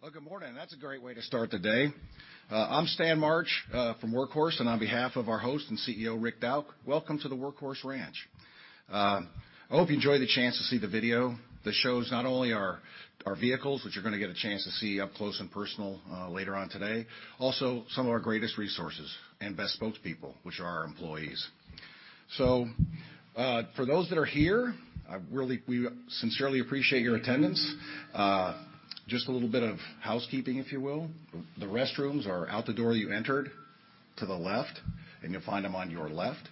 Well, good morning. That's a great way to start the day. I'm Stan March from Workhorse, on behalf of our host and CEO, Rick Dauch, welcome to the Workhorse Ranch. I hope you enjoy the chance to see the video that shows not only our vehicles, which you're gonna get a chance to see up close and personal later on today, also some of our greatest resources and best spokespeople, which are our employees. For those that are here, we sincerely appreciate your attendance. Just a little bit of housekeeping, if you will. The restrooms are out the door you entered to the left, and you'll find them on your left.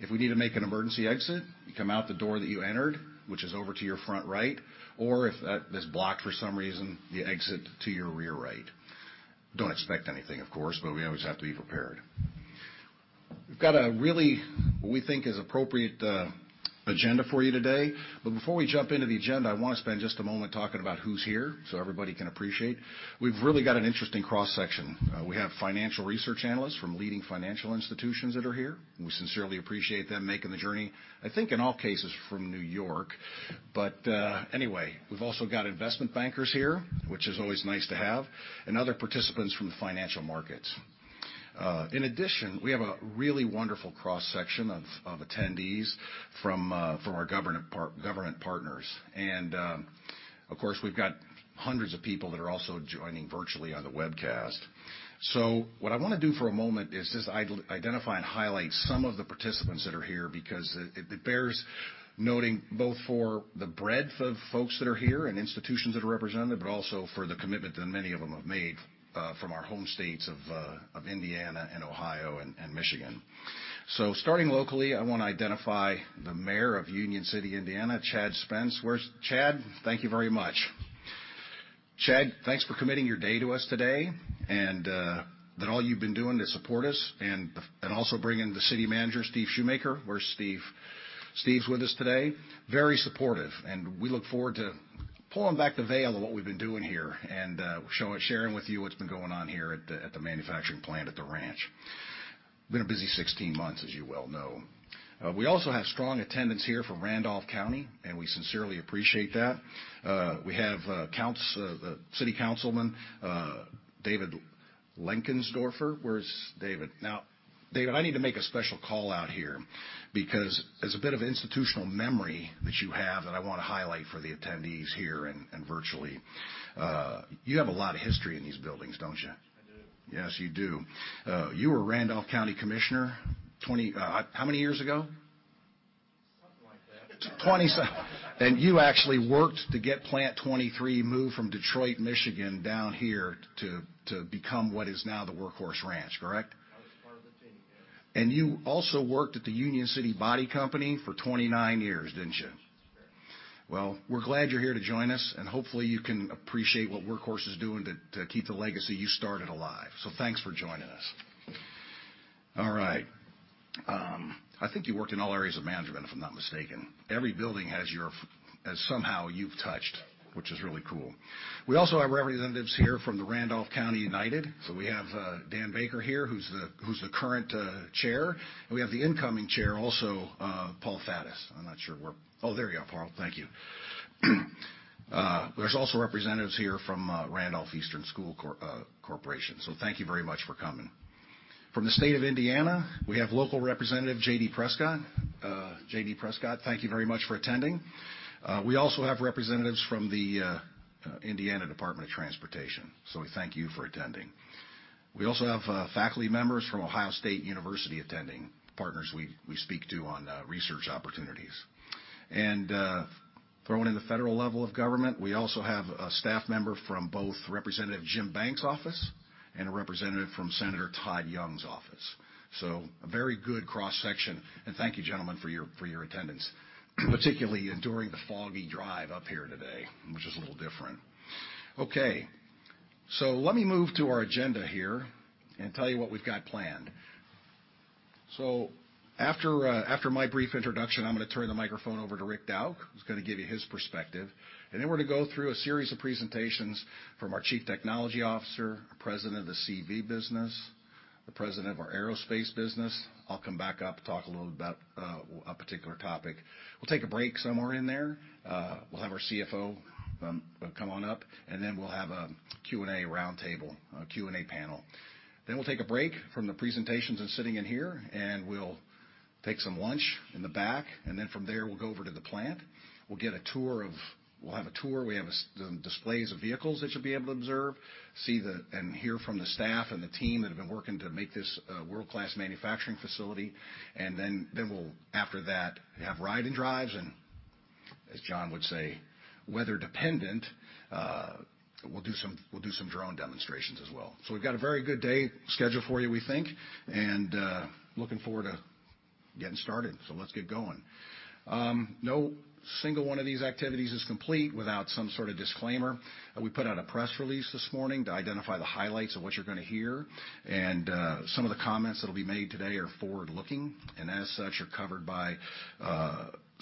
If we need to make an emergency exit, you come out the door that you entered, which is over to your front right, or if that is blocked for some reason, you exit to your rear right. Don't expect anything, of course, but we always have to be prepared. We've got a really, we think is appropriate, agenda for you today. Before we jump into the agenda, I wanna spend just a moment talking about who's here so everybody can appreciate. We've really got an interesting cross-section. We have financial research analysts from leading financial institutions that are here. We sincerely appreciate them making the journey, I think in all cases from New York. Anyway, we've also got investment bankers here, which is always nice to have, and other participants from the financial markets. In addition, we have a really wonderful cross-section of attendees from our government partners. Of course, we've got hundreds of people that are also joining virtually on the webcast. What I wanna do for a moment is just identify and highlight some of the participants that are here because it bears noting both for the breadth of folks that are here and institutions that are represented, but also for the commitment that many of them have made from our home states of Indiana and Ohio and Michigan. Starting locally, I wanna identify the Mayor of Union City, Indiana, Chad Spence. Where's Chad? Thank you very much. Chad, thanks for committing your day to us today, and that all you've been doing to support us and also bringing the City Manager, Steve Shoemaker. Where's Steve? Steve's with us today. Very supportive. We look forward to pulling back the veil of what we've been doing here, sharing with you what's been going on here at the manufacturing plant at the ranch. Been a busy 16 months, as you well know. We also have strong attendance here from Randolph County. We sincerely appreciate that. We have City Councilman David Lenkensdofer. Where's David? David, I need to make a special call-out here because as a bit of institutional memory that you have that I wanna highlight for the attendees here and virtually. You have a lot of history in these buildings, don't you? I do. Yes, you do. You were Randolph County Commissioner, how many years ago? Something like that. You actually worked to get Plant 23 moved from Detroit, Michigan, down here to become what is now the Workhorse Ranch, correct? I was part of the team, yes. You also worked at the Union City Body Company for 29 years, didn't you? That's correct. Well, we're glad you're here to join us, and hopefully, you can appreciate what Workhorse is doing to keep the legacy you started alive. Thanks for joining us. All right. I think you worked in all areas of management, if I'm not mistaken. Every building has somehow you've touched, which is really cool. We also have representatives here from the Randolph County United. We have Dan Baker here, who's the current chair. We have the incoming chair also, Paul Faddis. I'm not sure where. Oh, there you are, Paul. Thank you. There's also representatives here from Randolph Eastern School Corporation. Thank you very much for coming. From the state of Indiana, we have local representative J.D. Prescott. J.D. Prescott, thank you very much for attending. We also have representatives from the Indiana Department of Transportation, so we thank you for attending. We also have faculty members from Ohio State University attending, partners we speak to on research opportunities. Thrown in the federal level of government, we also have a staff member from both Representative Jim Banks' office and a representative from Senator Todd Young's office. A very good cross-section. Thank you, gentlemen, for your attendance, particularly enduring the foggy drive up here today, which is a little different. Let me move to our agenda here and tell you what we've got planned. After my brief introduction, I'm gonna turn the microphone over to Rick Dauch, who's gonna give you his perspective. We're to go through a series of presentations from our Chief Technology Officer, President of the CV business, the President of our Aerospace business. I'll come back up, talk a little about a particular topic. We'll take a break somewhere in there. We'll have our CFO come on up, and then we'll have a Q&A roundtable, a Q&A panel. We'll take a break from the presentations and sitting in here, and we'll take some lunch in the back. From there, we'll go over to the plant. We'll have a tour. We have some displays of vehicles that you'll be able to observe, see and hear from the staff and the team that have been working to make this a world-class manufacturing facility. We'll, after that, have ride and drives, and as John would say, weather dependent, we'll do some drone demonstrations as well. We've got a very good day scheduled for you, we think, and looking forward to getting started. Let's get going. No single one of these activities is complete without some sort of disclaimer. We put out a press release this morning to identify the highlights of what you're gonna hear. Some of the comments that'll be made today are forward-looking, and as such, are covered by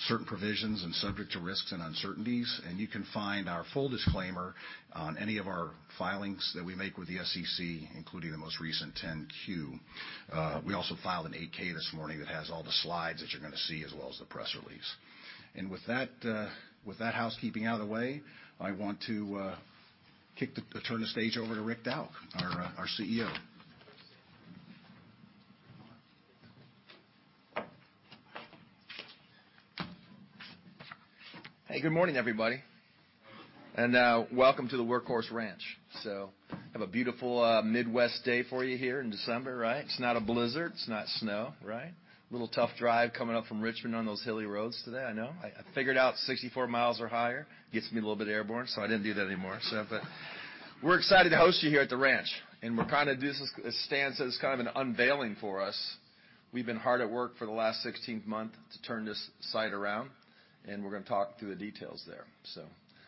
certain provisions and subject to risks and uncertainties. You can find our full disclaimer. On any of our filings that we make with the SEC, including the most recent 10-Q. We also filed an 8-K this morning that has all the slides that you're gonna see as well as the press release. With that, with that housekeeping out of the way, I want to turn the stage over to Rick Dauch, our CEO. Hey, good morning, everybody. Welcome to the Workhorse Ranch. Have a beautiful Midwest day for you here in December, right? It's not a blizzard, it's not snow, right? A little tough drive coming up from Richmond on those hilly roads today, I know. I figured out 64 mi or higher gets me a little bit airborne, I didn't do that anymore. We're excited to host you here at the ranch, we're kinda do this as Stan says, kind of an unveiling for us. We've been hard at work for the last 16 month to turn this site around, we're gonna talk through the details there.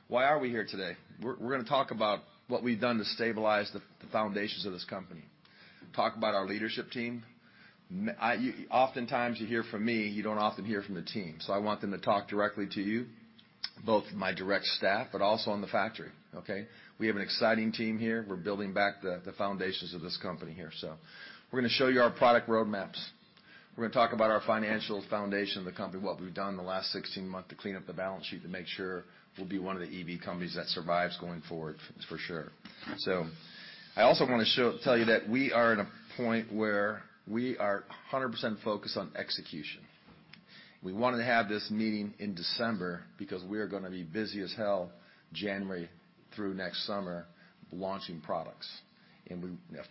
Why are we here today? We're gonna talk about what we've done to stabilize the foundations of this company. Talk about our leadership team. Oftentimes, you hear from me, you don't often hear from the team. I want them to talk directly to you, both my direct staff, but also on the factory, okay. We have an exciting team here. We're building back the foundations of this company here. We're going to show you our product roadmaps. We're going to talk about our financial foundation of the company, what we've done in the last 16 months to clean up the balance sheet to make sure we'll be one of the EV companies that survives going forward, for sure. I also want to tell you that we are at a point where we are 100% focused on execution. We wanted to have this meeting in December because we are going to be busy as hell January through next summer launching products. I've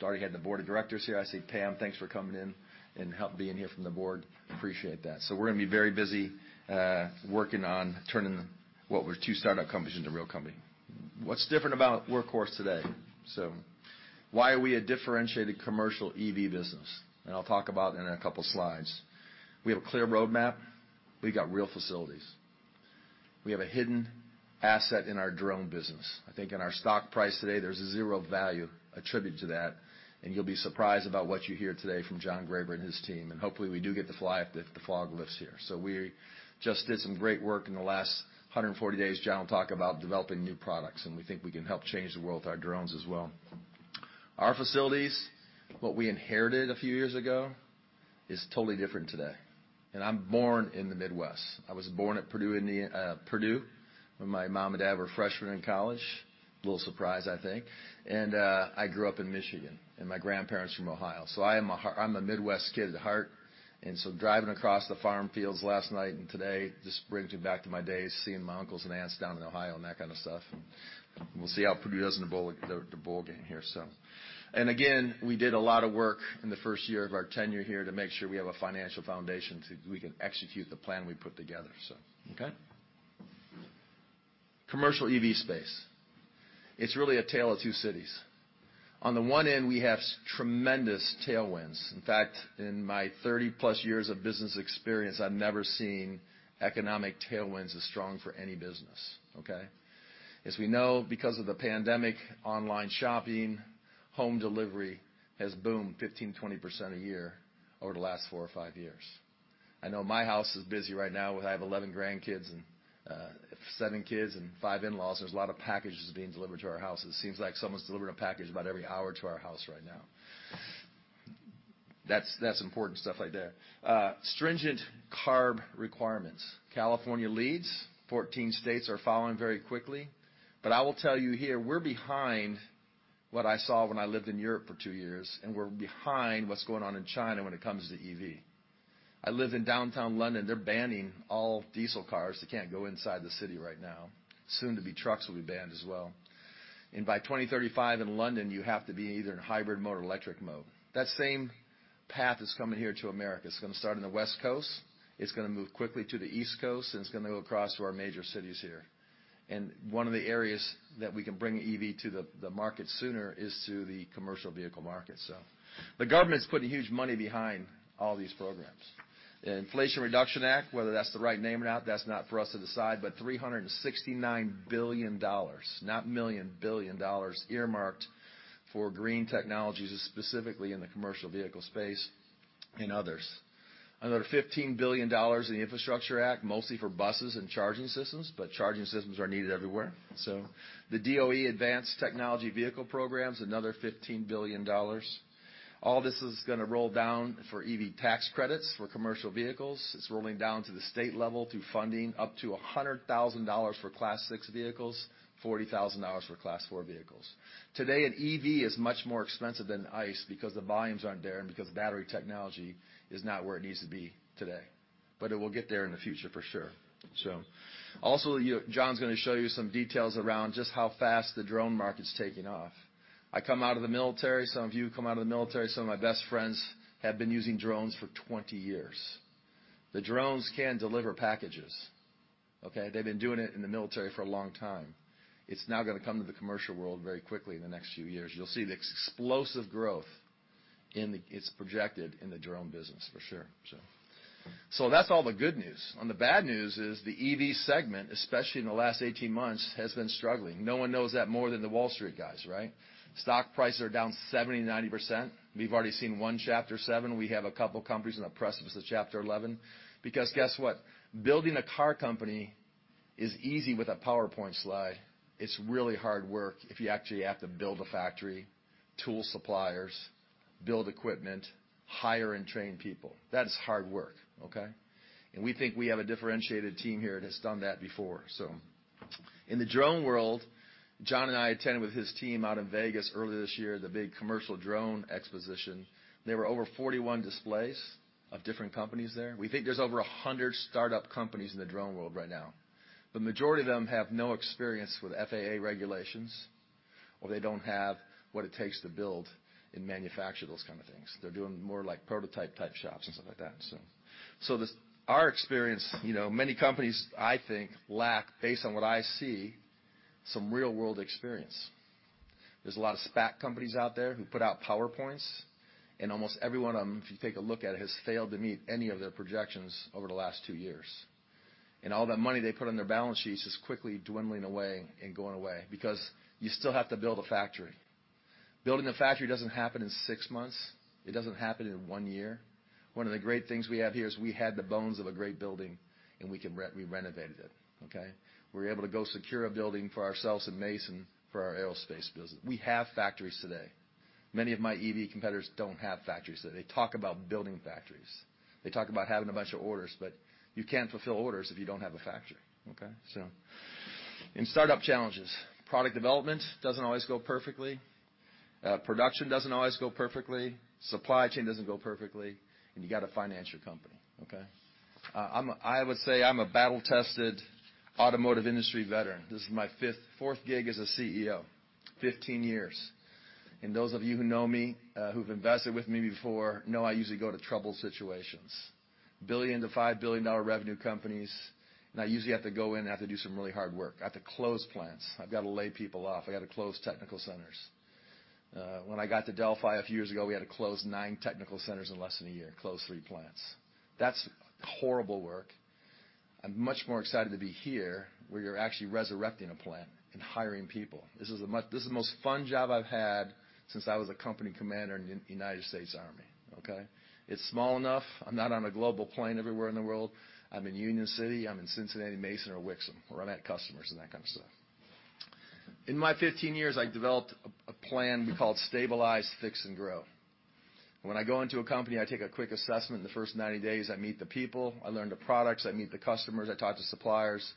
already had the board of directors here. I see Pam, thanks for coming in and help being here from the board. Appreciate that. We're gonna be very busy, working on turning what were two startup companies into a real company. What's different about Workhorse today? Why are we a differentiated commercial EV business? I'll talk about in a couple slides. We have a clear roadmap. We've got real facilities. We have a hidden asset in our drone business. I think in our stock price today, there's a zero value attribute to that, and you'll be surprised about what you hear today from John Graber and his team, and hopefully, we do get to fly if the fog lifts here. We just did some great work in the last 140 days. John will talk about developing new products, and we think we can help change the world with our drones as well. Our facilities, what we inherited a few years ago is totally different today. I'm born in the Midwest. I was born at Purdue, when my mom and dad were freshmen in college. Little surprised, I think. I grew up in Michigan, and my grandparents from Ohio. I'm a Midwest kid at heart, and so driving across the farm fields last night and today just brings me back to my days seeing my uncles and aunts down in Ohio and that kind of stuff. We'll see how Purdue does in the bowl, the bowl game here, so. Again, we did a lot of work in the first year of our tenure here to make sure we have a financial foundation we can execute the plan we put together. Okay. Commercial EV space. It's really a tale of two cities. On the one end, we have tremendous tailwinds. In fact, in my 30+ years of business experience, I've never seen economic tailwinds as strong for any business, okay? As we know, because of the pandemic, online shopping, home delivery has boomed 15%-20% a year over the last four or five years. I know my house is busy right now with I have 11 grandkids and seven kids, and five in-laws. There's a lot of packages being delivered to our house. It seems like someone's delivering a package about every hour to our house right now. That's important stuff like that. Stringent CARB requirements. California leads. 14 states are following very quickly. I will tell you here, we're behind what I saw when I lived in Europe for two years, and we're behind what's going on in China when it comes to EV. I live in downtown London. They're banning all diesel cars. They can't go inside the city right now. Soon to be trucks will be banned as well. By 2035 in London, you have to be either in hybrid mode or electric mode. That same path is coming here to America. It's gonna start on the West Coast, it's gonna move quickly to the East Coast, and it's gonna go across to our major cities here. One of the areas that we can bring EV to the market sooner is to the commercial vehicle market. The government's putting huge money behind all these programs. The Inflation Reduction Act, whether that's the right name or not, that's not for us to decide, but $369 billion, not million, billion dollars earmarked for green technologies, specifically in the commercial vehicle space and others. Another $15 billion in the Infrastructure Act, mostly for buses and charging systems, but charging systems are needed everywhere. The DOE Advanced Technology Vehicle Program's another $15 billion. All this is gonna roll down for EV tax credits for commercial vehicles. It's rolling down to the state level through funding, up to $100,000 for Class six vehicles, $40,000 for Class four vehicles. Today, an EV is much more expensive than ICE because the volumes aren't there and because battery technology is not where it needs to be today. It will get there in the future for sure. Also, John's gonna show you some details around just how fast the drone market's taking off. I come out of the military, some of you come out of the military, some of my best friends have been using drones for 20 years. The drones can deliver packages, okay? They've been doing it in the military for a long time. It's now gonna come to the commercial world very quickly in the next few years. You'll see the explosive growth in the it's projected in the drone business for sure, so. That's all the good news. The bad news is the EV segment, especially in the last 18 months, has been struggling. No one knows that more than the Wall Street guys, right? Stock prices are down 70%-90%. We've already seen one Chapter seven. We have a couple companies on the precipice of Chapter 11. Guess what? Building a car company is easy with a PowerPoint slide. It's really hard work if you actually have to build a factory, tool suppliers, build equipment, hire and train people. That is hard work, okay? We think we have a differentiated team here that has done that before. In the drone world, John and I attended with his team out in Vegas earlier this year, the big commercial drone exposition. There were over 41 displays of different companies there. We think there's over 100 startup companies in the drone world right now. The majority of them have no experience with FAA regulations, or they don't have what it takes to build and manufacture those kind of things. They're doing more like prototype type shops and stuff like that. This our experience, you know, many companies, I think, lack, based on what I see, some real-world experience. There's a lot of SPAC companies out there who put out PowerPoints, and almost every one of them, if you take a look at, has failed to meet any of their projections over the last two years. All that money they put on their balance sheets is quickly dwindling away and going away because you still have to build a factory. Building a factory doesn't happen in six months. It doesn't happen in one year. One of the great things we have here is we had the bones of a great building, and we renovated it, okay? We were able to go secure a building for ourselves in Mason for our aerospace business. We have factories today. Many of my EV competitors don't have factories today. They talk about building factories. They talk about having a bunch of orders, you can't fulfill orders if you don't have a factory, okay? In startup challenges, product development doesn't always go perfectly. Production doesn't always go perfectly. Supply chain doesn't go perfectly. You got to finance your company, okay? I would say I'm a battle-tested automotive industry veteran. This is my fourth gig as a CEO. 15 years. Those of you who know me, who've invested with me before, know I usually go to trouble situations. $1 billion-$5 billion revenue companies, I usually have to go in and have to do some really hard work. I have to close plants. I've got to lay people off. I gotta close technical centers. When I got to Delphi a few years ago, we had to close nine technical centers in less than a year, close three plants. That's horrible work. I'm much more excited to be here, where you're actually resurrecting a plant and hiring people. This is the most fun job I've had since I was a company commander in the United States Army, okay? It's small enough. I'm not on a global plane everywhere in the world. I'm in Union City, I'm in Cincinnati, Mason, or Wixom, or I'm at customers and that kind of stuff. In my 15 years, I developed a plan we call Stabilize, Fix, and Grow. When I go into a company, I take a quick assessment. In the first 90 days, I meet the people, I learn the products, I meet the customers, I talk to suppliers,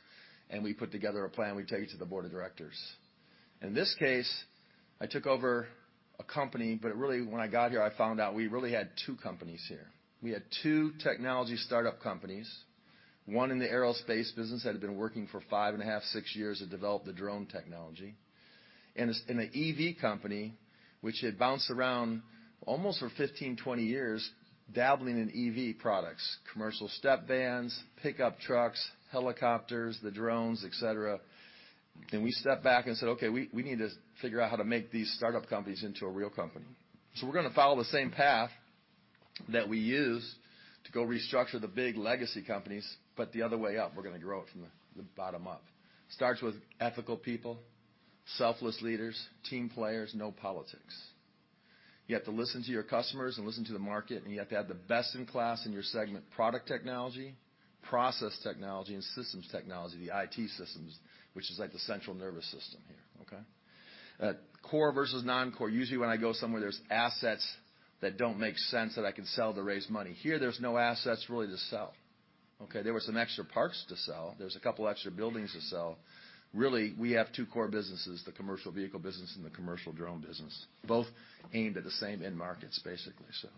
and we put together a plan, we take it to the board of directors. In this case, I took over a company, but really when I got here, I found out we really had two companies here. We had two technology startup companies. One in the aerospace business that had been working for 5.5, six years to develop the drone technology. An EV company which had bounced around almost for 15, 20 years, dabbling in EV products, commercial step vans, pickup trucks, helicopters, the drones, et cetera. We stepped back and said, "Okay, we need to figure out how to make these startup companies into a real company." We're gonna follow the same path that we used to go restructure the big legacy companies, but the other way up. We're gonna grow it from the bottom up. Starts with ethical people, selfless leaders, team players, no politics. You have to listen to your customers and listen to the market, and you have to have the best in class in your segment, product technology, process technology, and systems technology, the IT systems, which is like the central nervous system here, okay? Core versus non-core. Usually, when I go somewhere, there's assets that don't make sense that I can sell to raise money. Here, there's no assets really to sell. Okay? There were some extra parts to sell. There's two extra buildings to sell. Really, we have two core businesses, the commercial vehicle business and the commercial drone business, both aimed at the same end markets, basically, so.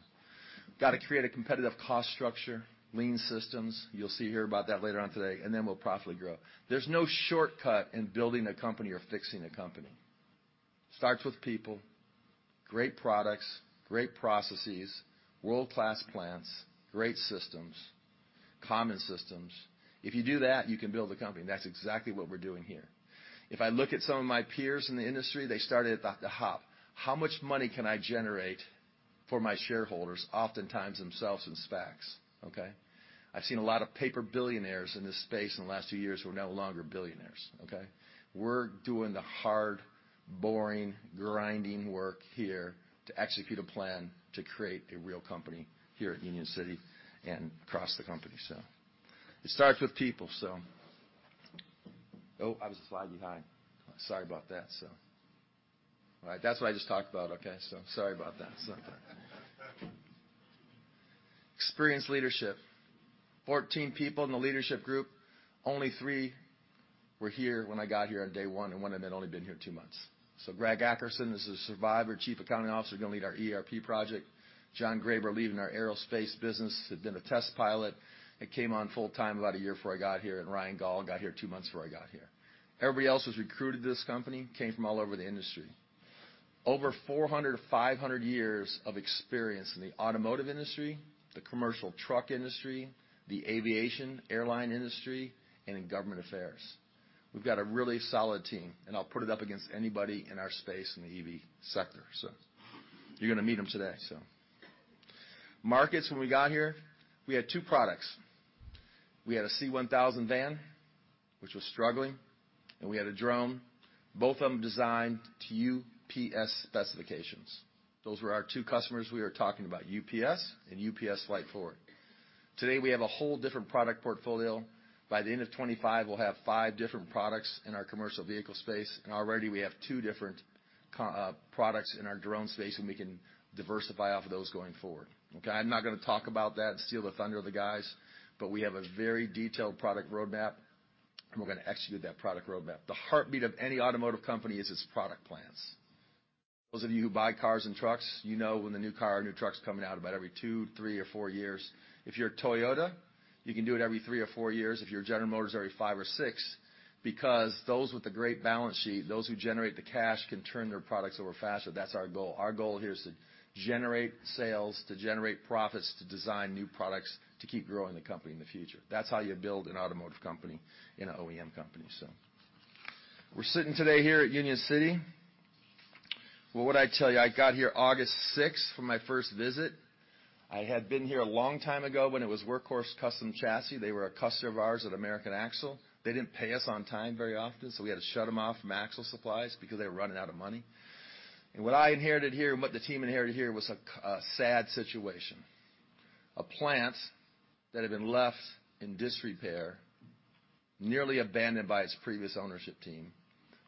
Got to create a competitive cost structure, lean systems. You'll see here about that later on today, and then we'll profitably grow. There's no shortcut in building a company or fixing a company. Starts with people, great products, great processes, world-class plants, great systems, common systems. If you do that, you can build a company. That's exactly what we're doing here. If I look at some of my peers in the industry, they started at the top. How much money can I generate for my shareholders, oftentimes themselves in SPACs, okay? I've seen a lot of paper billionaires in this space in the last few years who are no longer billionaires, okay? We're doing the hard, boring, grinding work here to execute a plan to create a real company here at Union City and across the company. It starts with people. Oh, I was a slide behind. Sorry about that. All right. That's what I just talked about, okay, sorry about that. Experienced leadership. 14 people in the leadership group. Only three were here when I got here on day one, and one of them had only been here two months. Greg Ackerson is a survivor, Chief Accounting Officer, gonna lead our ERP project. John Graber, leading our aerospace business, had been a test pilot and came on full-time about a year before I got here, and Ryan Gaul got here two months before I got here. Everybody else who's recruited to this company came from all over the industry. Over 400 to 500 years of experience in the automotive industry, the commercial truck industry, the aviation airline industry, and in government affairs. We've got a really solid team, I'll put it up against anybody in our space in the EV sector. You're gonna meet them today. Markets, when we got here, we had two products. We had a C-1000 van, which was struggling. We had a drone, both of them designed to UPS specifications. Those were our two customers we were talking about, UPS and UPS Flight Forward. Today, we have a whole different product portfolio. By the end of 2025, we'll have five different products in our commercial vehicle space, already we have two different products in our drone space, we can diversify off of those going forward. Okay. I'm not gonna talk about that and steal the thunder of the guys, but we have a very detailed product roadmap, and we're gonna execute that product roadmap. The heartbeat of any automotive company is its product plans. Those of you who buy cars and trucks, you know when the new car or new truck's coming out, about every two, three, or four years. If you're Toyota, you can do it every three or four years. If you're General Motors, every five or six, because those with the great balance sheet, those who generate the cash, can turn their products over faster. That's our goal. Our goal here is to generate sales, to generate profits, to design new products, to keep growing the company in the future. That's how you build an automotive company in an OEM company, so. We're sitting today here at Union City. Well, what'd I tell you? I got here August 6th for my first visit. I had been here a long time ago when it was Workhorse Custom Chassis. They were a customer of ours at American Axle. We had to shut them off from axle supplies because they were running out of money. What I inherited here and what the team inherited here was a sad situation. A plant that had been left in disrepair, nearly abandoned by its previous ownership team.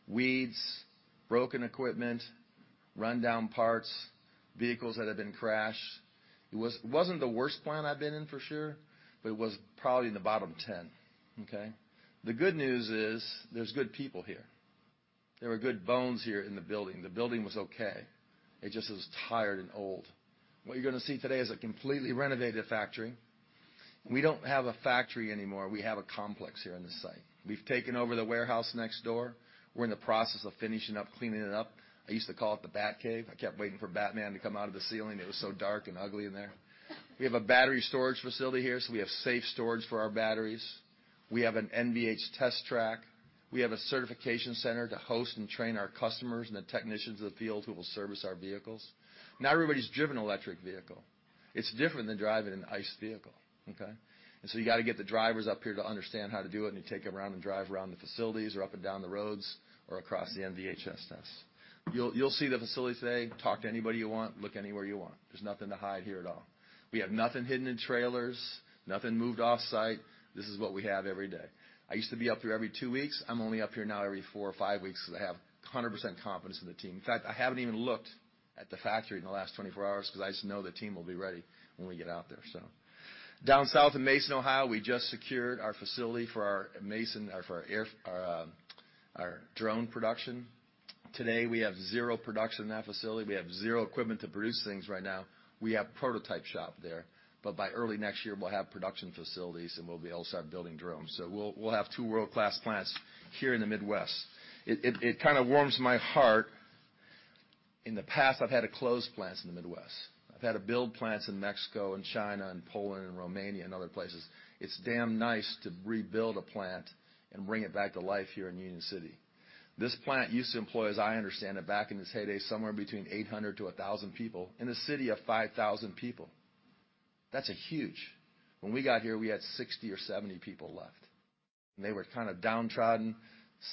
Weeds, broken equipment, run-down parts, vehicles that had been crashed. It wasn't the worst plant I've been in, for sure, but it was probably in the bottom 10, okay? The good news is there's good people here. There were good bones here in the building. The building was okay. It just was tired and old. What you're gonna see today is a completely renovated factory. We don't have a factory anymore. We have a complex here on this site. We've taken over the warehouse next door. We're in the process of finishing up cleaning it up. I used to call it the Bat Cave. I kept waiting for Batman to come out of the ceiling. It was so dark and ugly in there. We have a battery storage facility here, so we have safe storage for our batteries. We have an NVH test track. We have a certification center to host and train our customers and the technicians in the field who will service our vehicles. Not everybody's driven an electric vehicle. It's different than driving an ICE vehicle, okay? You gotta get the drivers up here to understand how to do it, and you take them around and drive around the facilities or up and down the roads or across the NVHS test. You'll see the facility today. Talk to anybody you want. Look anywhere you want. There's nothing to hide here at all. We have nothing hidden in trailers, nothing moved off-site. This is what we have every day. I used to be up here every two weeks. I'm only up here now every four or five weeks because I have 100% confidence in the team. In fact, I haven't even looked at the factory in the last 24 hours because I just know the team will be ready when we get out there, so. Down south in Mason, Ohio, we just secured our facility for our drone production. Today, we have zero production in that facility. We have zero equipment to produce things right now. We have prototype shop there, but by early next year, we'll have production facilities, and we'll be also building drones. We'll have two world-class plants here in the Midwest. It kinda warms my heart. In the past, I've had to close plants in the Midwest. I've had to build plants in Mexico and China and Poland and Romania and other places. It's damn nice to rebuild a plant and bring it back to life here in Union City. This plant used to employ, as I understand it, back in its heyday, somewhere between 800 to 1,000 people in a city of 5,000 people. That's a huge. When we got here, we had 60 or 70 people left, and they were kind of downtrodden,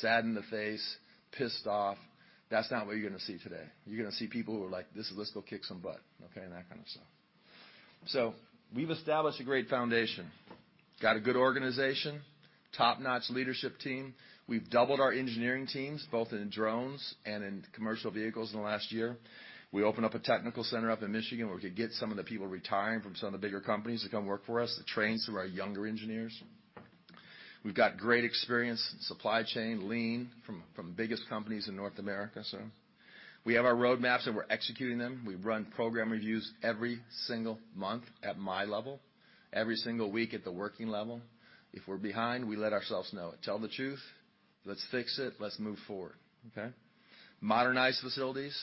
sad in the face, pissed off. That's not what you're gonna see today. You're gonna see people who are like, "Let's go kick some butt," okay, and that kind of stuff. We've established a great foundation, got a good organization, top-notch leadership team. We've doubled our engineering teams, both in drones and in commercial vehicles in the last year. We opened up a technical center up in Michigan, where we could get some of the people retiring from some of the bigger companies to come work for us to train some of our younger engineers. We've got great experience in supply chain, lean from the biggest companies in North America, so. We have our road maps, and we're executing them. We run program reviews every single month at my level. Every single week at the working level. If we're behind, we let ourselves know it. Tell the truth. Let's fix it. Let's move forward, okay? Modernize facilities.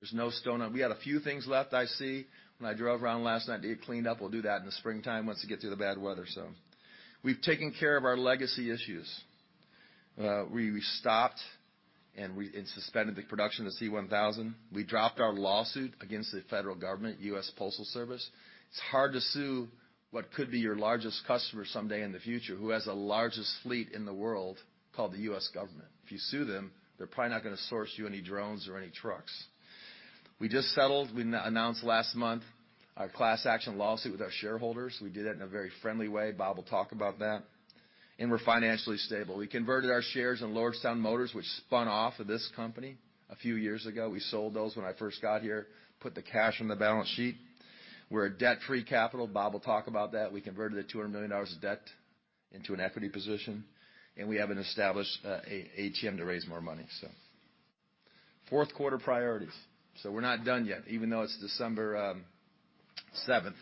There's no stone. We got a few things left I see when I drove around last night to get cleaned up. We'll do that in the springtime once we get through the bad weather. We've taken care of our legacy issues. We, we stopped and suspended the production of C-1000. We dropped our lawsuit against the federal government, U.S. Postal Service. It's hard to sue what could be your largest customer someday in the future, who has the largest fleet in the world called the U.S. government. If you sue them, they're probably not gonna source you any drones or any trucks. We just settled. We announced last month our class action lawsuit with our shareholders. We did it in a very friendly way. Bob will talk about that. We're financially stable. We converted our shares in Lordstown Motors, which spun off of this company a few years ago. We sold those when I first got here, put the cash on the balance sheet. We're a debt-free capital. Bob will talk about that. We converted the $200 million of debt into an equity position, and we have an established ATM to raise more money. Fourth quarter priorities. We're not done yet, even though it's December 7th,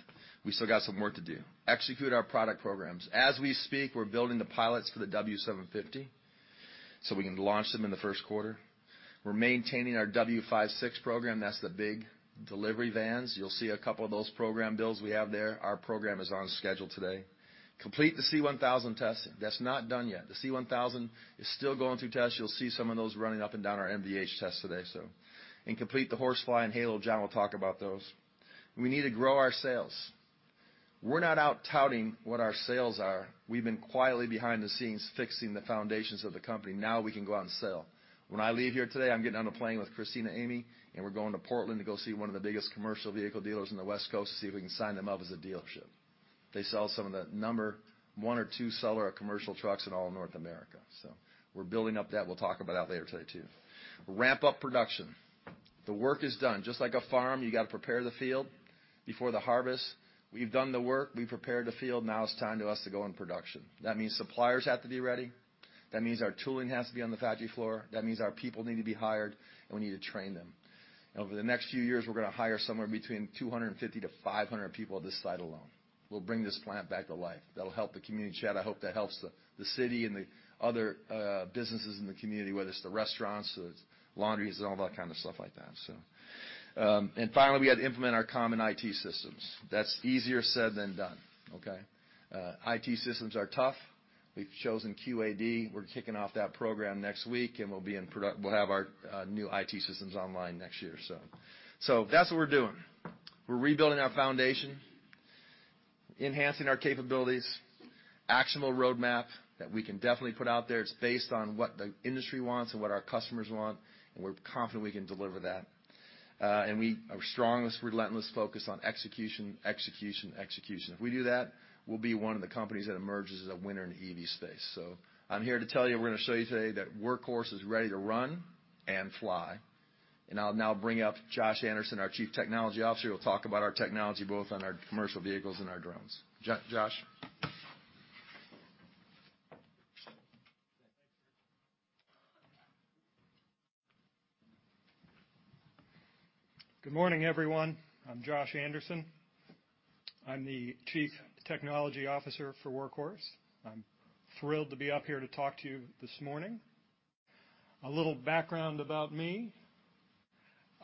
we still got some work to do. Execute our product programs. As we speak, we're building the pilots for the W750, so we can launch them in the first quarter. We're maintaining our W56 program. That's the big delivery vans. You'll see a couple of those program builds we have there. Our program is on schedule today. Complete the C-1000 testing. That's not done yet. The C-1000 is still going through tests. You'll see some of those running up and down our NVH test today, so. Complete the HorseFly and Halo. John will talk about those. We need to grow our sales. We're not out touting what our sales are. We've been quietly behind the scenes fixing the foundations of the company. Now we can go out and sell. When I leave here today, I'm getting on a plane with Christina Amy, and we're going to Portland to go see one of the biggest commercial vehicle dealers on the West Coast to see if we can sign them up as a dealership. They sell some of the number one or two seller of commercial trucks in all North America. We're building up that. We'll talk about that later today too. Ramp up production. The work is done. Just like a farm, you gotta prepare the field before the harvest. We've done the work, we've prepared the field, now it's time to us to go in production. That means suppliers have to be ready. That means our tooling has to be on the factory floor. That means our people need to be hired, and we need to train them. Over the next few years, we're gonna hire somewhere between 250 to 500 people at this site alone. We'll bring this plant back to life. That'll help the community. Chad, I hope that helps the city and the other businesses in the community, whether it's the restaurants, the laundries, and all that kind of stuff like that. Finally, we had to implement our common IT systems. That's easier said than done, okay? IT systems are tough. We've chosen QAD. We're kicking off that program next week. We'll have our new IT systems online next year. That's what we're doing. We're rebuilding our foundation, enhancing our capabilities, actionable roadmap that we can definitely put out there. It's based on what the industry wants and what our customers want. We're confident we can deliver that. We are strong this relentless focus on execution, execution. If we do that, we'll be one of the companies that emerges as a winner in the EV space. I'm here to tell you, we're gonna show you today that Workhorse is ready to run and fly. I'll now bring up Josh Anderson, our Chief Technology Officer, who'll talk about our technology both on our commercial vehicles and our drones. Josh. Good morning, everyone. I'm Josh Anderson. I'm the Chief Technology Officer for Workhorse. I'm thrilled to be up here to talk to you this morning. A little background about me.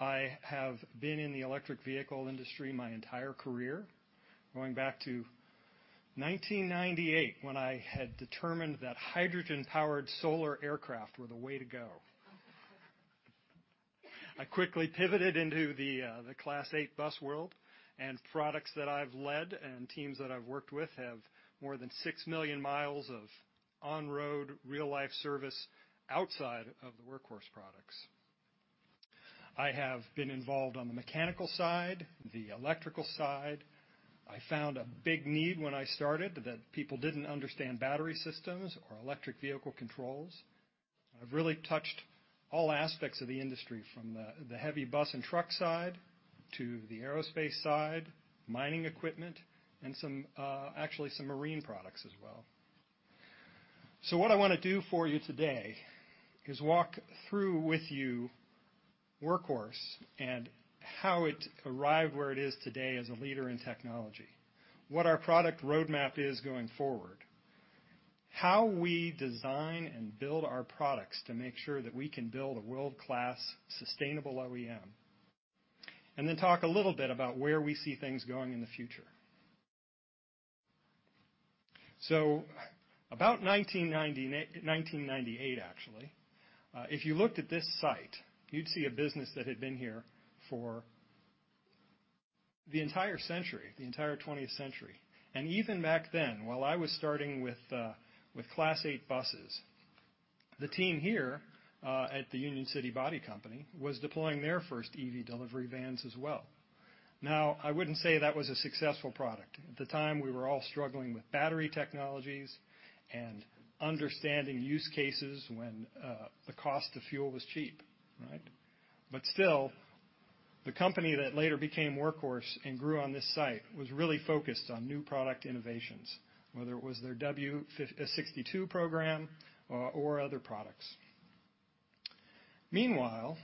I have been in the electric vehicle industry my entire career, going back to 1998 when I had determined that hydrogen-powered solar aircraft were the way to go. I quickly pivoted into the Class A bus world, and products that I've led and teams that I've worked with have more than 6 million mi of on-road, real-life service outside of the Workhorse products. I have been involved on the mechanical side, the electrical side. I found a big need when I started that people didn't understand battery systems or electric vehicle controls. I've really touched all aspects of the industry from the heavy bus and truck side to the aerospace side, mining equipment, and some, actually some marine products as well. What I wanna do for you today is walk through with you Workhorse and how it arrived where it is today as a leader in technology, what our product roadmap is going forward, how we design and build our products to make sure that we can build a world-class sustainable OEM. Then talk a little bit about where we see things going in the future. About 1998, actually, if you looked at this site, you'd see a business that had been here for the entire century, the entire 20th century. Even back then, while I was starting with Class A buses, the team here at the Union City Body Company was deploying their first EV delivery vans as well. I wouldn't say that was a successful product. At the time, we were all struggling with battery technologies and understanding use cases when the cost of fuel was cheap, right? Still, the company that later became Workhorse and grew on this site was really focused on new product innovations, whether it was their W62 program or other products. Meanwhile,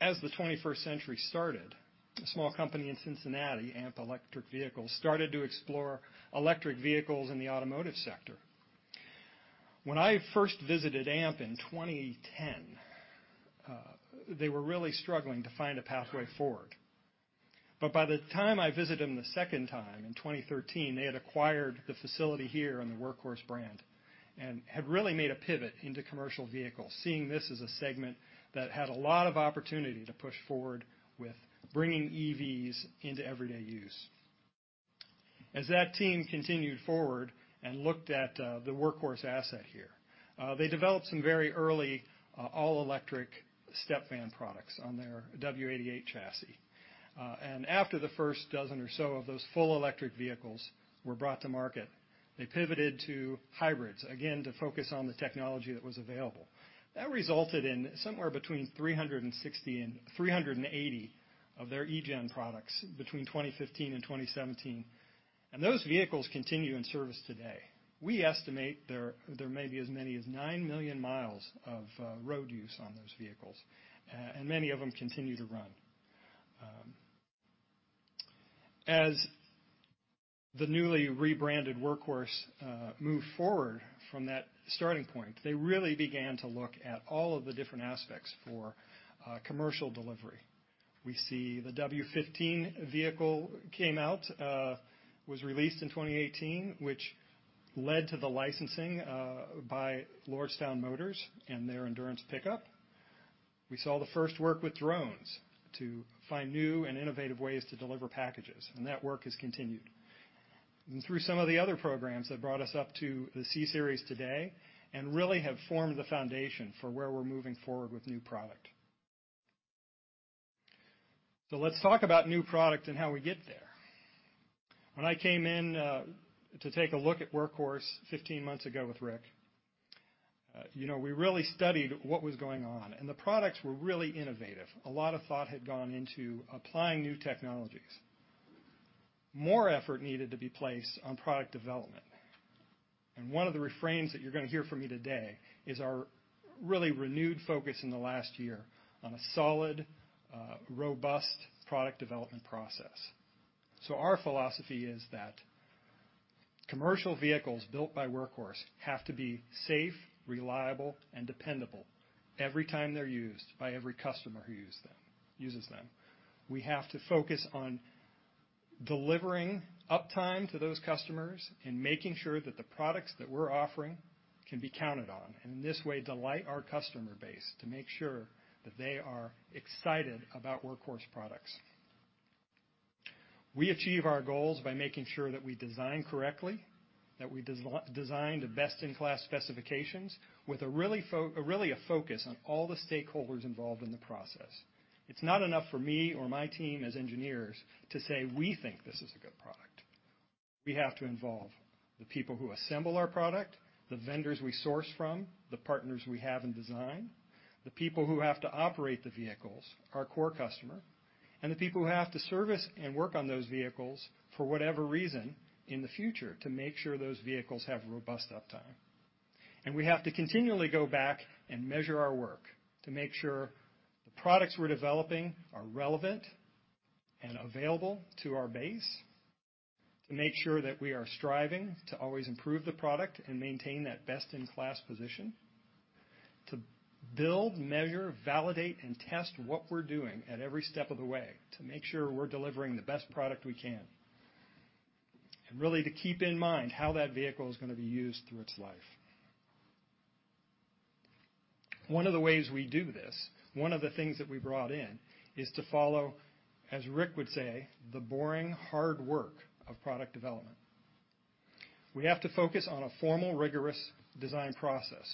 as the 21st century started, a small company in Cincinnati, Amp Electric Vehicles, started to explore electric vehicles in the automotive sector. When I first visited Amp in 2010, they were really struggling to find a pathway forward. By the time I visited them the second time in 2013, they had acquired the facility here and the Workhorse brand and had really made a pivot into commercial vehicles, seeing this as a segment that had a lot of opportunity to push forward with bringing EVs into everyday use. As that team continued forward and looked at the Workhorse asset here, they developed some very early all-electric step van products on their W88 chassis. After the first dozen or so of those full electric vehicles were brought to market, they pivoted to hybrids, again, to focus on the technology that was available. That resulted in somewhere between 360 and 380 of their EGEN products between 2015 and 2017, and those vehicles continue in service today. We estimate there may be as many as 9 million mi of road use on those vehicles, and many of them continue to run. As the newly rebranded Workhorse moved forward from that starting point, they really began to look at all of the different aspects for commercial delivery. We see the W-15 vehicle came out, was released in 2018, which led to the licensing by Lordstown Motors and their Endurance pickup. We saw the first work with drones to find new and innovative ways to deliver packages, and that work has continued. Through some of the other programs that brought us up to the C-Series today and really have formed the foundation for where we're moving forward with new product. Let's talk about new product and how we get there. When I came in, to take a look at Workhorse 15 months ago with Rick, you know, we really studied what was going on, the products were really innovative. A lot of thought had gone into applying new technologies. More effort needed to be placed on product development. One of the refrains that you're gonna hear from me today is our really renewed focus in the last year on a solid, robust product development process. Our philosophy is that commercial vehicles built by Workhorse have to be safe, reliable, and dependable every time they're used by every customer who uses them. We have to focus on delivering uptime to those customers and making sure that the products that we're offering can be counted on, and in this way, delight our customer base to make sure that they are excited about Workhorse products. We achieve our goals by making sure that we design correctly, that we design to best-in-class specifications with a really a focus on all the stakeholders involved in the process. It's not enough for me or my team as engineers to say we think this is a good product. We have to involve the people who assemble our product, the vendors we source from, the partners we have in design, the people who have to operate the vehicles, our core customer, and the people who have to service and work on those vehicles for whatever reason in the future to make sure those vehicles have robust uptime. We have to continually go back and measure our work to make sure the products we're developing are relevant and available to our base, to make sure that we are striving to always improve the product and maintain that best-in-class position, to build, measure, validate, and test what we're doing at every step of the way to make sure we're delivering the best product we can, and really to keep in mind how that vehicle is gonna be used through its life. One of the ways we do this, one of the things that we brought in is to follow, as Rick would say, the boring, hard work of product development. We have to focus on a formal, rigorous design process.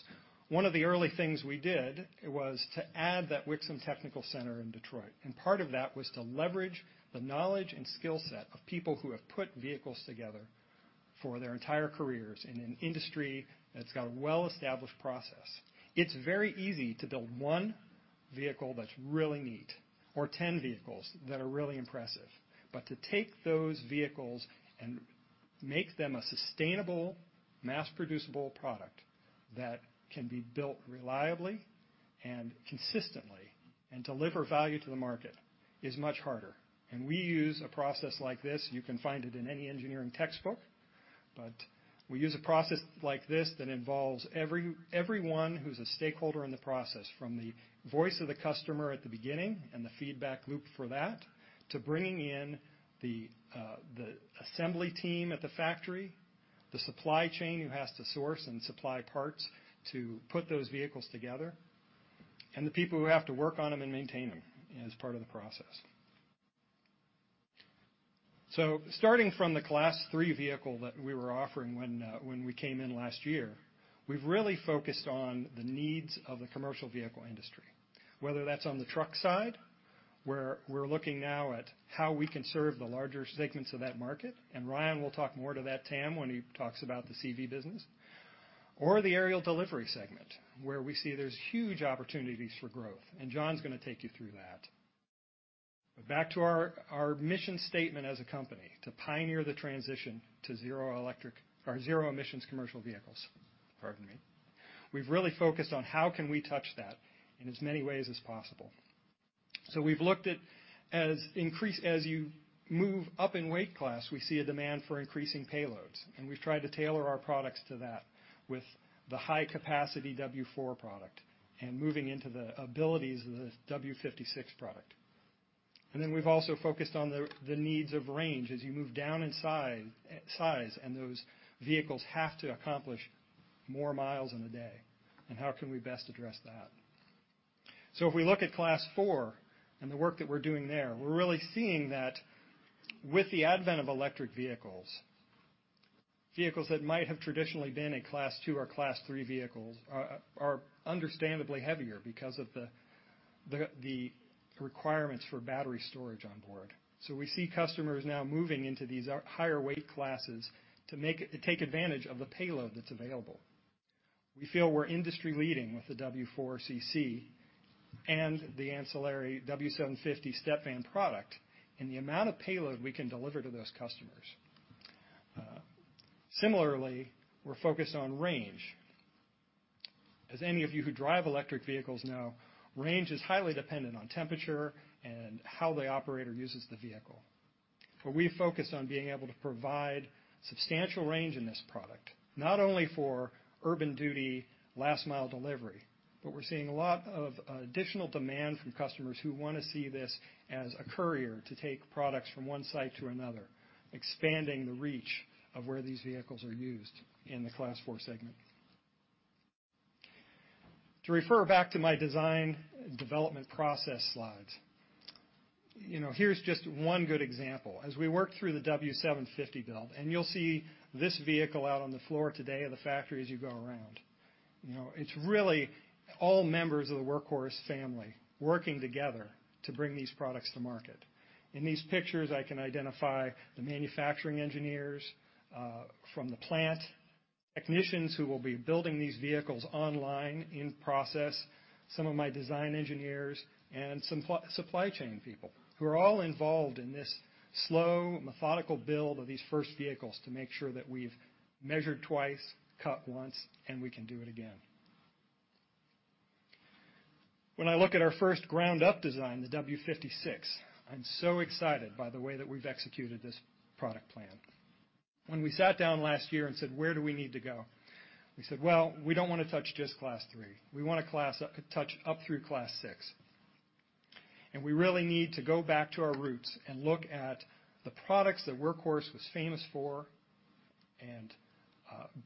One of the early things we did was to add that Wixom Technical Center in Detroit. Part of that was to leverage the knowledge and skill set of people who have put vehicles together for their entire careers in an industry that's got a well-established process. It's very easy to build one vehicle that's really neat or 10 vehicles that are really impressive, but to take those vehicles and make them a sustainable, mass-producible product that can be built reliably and consistently and deliver value to the market is much harder. We use a process like this. You can find it in any engineering textbook, but we use a process like this that involves everyone who's a stakeholder in the process from the voice of the customer at the beginning and the feedback loop for that, to bringing in the assembly team at the factory, the supply chain who has to source and supply parts to put those vehicles together, and the people who have to work on them and maintain them as part of the process. Starting from the Class three vehicle that we were offering when we came in last year, we've really focused on the needs of the commercial vehicle industry, whether that's on the truck side, where we're looking now at how we can serve the larger segments of that market. Ryan will talk more to that, TAM, when he talks about the CV business. The aerial delivery segment, where we see there's huge opportunities for growth, and John's gonna take you through that. Back to our mission statement as a company: to pioneer the transition to zero emissions commercial vehicles. Pardon me. We've really focused on how can we touch that in as many ways as possible. We've looked at as you move up in weight class, we see a demand for increasing payloads, and we've tried to tailor our products to that with the high-capacity W4 product and moving into the abilities of the W56 product. We've also focused on the needs of range as you move down in size, and those vehicles have to accomplish more miles in a day, and how can we best address that? If we look at Class four and the work that we're doing there, we're really seeing that with the advent of electric vehicles that might have traditionally been a Class two or Class three vehicles are understandably heavier because of the requirements for battery storage on board. We see customers now moving into these higher weight classes to take advantage of the payload that's available. We feel we're industry-leading with the W4 CC and the ancillary W750 step van product and the amount of payload we can deliver to those customers. Similarly, we're focused on range. As any of you who drive electric vehicles know, range is highly dependent on temperature and how the operator uses the vehicle. We focus on being able to provide substantial range in this product, not only for urban duty last mile delivery, but we're seeing a lot of additional demand from customers who wanna see this as a courier to take products from one site to another, expanding the reach of where these vehicles are used in the Class four segment. To refer back to my design development process slides, you know, here's just one good example. As we work through the W750 build, and you'll see this vehicle out on the floor today at the factory as you go around. You know, it's really all members of the Workhorse family working together to bring these products to market. In these pictures, I can identify the manufacturing engineers, from the plant, technicians who will be building these vehicles online in process, some of my design engineers, and supply chain people who are all involved in this slow, methodical build of these first vehicles to make sure that we've measured twice, cut once, and we can do it again. When I look at our first ground-up design, the W56, I'm so excited by the way that we've executed this product plan. When we sat down last year and said, "Where do we need to go?" We said, "Well, we don't wanna touch just Class three. We wanna touch up through Class six." We really need to go back to our roots and look at the products that Workhorse was famous for and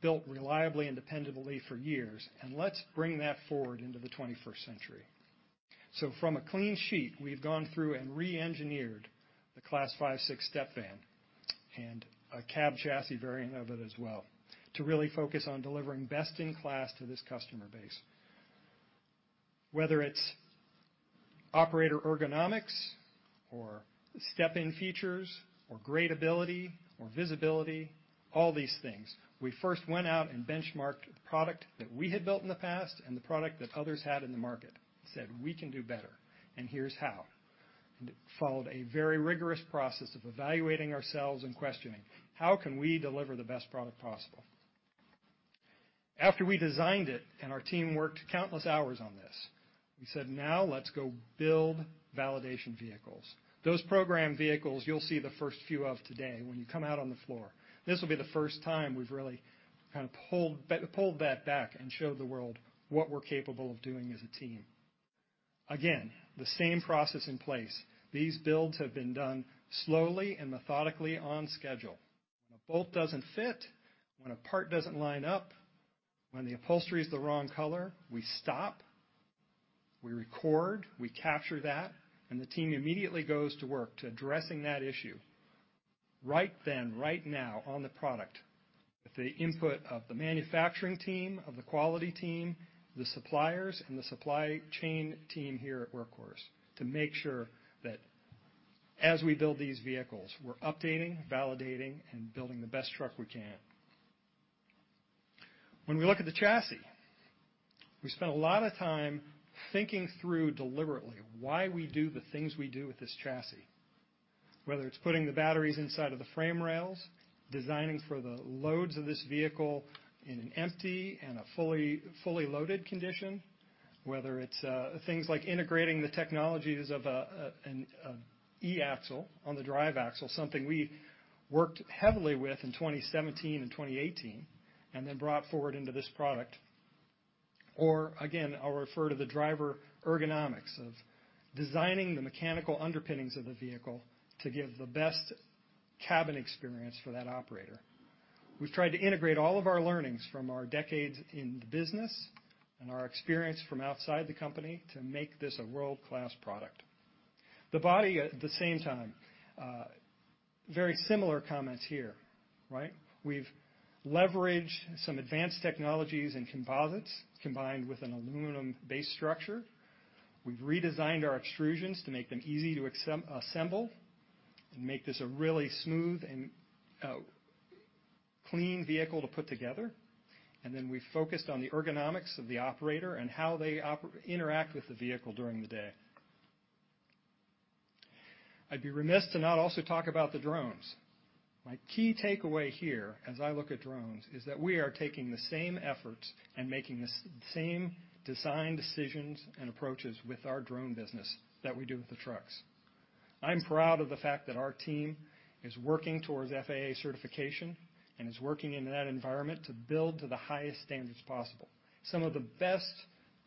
built reliably and dependably for years, and let's bring that forward into the 21st century. From a clean sheet, we've gone through and re-engineered the Class five, six step van and a cab chassis variant of it as well to really focus on delivering best-in-class to this customer base. Whether it's operator ergonomics or step-in features or gradability or visibility, all these things, we first went out and benchmarked the product that we had built in the past and the product that others had in the market and said, "We can do better, and here's how." Followed a very rigorous process of evaluating ourselves and questioning, How can we deliver the best product possible? After we designed it and our team worked countless hours on this, we said, "Now let's go build validation vehicles." Those program vehicles you'll see the first few of today when you come out on the floor. This will be the first time we've really kind of pulled back, pulled that back and showed the world what we're capable of doing as a team. Again, the same process in place. These builds have been done slowly and methodically on schedule. When a bolt doesn't fit, when a part doesn't line up, when the upholstery is the wrong color, we stop, we record, we capture that. The team immediately goes to work to addressing that issue right then, right now on the product with the input of the manufacturing team, of the quality team, the suppliers, and the supply chain team here at Workhorse to make sure that as we build these vehicles, we're updating, validating, and building the best truck we can. When we look at the chassis, we spent a lot of time thinking through deliberately why we do the things we do with this chassis. Whether it's putting the batteries inside of the frame rails, designing for the loads of this vehicle in an empty and a fully loaded condition, whether it's things like integrating the technologies of an e-axle on the drive axle, something we worked heavily with in 2017 and 2018 and then brought forward into this product. Again, I'll refer to the driver ergonomics of designing the mechanical underpinnings of the vehicle to give the best cabin experience for that operator. We've tried to integrate all of our learnings from our decades in the business and our experience from outside the company to make this a world-class product. The body at the same time, very similar comments here, right? We've leveraged some advanced technologies and composites combined with an aluminum base structure. We've redesigned our extrusions to make them easy to assemble and make this a really smooth and clean vehicle to put together. We focused on the ergonomics of the operator and how they interact with the vehicle during the day. I'd be remiss to not also talk about the drones. My key takeaway here as I look at drones is that we are taking the same efforts and making the same design decisions and approaches with our drone business that we do with the trucks. I'm proud of the fact that our team is working towards FAA certification and is working in that environment to build to the highest standards possible. Some of the best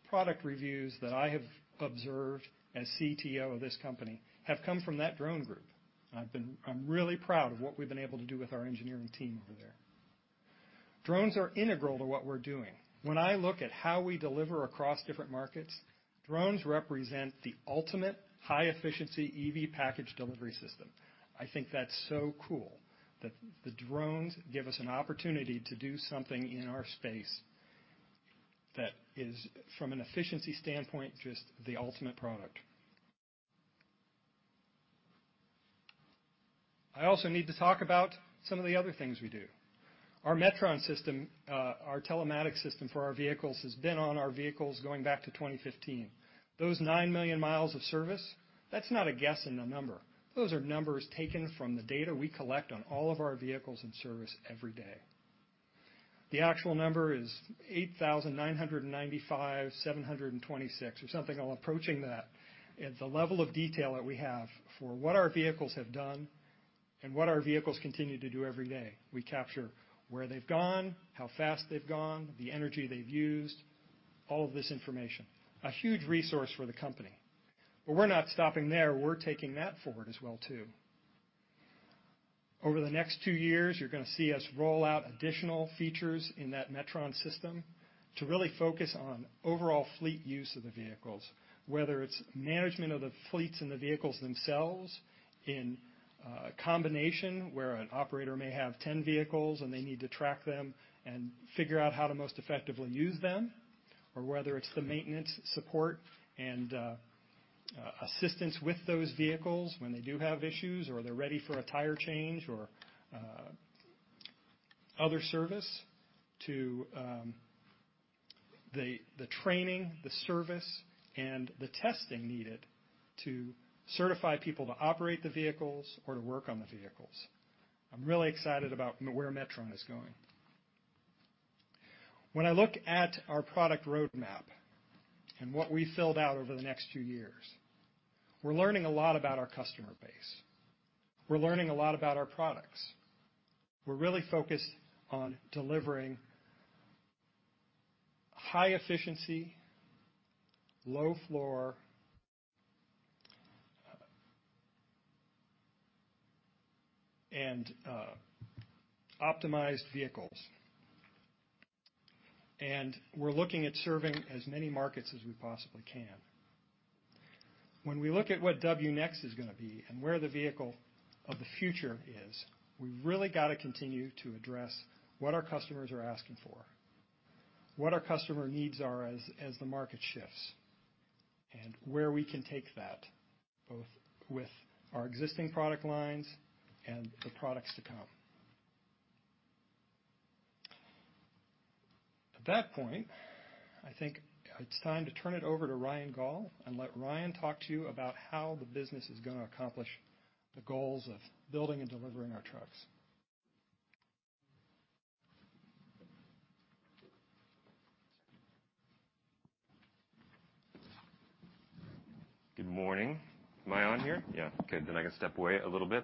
product reviews that I have observed as CTO of this company have come from that drone group. I'm really proud of what we've been able to do with our engineering team over there. Drones are integral to what we're doing. When I look at how we deliver across different markets, drones represent the ultimate high-efficiency EV package delivery system. I think that's so cool that the drones give us an opportunity to do something in our space that is, from an efficiency standpoint, just the ultimate product. I also need to talk about some of the other things we do. Our Metron system, our telematic system for our vehicles, has been on our vehicles going back to 2015. Those 9 million mi of service, that's not a guess and a number. Those are numbers taken from the data we collect on all of our vehicles in service every day. The actual number is 8,995,726 or something all approaching that at the level of detail that we have for what our vehicles have done and what our vehicles continue to do every day. We capture where they've gone, how fast they've gone, the energy they've used, all of this information. A huge resource for the company. We're not stopping there. We're taking that forward as well, too. Over the next two years, you're gonna see us roll out additional features in that Metron system to really focus on overall fleet use of the vehicles, whether it's management of the fleets and the vehicles themselves in a combination where an operator may have 10 vehicles and they need to track them and figure out how to most effectively use them, or whether it's the maintenance support and assistance with those vehicles when they do have issues or they're ready for a tire change or other service to the training, the service, and the testing needed to certify people to operate the vehicles or to work on the vehicles. I'm really excited about where Metron is going. When I look at our product roadmap and what we filled out over the next few years, we're learning a lot about our customer base. We're learning a lot about our products. We're really focused on delivering high efficiency, low floor and optimized vehicles. We're looking at serving as many markets as we possibly can. When we look at what W Next is gonna be and where the vehicle of the future is, we've really got to continue to address what our customers are asking for, what our customer needs are as the market shifts, and where we can take that, both with our existing product lines and the products to come. At that point, I think it's time to turn it over to Ryan Gaul and let Ryan talk to you about how the business is gonna accomplish the goals of building and delivering our trucks. Good morning. Am I on here? Yeah. Okay, then I can step away a little bit.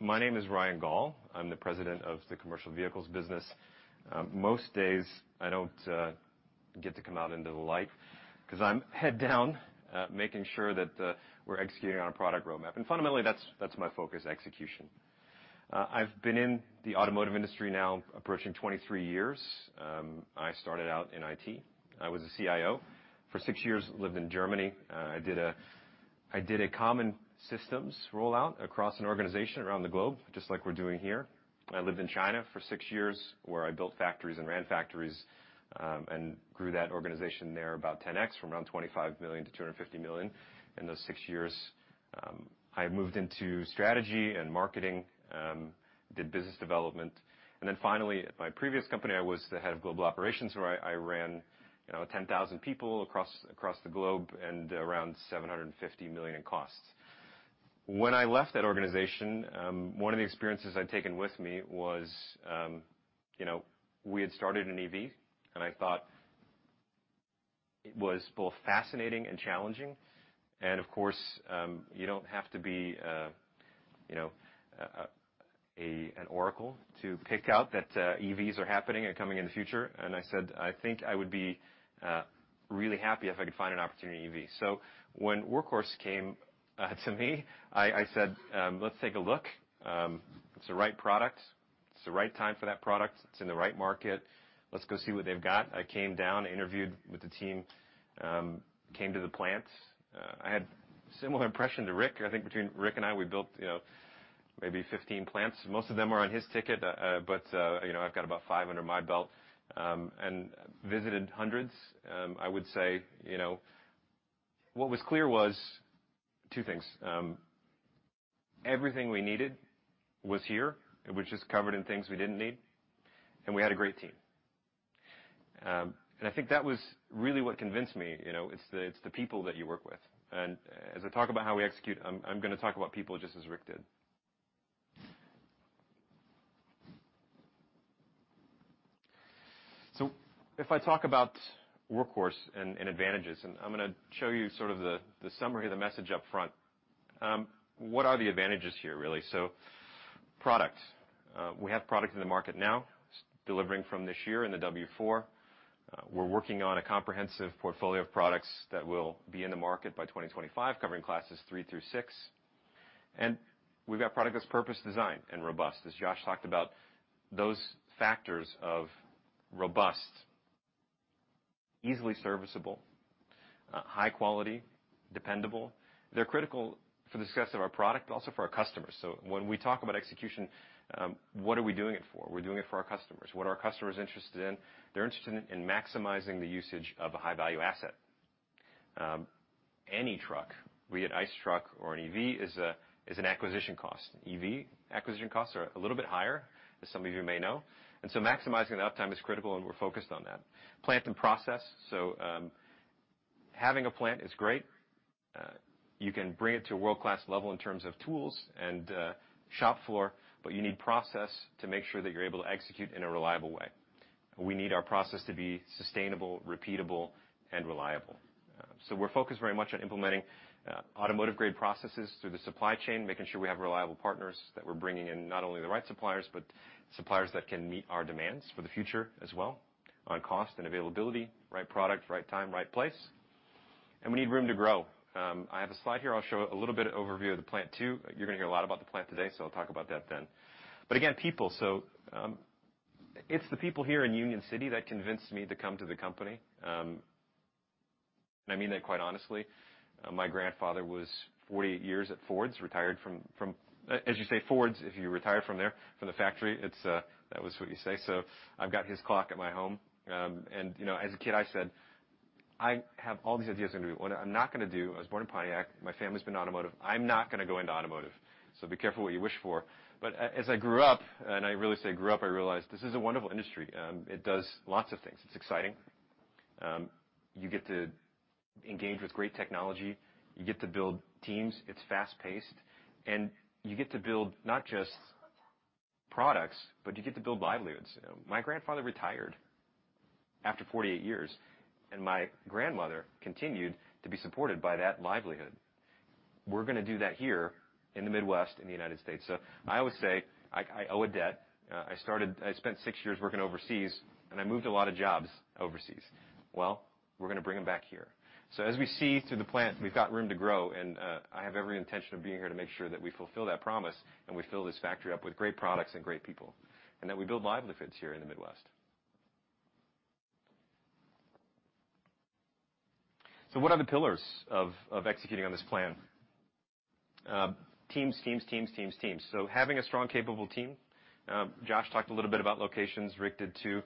My name is Ryan Gaul. I'm the President of the Commercial Vehicles business. Most days I don't get to come out into the light 'cause I'm head down making sure that we're executing on a product roadmap. Fundamentally, that's my focus: execution. I've been in the automotive industry now approaching 23 years. I started out in IT. I was a CIO. For six years, lived in Germany. I did a common systems rollout across an organization around the globe, just like we're doing here. I lived in China for six years, where I built factories and ran factories, and grew that organization there about 10x, from around $25 million-$250 million in those six years. I moved into strategy and marketing, did business development. Finally, at my previous company, I was the Head of Global Operations, where I ran, you know, 10,000 people across the globe and around $750 million in costs. When I left that organization, one of the experiences I'd taken with me was, you know, we had started an EV, and I thought it was both fascinating and challenging. Of course, you don't have to be, you know, an oracle to pick out that EVs are happening and coming in the future. I said, "I think I would be really happy if I could find an opportunity in EV." When Workhorse came to me, I said, "Let's take a look. It's the right product. It's the right time for that product. It's in the right market. Let's go see what they've got." I came down, interviewed with the team, came to the plant. I had similar impression to Rick. I think between Rick and I, we built, you know, maybe 15 plants. Most of them are on his ticket, but, you know, I've got about five under my belt and visited hundreds. I would say, you know, what was clear was two things. Everything we needed was here. It was just covered in things we didn't need. We had a great team. I think that was really what convinced me, you know, it's the, it's the people that you work with. As I talk about how we execute, I'm gonna talk about people just as Rick did. If I talk about Workhorse and advantages, and I'm gonna show you sort of the summary of the message up front. What are the advantages here, really? Product, we have product in the market now, delivering from this year in the W4. We're working on a comprehensive portfolio of products that will be in the market by 2025, covering classes three through six. We've got product that's purpose designed and robust. As Josh talked about, those factors of robust, easily serviceable, high quality, dependable. They're critical for the success of our product, but also for our customers. When we talk about execution, what are we doing it for? We're doing it for our customers. What are customers interested in? They're interested in maximizing the usage of a high-value asset. Any truck, be it ICE truck or an EV, is an acquisition cost. EV acquisition costs are a little bit higher, as some of you may know. Maximizing the uptime is critical, and we're focused on that. Plant and process. Having a plant is great. You can bring it to a world-class level in terms of tools and shop floor, but you need process to make sure that you're able to execute in a reliable way. We need our process to be sustainable, repeatable, and reliable. We're focused very much on implementing, automotive-grade processes through the supply chain, making sure we have reliable partners that we're bringing in not only the right suppliers, but suppliers that can meet our demands for the future as well on cost and availability, right product, right time, right place. We need room to grow. I have a slide here. I'll show a little bit of overview of the plant too. You're gonna hear a lot about the plant today, I'll talk about that then. Again, people. It's the people here in Union City that convinced me to come to the company. I mean that quite honestly. My grandfather was 48 years at Ford's, retired from. As you say, Ford's, if you retire from there, from the factory, it's that was what you say. I've got his clock at my home. You know, as a kid, I said, "I have all these ideas what I'm gonna do. What I'm not gonna do, I was born in Pontiac, my family's been automotive, I'm not gonna go into automotive." Be careful what you wish for. As I grew up, and I really say grew up, I realized this is a wonderful industry. It does lots of things. It's exciting. You get to engage with great technology. You get to build teams. It's fast-paced. You get to build not just products, but you get to build livelihoods. My grandfather retired after 48 years, and my grandmother continued to be supported by that livelihood. We're gonna do that here in the Midwest, in the United States. I always say I owe a debt. I spent six years working overseas, and I moved a lot of jobs overseas. We're gonna bring them back here. As we see through the plant, we've got room to grow, and I have every intention of being here to make sure that we fulfill that promise and we fill this factory up with great products and great people, and that we build livelihoods here in the Midwest. What are the pillars of executing on this plan? Teams, teams, teams. Having a strong, capable team. Josh talked a little bit about locations. Rick did, too.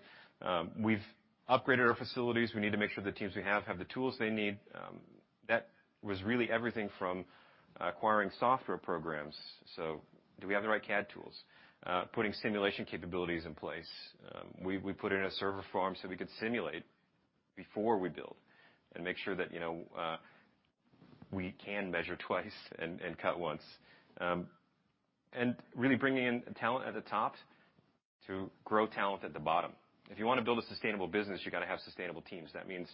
We've upgraded our facilities. We need to make sure the teams we have have the tools they need. That was really everything from acquiring software programs. Do we have the right CAD tools? Putting simulation capabilities in place. We put in a server farm so we could simulate before we build and make sure that, you know, we can measure twice and cut once. Really bringing in talent at the top to grow talent at the bottom. If you wanna build a sustainable business, you gotta have sustainable teams. That means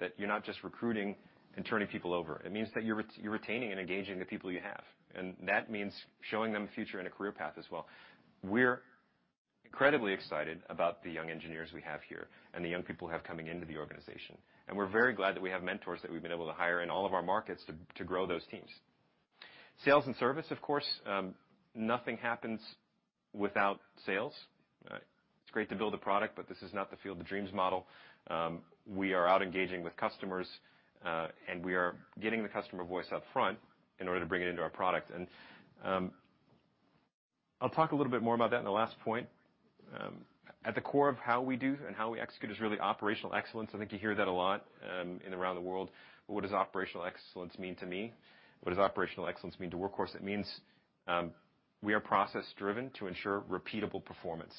that you're not just recruiting and turning people over. It means that you're retaining and engaging the people you have. That means showing them a future and a career path as well. We're incredibly excited about the young engineers we have here and the young people we have coming into the organization. We're very glad that we have mentors that we've been able to hire in all of our markets to grow those teams. Sales and service, of course. Nothing happens without sales. It's great to build a product, but this is not the field dreams model. We are out engaging with customers, and we are getting the customer voice up front in order to bring it into our product. I'll talk a little bit more about that in the last point. At the core of how we do and how we execute is really operational excellence. I think you hear that a lot, in and around the world. What does operational excellence mean to me? What does operational excellence mean to Workhorse? It means, we are process-driven to ensure repeatable performance.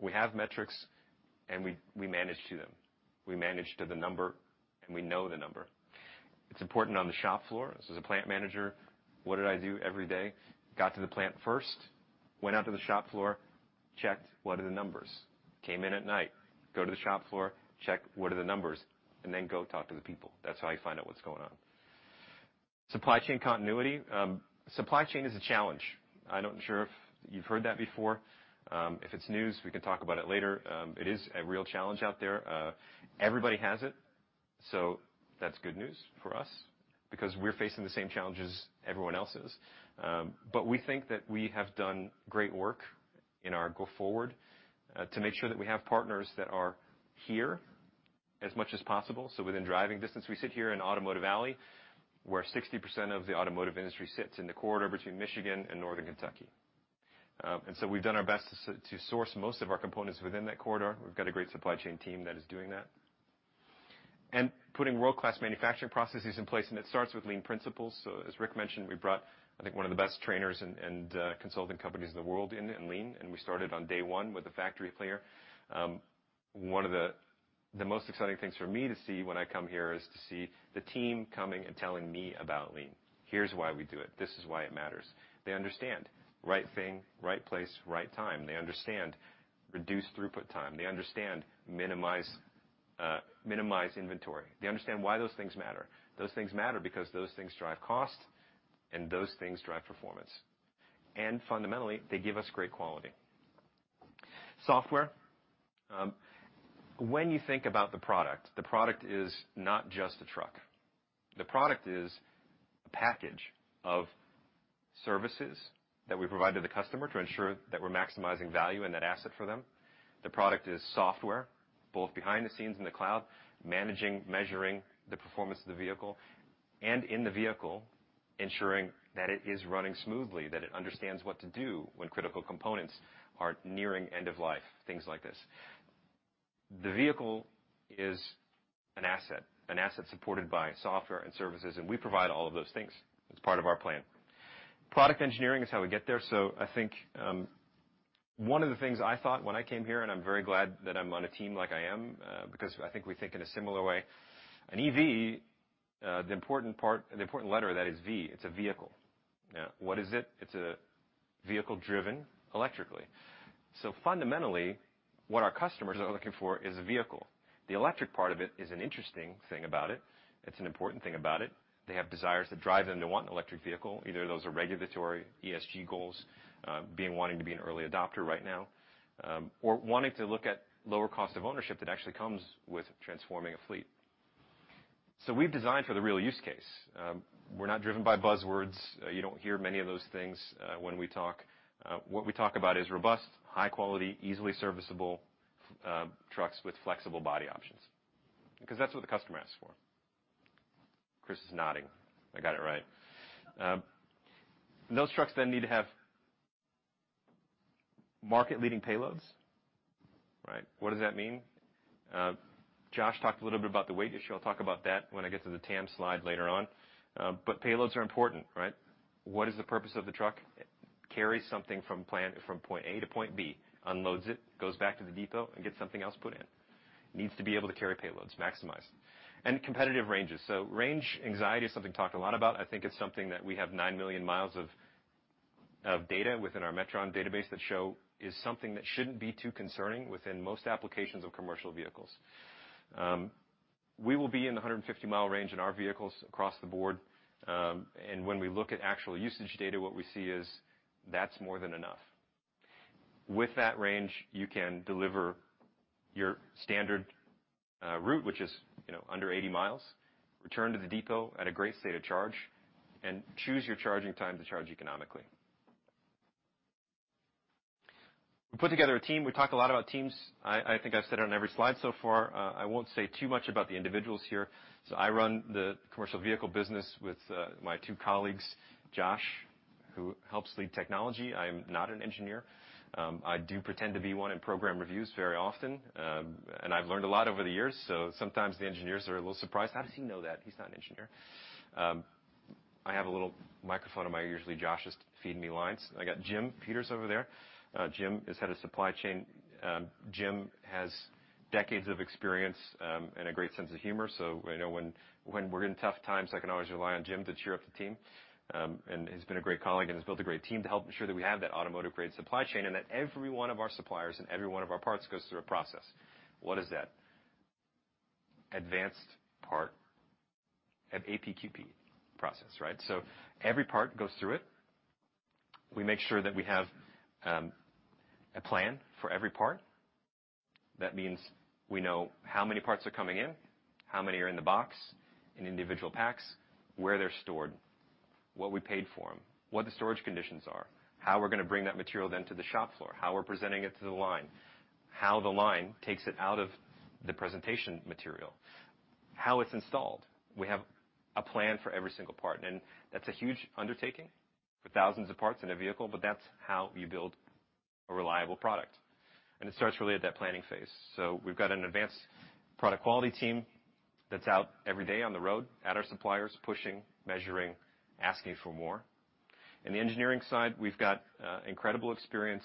We have metrics, and we manage to them. We manage to the number, and we know the number. It's important on the shop floor. As a plant manager, what did I do every day? Got to the plant first, went out to the shop floor, checked what are the numbers. Came in at night, go to the shop floor, check what are the numbers, then go talk to the people. That's how I find out what's going on. Supply chain continuity. Supply chain is a challenge. I'm not sure if you've heard that before. If it's news, we can talk about it later. It is a real challenge out there. Everybody has it, so that's good news for us, because we're facing the same challenges everyone else is. We think that we have done great work in our go forward, to make sure that we have partners that are here as much as possible, so within driving distance. We sit here in Automotive Alley, where 60% of the automotive industry sits in the corridor between Michigan and Northern Kentucky. We've done our best to source most of our components within that corridor. We've got a great supply chain team that is doing that. Putting world-class manufacturing processes in place, and it starts with lean principles. As Rick mentioned, we brought, I think, one of the best trainers and consulting companies in the world in lean, and we started on day one with a factory player. One of the most exciting things for me to see when I come here is to see the team coming and telling me about lean. "Here's why we do it. This is why it matters." They understand, right thing, right place, right time. They understand reduced throughput time. They understand minimize inventory. They understand why those things matter. Those things matter because those things drive cost, and those things drive performance. Fundamentally, they give us great quality. Software. When you think about the product, the product is not just a truck. The product is a package of services that we provide to the customer to ensure that we're maximizing value and net asset for them. The product is software, both behind the scenes in the cloud, managing, measuring the performance of the vehicle, and in the vehicle, ensuring that it is running smoothly, that it understands what to do when critical components are nearing end of life, things like this. The vehicle is an asset, an asset supported by software and services, and we provide all of those things as part of our plan. Product engineering is how we get there. I think, one of the things I thought when I came here, and I'm very glad that I'm on a team like I am, because I think we think in a similar way. An EV, the important letter of that is V. It's a vehicle. Now, what is it? It's a vehicle driven electrically. Fundamentally, what our customers are looking for is a vehicle. The electric part of it is an interesting thing about it. It's an important thing about it. They have desires that drive them to want an electric vehicle. Either those are regulatory, ESG goals, being wanting to be an early adopter right now, or wanting to look at lower cost of ownership that actually comes with transforming a fleet. We've designed for the real use case. We're not driven by buzzwords. You don't hear many of those things when we talk. What we talk about is robust, high quality, easily serviceable trucks with flexible body options, because that's what the customer asks for. Chris is nodding. I got it right. Those trucks then need to have market-leading payloads, right? What does that mean? Josh talked a little bit about the weight issue. I'll talk about that when I get to the TAM slide later on. Payloads are important, right? What is the purpose of the truck? It carries something from Point A to Point B, unloads it, goes back to the depot, and gets something else put in. Needs to be able to carry payloads, maximize. Competitive ranges. Range anxiety is something talked a lot about. I think it's something that we have 9 million mi of data within our Metron database that show is something that shouldn't be too concerning within most applications of commercial vehicles. We will be in the 150 mi range in our vehicles across the board. When we look at actual usage data, what we see is that's more than enough. With that range, you can deliver your standard route, which is, you know, under 80 mi return to the depot at a great state of charge, and choose your charging time to charge economically. We put together a team. We talk a lot about teams. I think I've said it on every slide so far. I won't say too much about the individuals here. I run the commercial vehicle business with my two colleagues, Josh, who helps lead technology. I'm not an engineer. I do pretend to be one in program reviews very often, and I've learned a lot over the years, so sometimes the engineers are a little surprised. "How does he know that? He's not an engineer." I have a little microphone on my ear. Usually, Josh is feeding me lines. I got Jim Peters over there. Jim is head of supply chain. Jim has decades of experience, and a great sense of humor. I know when we're in tough times, I can always rely on Jim to cheer up the team. And he's been a great colleague and has built a great team to help ensure that we have that automotive-grade supply chain and that every one of our suppliers and every one of our parts goes through a process. What is that? Advanced part APQP process, right? Every part goes through it. We make sure that we have a plan for every part. That means we know how many parts are coming in, how many are in the box, in individual packs, where they're stored, what we paid for them, what the storage conditions are, how we're gonna bring that material then to the shop floor, how we're presenting it to the line, how the line takes it out of the presentation material, how it's installed. We have a plan for every single part, and that's a huge undertaking for thousands of parts in a vehicle, but that's how you build a reliable product. It starts really at that planning phase. We've got an advanced product quality team that's out every day on the road at our suppliers, pushing, measuring, asking for more. In the engineering side, we've got incredible experience.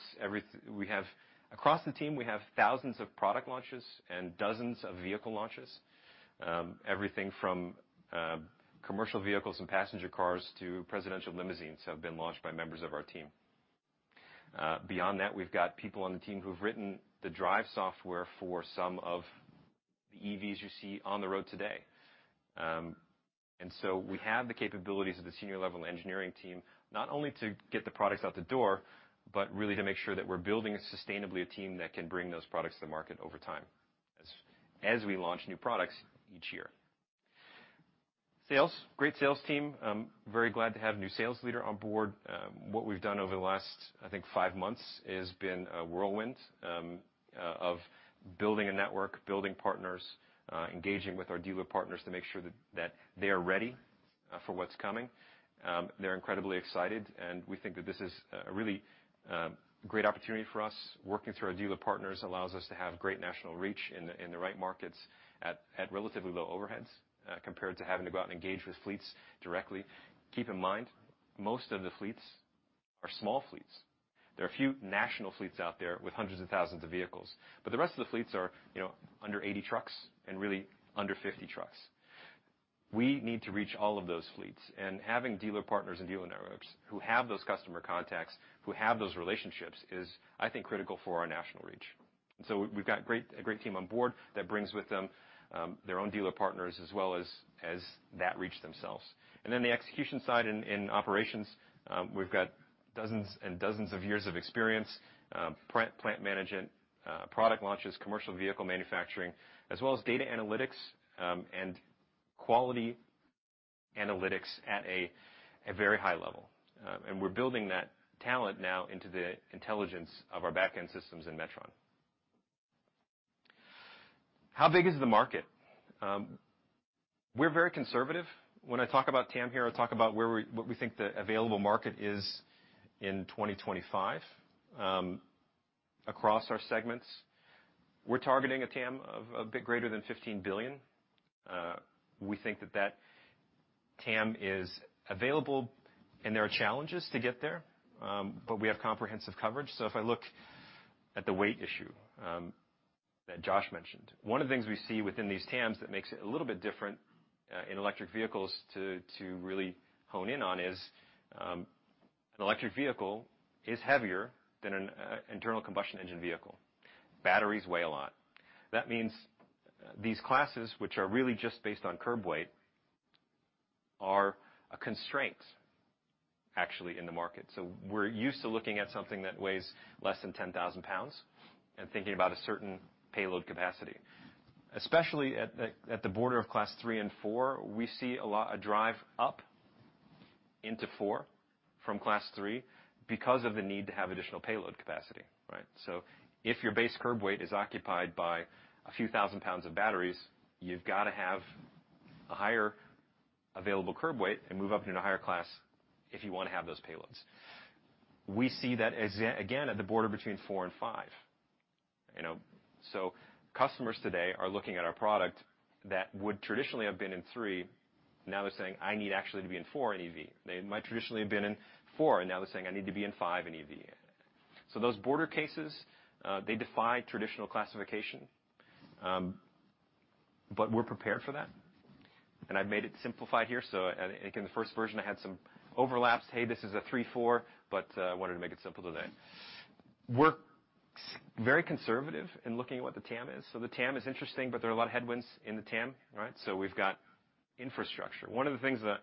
Across the team, we have thousands of product launches and dozens of vehicle launches. Everything from commercial vehicles and passenger cars to presidential limousines have been launched by members of our team. Beyond that, we've got people on the team who've written the drive software for some of the EVs you see on the road today. We have the capabilities of the senior level engineering team, not only to get the products out the door, but really to make sure that we're building sustainably a team that can bring those products to the market over time as we launch new products each year. Sales, great sales team. Very glad to have a new sales leader on board. What we've done over the last, I think, five months has been a whirlwind of building a network, building partners, engaging with our dealer partners to make sure that they are ready for what's coming. They're incredibly excited, we think that this is really great opportunity for us. Working through our dealer partners allows us to have great national reach in the right markets at relatively low overheads compared to having to go out and engage with fleets directly. Keep in mind, most of the fleets are small fleets. There are a few national fleets out there with hundreds of thousands of vehicles, the rest of the fleets are, you know, under 80 trucks and really under 50 trucks. We need to reach all of those fleets, and having dealer partners and dealer networks who have those customer contacts, who have those relationships is, I think, critical for our national reach. We've got a great team on board that brings with them their own dealer partners as well as that reach themselves. Then the execution side in operations, we've got dozens and dozens of years of experience, plant management, product launches, commercial vehicle manufacturing, as well as data analytics, and quality analytics at a very high level. We're building that talent now into the intelligence of our back-end systems in Metron. How big is the market? We're very conservative. When I talk about TAM here, I talk about what we think the available market is in 2025 across our segments. We're targeting a TAM of a bit greater than $15 billion. We think that that TAM is available, and there are challenges to get there, but we have comprehensive coverage. If I look at the weight issue, that Josh mentioned, one of the things we see within these TAMs that makes it a little bit different, in electric vehicles to really hone in on is, an electric vehicle is heavier than an internal combustion engine vehicle. Batteries weigh a lot. That means these classes, which are really just based on curb weight, are a constraint actually in the market. We're used to looking at something that weighs less than 10,000 lbs and thinking about a certain payload capacity. Especially at the border of class three and four, we see a lot a drive up into four from class three because of the need to have additional payload capacity, right? If your base curb weight is occupied by a few 1,000 lbs of batteries, you've got to have a higher available curb weight and move up into a higher class if you wanna have those payloads. We see that as, again, at the border between four and five, you know. Customers today are looking at our product that would traditionally have been in three. Now they're saying, "I need actually to be in four in EV." They might traditionally have been in four, and now they're saying, "I need to be in five in EV." Those border cases, they defy traditional classification. We're prepared for that. I've made it simplified here, so in the first version, I had some overlaps. Hey, this is a three to four, but I wanted to make it simple today. We're conservative in looking at what the TAM is. The TAM is interesting, but there are a lot of headwinds in the TAM, right? We've got infrastructure. One of the things, the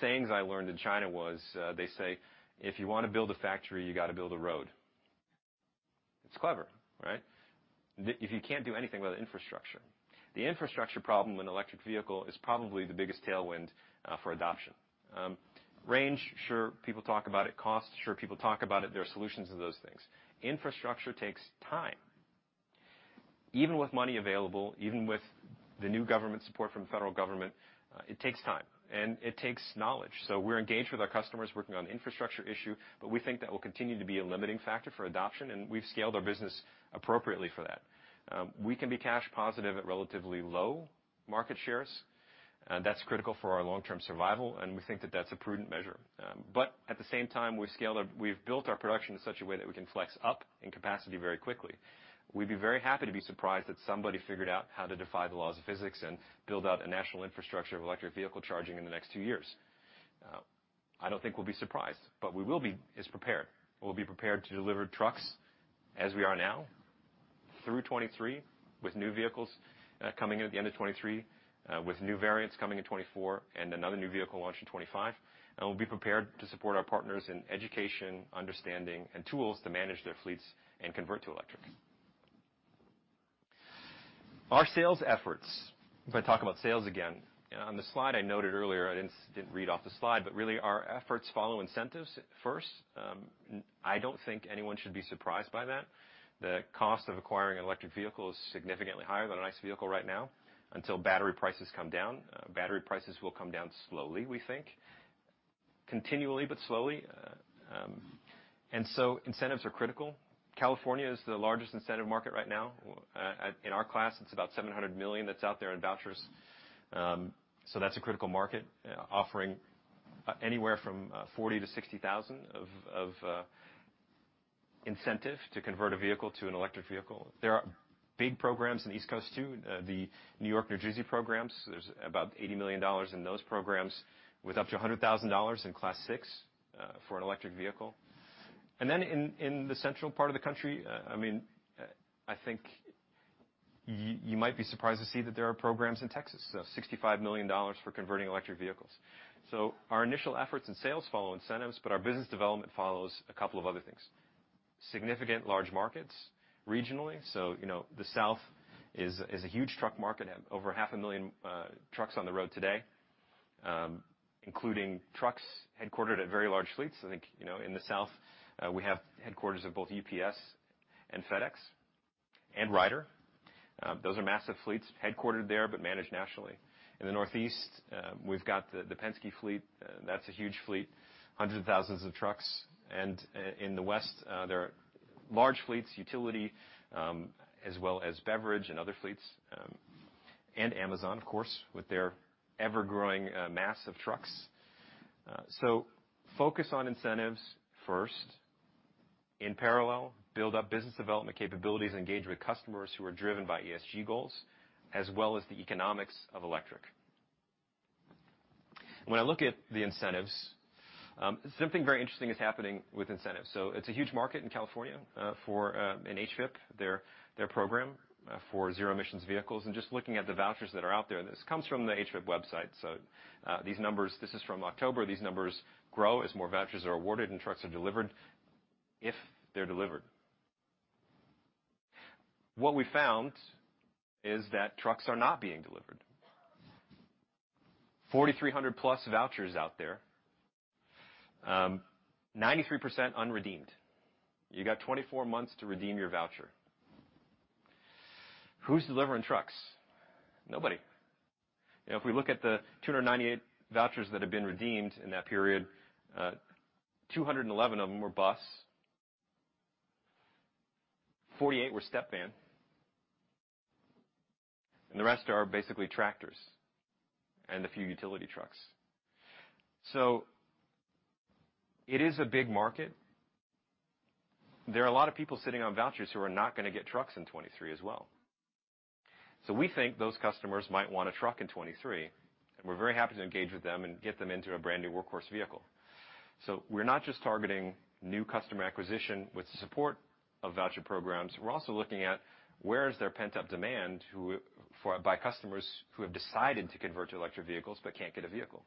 sayings I learned in China was, they say, "If you wanna build a factory, you gotta build a road." It's clever, right? If you can't do anything without infrastructure. The infrastructure problem in electric vehicle is probably the biggest tailwind for adoption. Range, sure, people talk about it. Cost, sure, people talk about it. There are solutions to those things. Infrastructure takes time. Even with money available, even with the new government support from the federal government, it takes time and it takes knowledge. We're engaged with our customers, working on infrastructure issue, but we think that will continue to be a limiting factor for adoption, and we've scaled our business appropriately for that. We can be cash positive at relatively low market shares. That's critical for our long-term survival, and we think that that's a prudent measure. At the same time, we've built our production in such a way that we can flex up in capacity very quickly. We'd be very happy to be surprised that somebody figured out how to defy the laws of physics and build out a national infrastructure of electric vehicle charging in the next two years. I don't think we'll be surprised, but we will be as prepared. We'll be prepared to deliver trucks as we are now through 2023, with new vehicles coming in at the end of 2023, with new variants coming in 2024 and another new vehicle launch in 2025. We'll be prepared to support our partners in education, understanding, and tools to manage their fleets and convert to electric. Our sales efforts. If I talk about sales again. On the slide I noted earlier, I didn't read off the slide, but really our efforts follow incentives first. I don't think anyone should be surprised by that. The cost of acquiring an electric vehicle is significantly higher than an ICE vehicle right now, until battery prices come down. Battery prices will come down slowly, we think. Continually, but slowly. Incentives are critical. California is the largest incentive market right now. In our class, it's about $700 million that's out there in vouchers. That's a critical market offering anywhere from $40,000-$60,000 of incentive to convert a vehicle to an electric vehicle. There are big programs in the East Coast, too, the New York-New Jersey programs. There's about $80 million in those programs, with up to $100,000 in class six for an electric vehicle. Then in the central part of the country, I mean, I think you might be surprised to see that there are programs in Texas. $65 million for converting electric vehicles. Our initial efforts in sales follow incentives, but our business development follows a couple of other things. Significant large markets regionally. You know, the South is a huge truck market. Over 500,000 trucks on the road today, including trucks headquartered at very large fleets. I think, you know, in the South, we have headquarters of both UPS and FedEx and Ryder. Those are massive fleets headquartered there, but managed nationally. In the Northeast, we've got the Penske fleet. That's a huge fleet, hundreds of thousands of trucks. In the West, there are large fleets, utility, as well as beverage and other fleets, and Amazon, of course, with their ever-growing mass of trucks. Focus on incentives first. In parallel, build up business development capabilities, engage with customers who are driven by ESG goals, as well as the economics of electric. When I look at the incentives, something very interesting is happening with incentives. It's a huge market in California for in HVIP, their program, for zero emissions vehicles. Just looking at the vouchers that are out there, this comes from the HVIP website. This is from October. These numbers grow as more vouchers are awarded and trucks are delivered, if they're delivered. What we found is that trucks are not being delivered. 4,300+ vouchers out there. 93% unredeemed. You got 24 months to redeem your voucher. Who's delivering trucks? Nobody. If we look at the 298 vouchers that have been redeemed in that period, 211 of them were bus, 48 were step van, and the rest are basically tractors and a few utility trucks. It is a big market. There are a lot of people sitting on vouchers who are not gonna get trucks in 2023 as well. We think those customers might want a truck in 2023, and we're very happy to engage with them and get them into a brand-new Workhorse vehicle. We're not just targeting new customer acquisition with the support of voucher programs. We're also looking at where is there pent-up demand by customers who have decided to convert to electric vehicles but can't get a vehicle.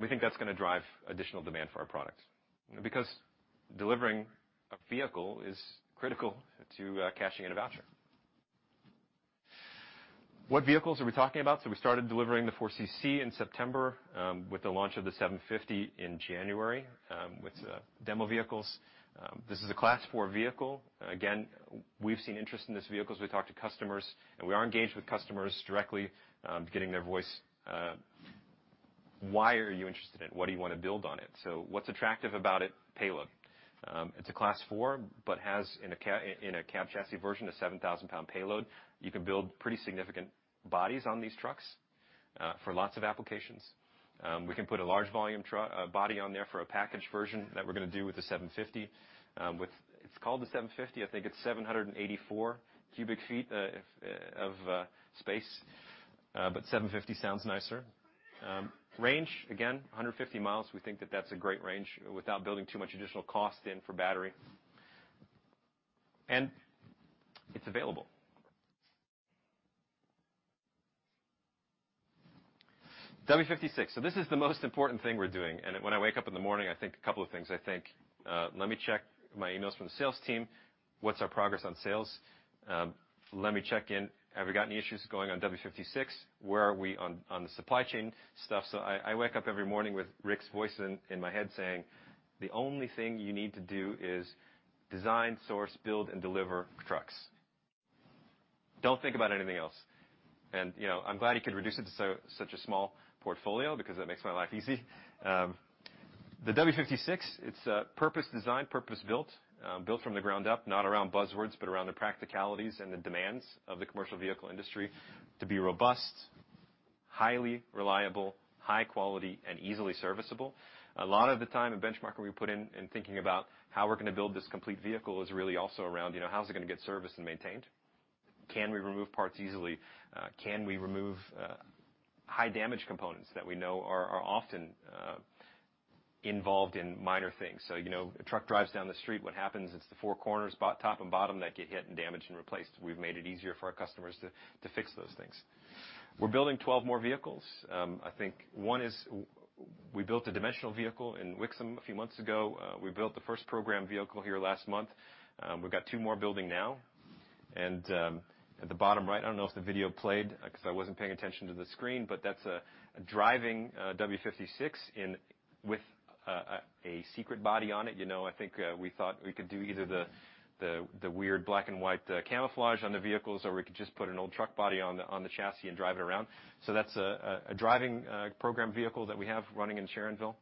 We think that's gonna drive additional demand for our products, because delivering a vehicle is critical to cashing in a voucher. What vehicles are we talking about? We started delivering the 4CC in September, with the launch of the 750 in January, with the demo vehicles. This is a Class four vehicle. Again, we've seen interest in this vehicle as we talk to customers, and we are engaged with customers directly, getting their voice. Why are you interested in it? What do you wanna build on it? What's attractive about it? Payload. It's a Class four but has in a cab chassis version, a 7,000-pound payload. You can build pretty significant bodies on these trucks for lots of applications. We can put a large volume body on there for a package version that we're gonna do with the 750. It's called the 750. I think it's 784 cu ft of space, but 750 sounds nicer. Range, again, 150 mi. We think that that's a great range without building too much additional cost in for battery. It's available. W56. This is the most important thing we're doing, when I wake up in the morning, I think a couple of things. I think, let me check my emails from the sales team. What's our progress on sales? Let me check in. Have we got any issues going on W56? Where are we on the supply chain stuff? I wake up every morning with Rick's voice in my head saying, "The only thing you need to do is design, source, build, and deliver trucks. Don't think about anything else." You know, I'm glad he could reduce it to such a small portfolio because that makes my life easy. The W56, it's purpose designed, purpose built from the ground up, not around buzzwords, but around the practicalities and the demands of the commercial vehicle industry to be robust, highly reliable, high quality, and easily serviceable. A lot of the time and Benchmark that we put in thinking about how we're gonna build this complete vehicle is really also around, you know, how's it gonna get serviced and maintained? Can we remove parts easily? Can we remove high damage components that we know are often involved in minor things? You know, a truck drives down the street, what happens? It's the four corners, top and bottom that get hit and damaged and replaced. We've made it easier for our customers to fix those things. We're building 12 more vehicles. I think one is we built a dimensional vehicle in Wixom a few months ago. We built the first program vehicle here last month. We've got two more building now. At the bottom right, I don't know if the video played, 'cause I wasn't paying attention to the screen, but that's a driving W56 with a secret body on it. You know, I think we thought we could do either the, the weird black and white camouflage on the vehicles, or we could just put an old truck body on the, on the chassis and drive it around. That's a driving program vehicle that we have running in Sharonville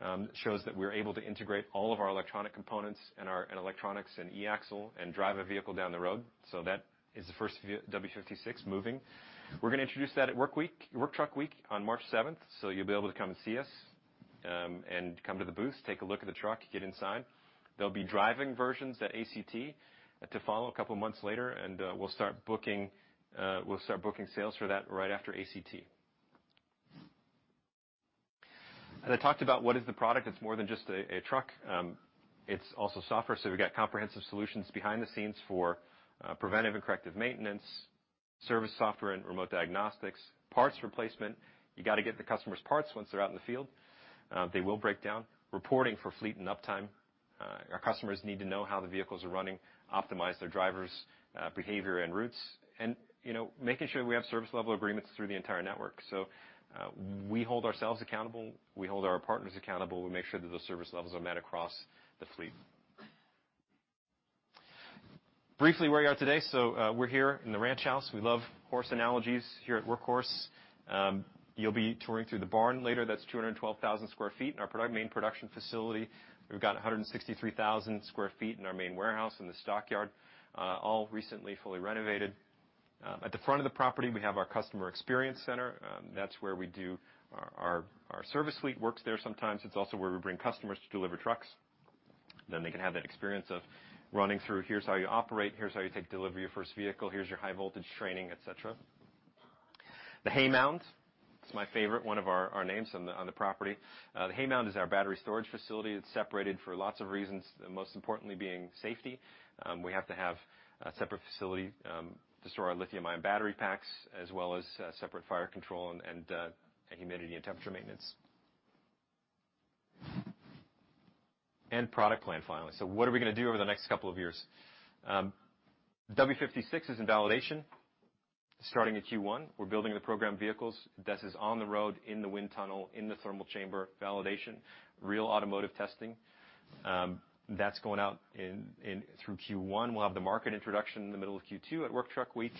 that shows that we're able to integrate all of our electronic components and our electronics and e-axle and drive a vehicle down the road. That is the first W56 moving. We're going to introduce that at Work Truck Week on March 7th, you'll be able to come and see us, and come to the booth, take a look at the truck, get inside. There'll be driving versions at ACT to follow a couple months later, we'll start booking sales for that right after ACT. As I talked about, what is the product? It's more than just a truck. It's also software. We got comprehensive solutions behind the scenes for preventive and corrective maintenance, service software and remote diagnostics, parts replacement. You got to get the customers parts once they're out in the field. They will break down. Reporting for fleet and uptime. Our customers need to know how the vehicles are running, optimize their drivers, behavior and routes, and, you know, making sure we have service level agreements through the entire network. We hold ourselves accountable. We hold our partners accountable. We make sure that the service levels are met across the fleet. Briefly, where are we at today? We're here in the ranch house. We love horse analogies here at Workhorse. You'll be touring through the barn later. That's 212,000 sq ft in our main production facility. We've got 163,000 sq ft in our main warehouse in the stockyard, all recently fully renovated. At the front of the property, we have our customer experience center. That's where we do our service fleet works there sometimes. It's also where we bring customers to deliver trucks. They can have that experience of running through, here's how you operate, here's how you take delivery of your first vehicle, here's your high voltage training, et cetera. The Haymound, it's my favorite one of our names on the, on the property. The Haymound is our battery storage facility. It's separated for lots of reasons, most importantly being safety. We have to have a separate facility to store our lithium-ion battery packs, as well as separate fire control and humidity and temperature maintenance. Product plan finally. What are we gonna do over the next couple of years? W56 is in validation starting in Q1. We're building the program vehicles. This is on the road, in the wind tunnel, in the thermal chamber validation, real automotive testing. That's going out through Q1. We'll have the market introduction in the middle of Q2 at Work Truck Week.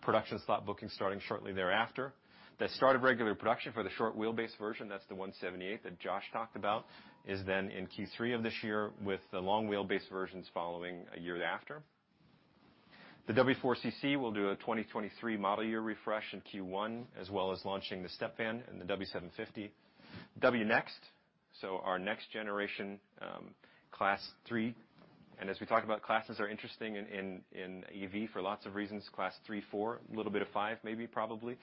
Production slot booking starting shortly thereafter. The start of regular production for the short wheelbase version, that's the 178 that Josh talked about, is in Q3 of this year with the long wheelbase versions following a year after. The W4 CC, we'll do a 2023 model year refresh in Q1, as well as launching the Step Van and the W750. W Next, our next generation Class three, and as we talk about classes are interesting in EV for lots of reasons, Class three, four, a little bit of five maybe probably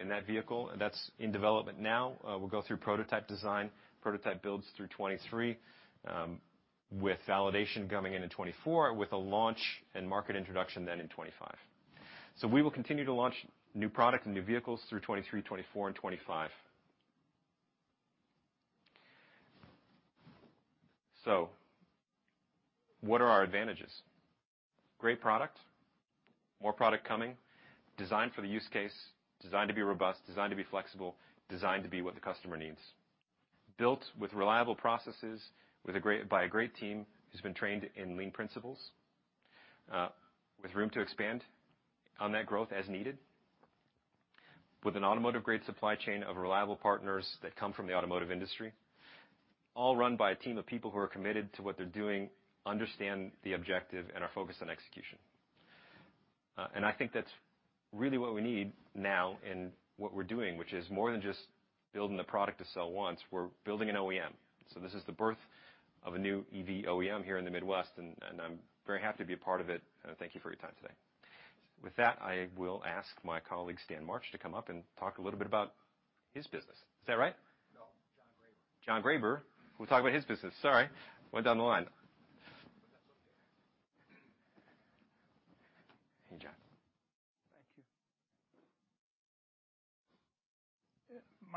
in that vehicle. That's in development now. We'll go through prototype design, prototype builds through 2023, with validation coming in in 2024 with a launch and market introduction then in 2025. We will continue to launch new product and new vehicles through 2023, 2024, and 2025. What are our advantages? Great product. More product coming. Designed for the use case. Designed to be robust. Designed to be flexible. Designed to be what the customer needs. Built with reliable processes, by a great team who's been trained in lean principles. With room to expand on that growth as needed. With an automotive-grade supply chain of reliable partners that come from the automotive industry, all run by a team of people who are committed to what they're doing, understand the objective, and are focused on execution. I think that's really what we need now in what we're doing, which is more than just building a product to sell once. We're building an OEM. This is the birth of a new EV OEM here in the Midwest, and I'm very happy to be a part of it. Thank you for your time today. With that, I will ask my colleague, Stan March, to come up and talk a little bit about his business. Is that right? No, John Graber. John Graber. We'll talk about his business. Sorry. Went down the line.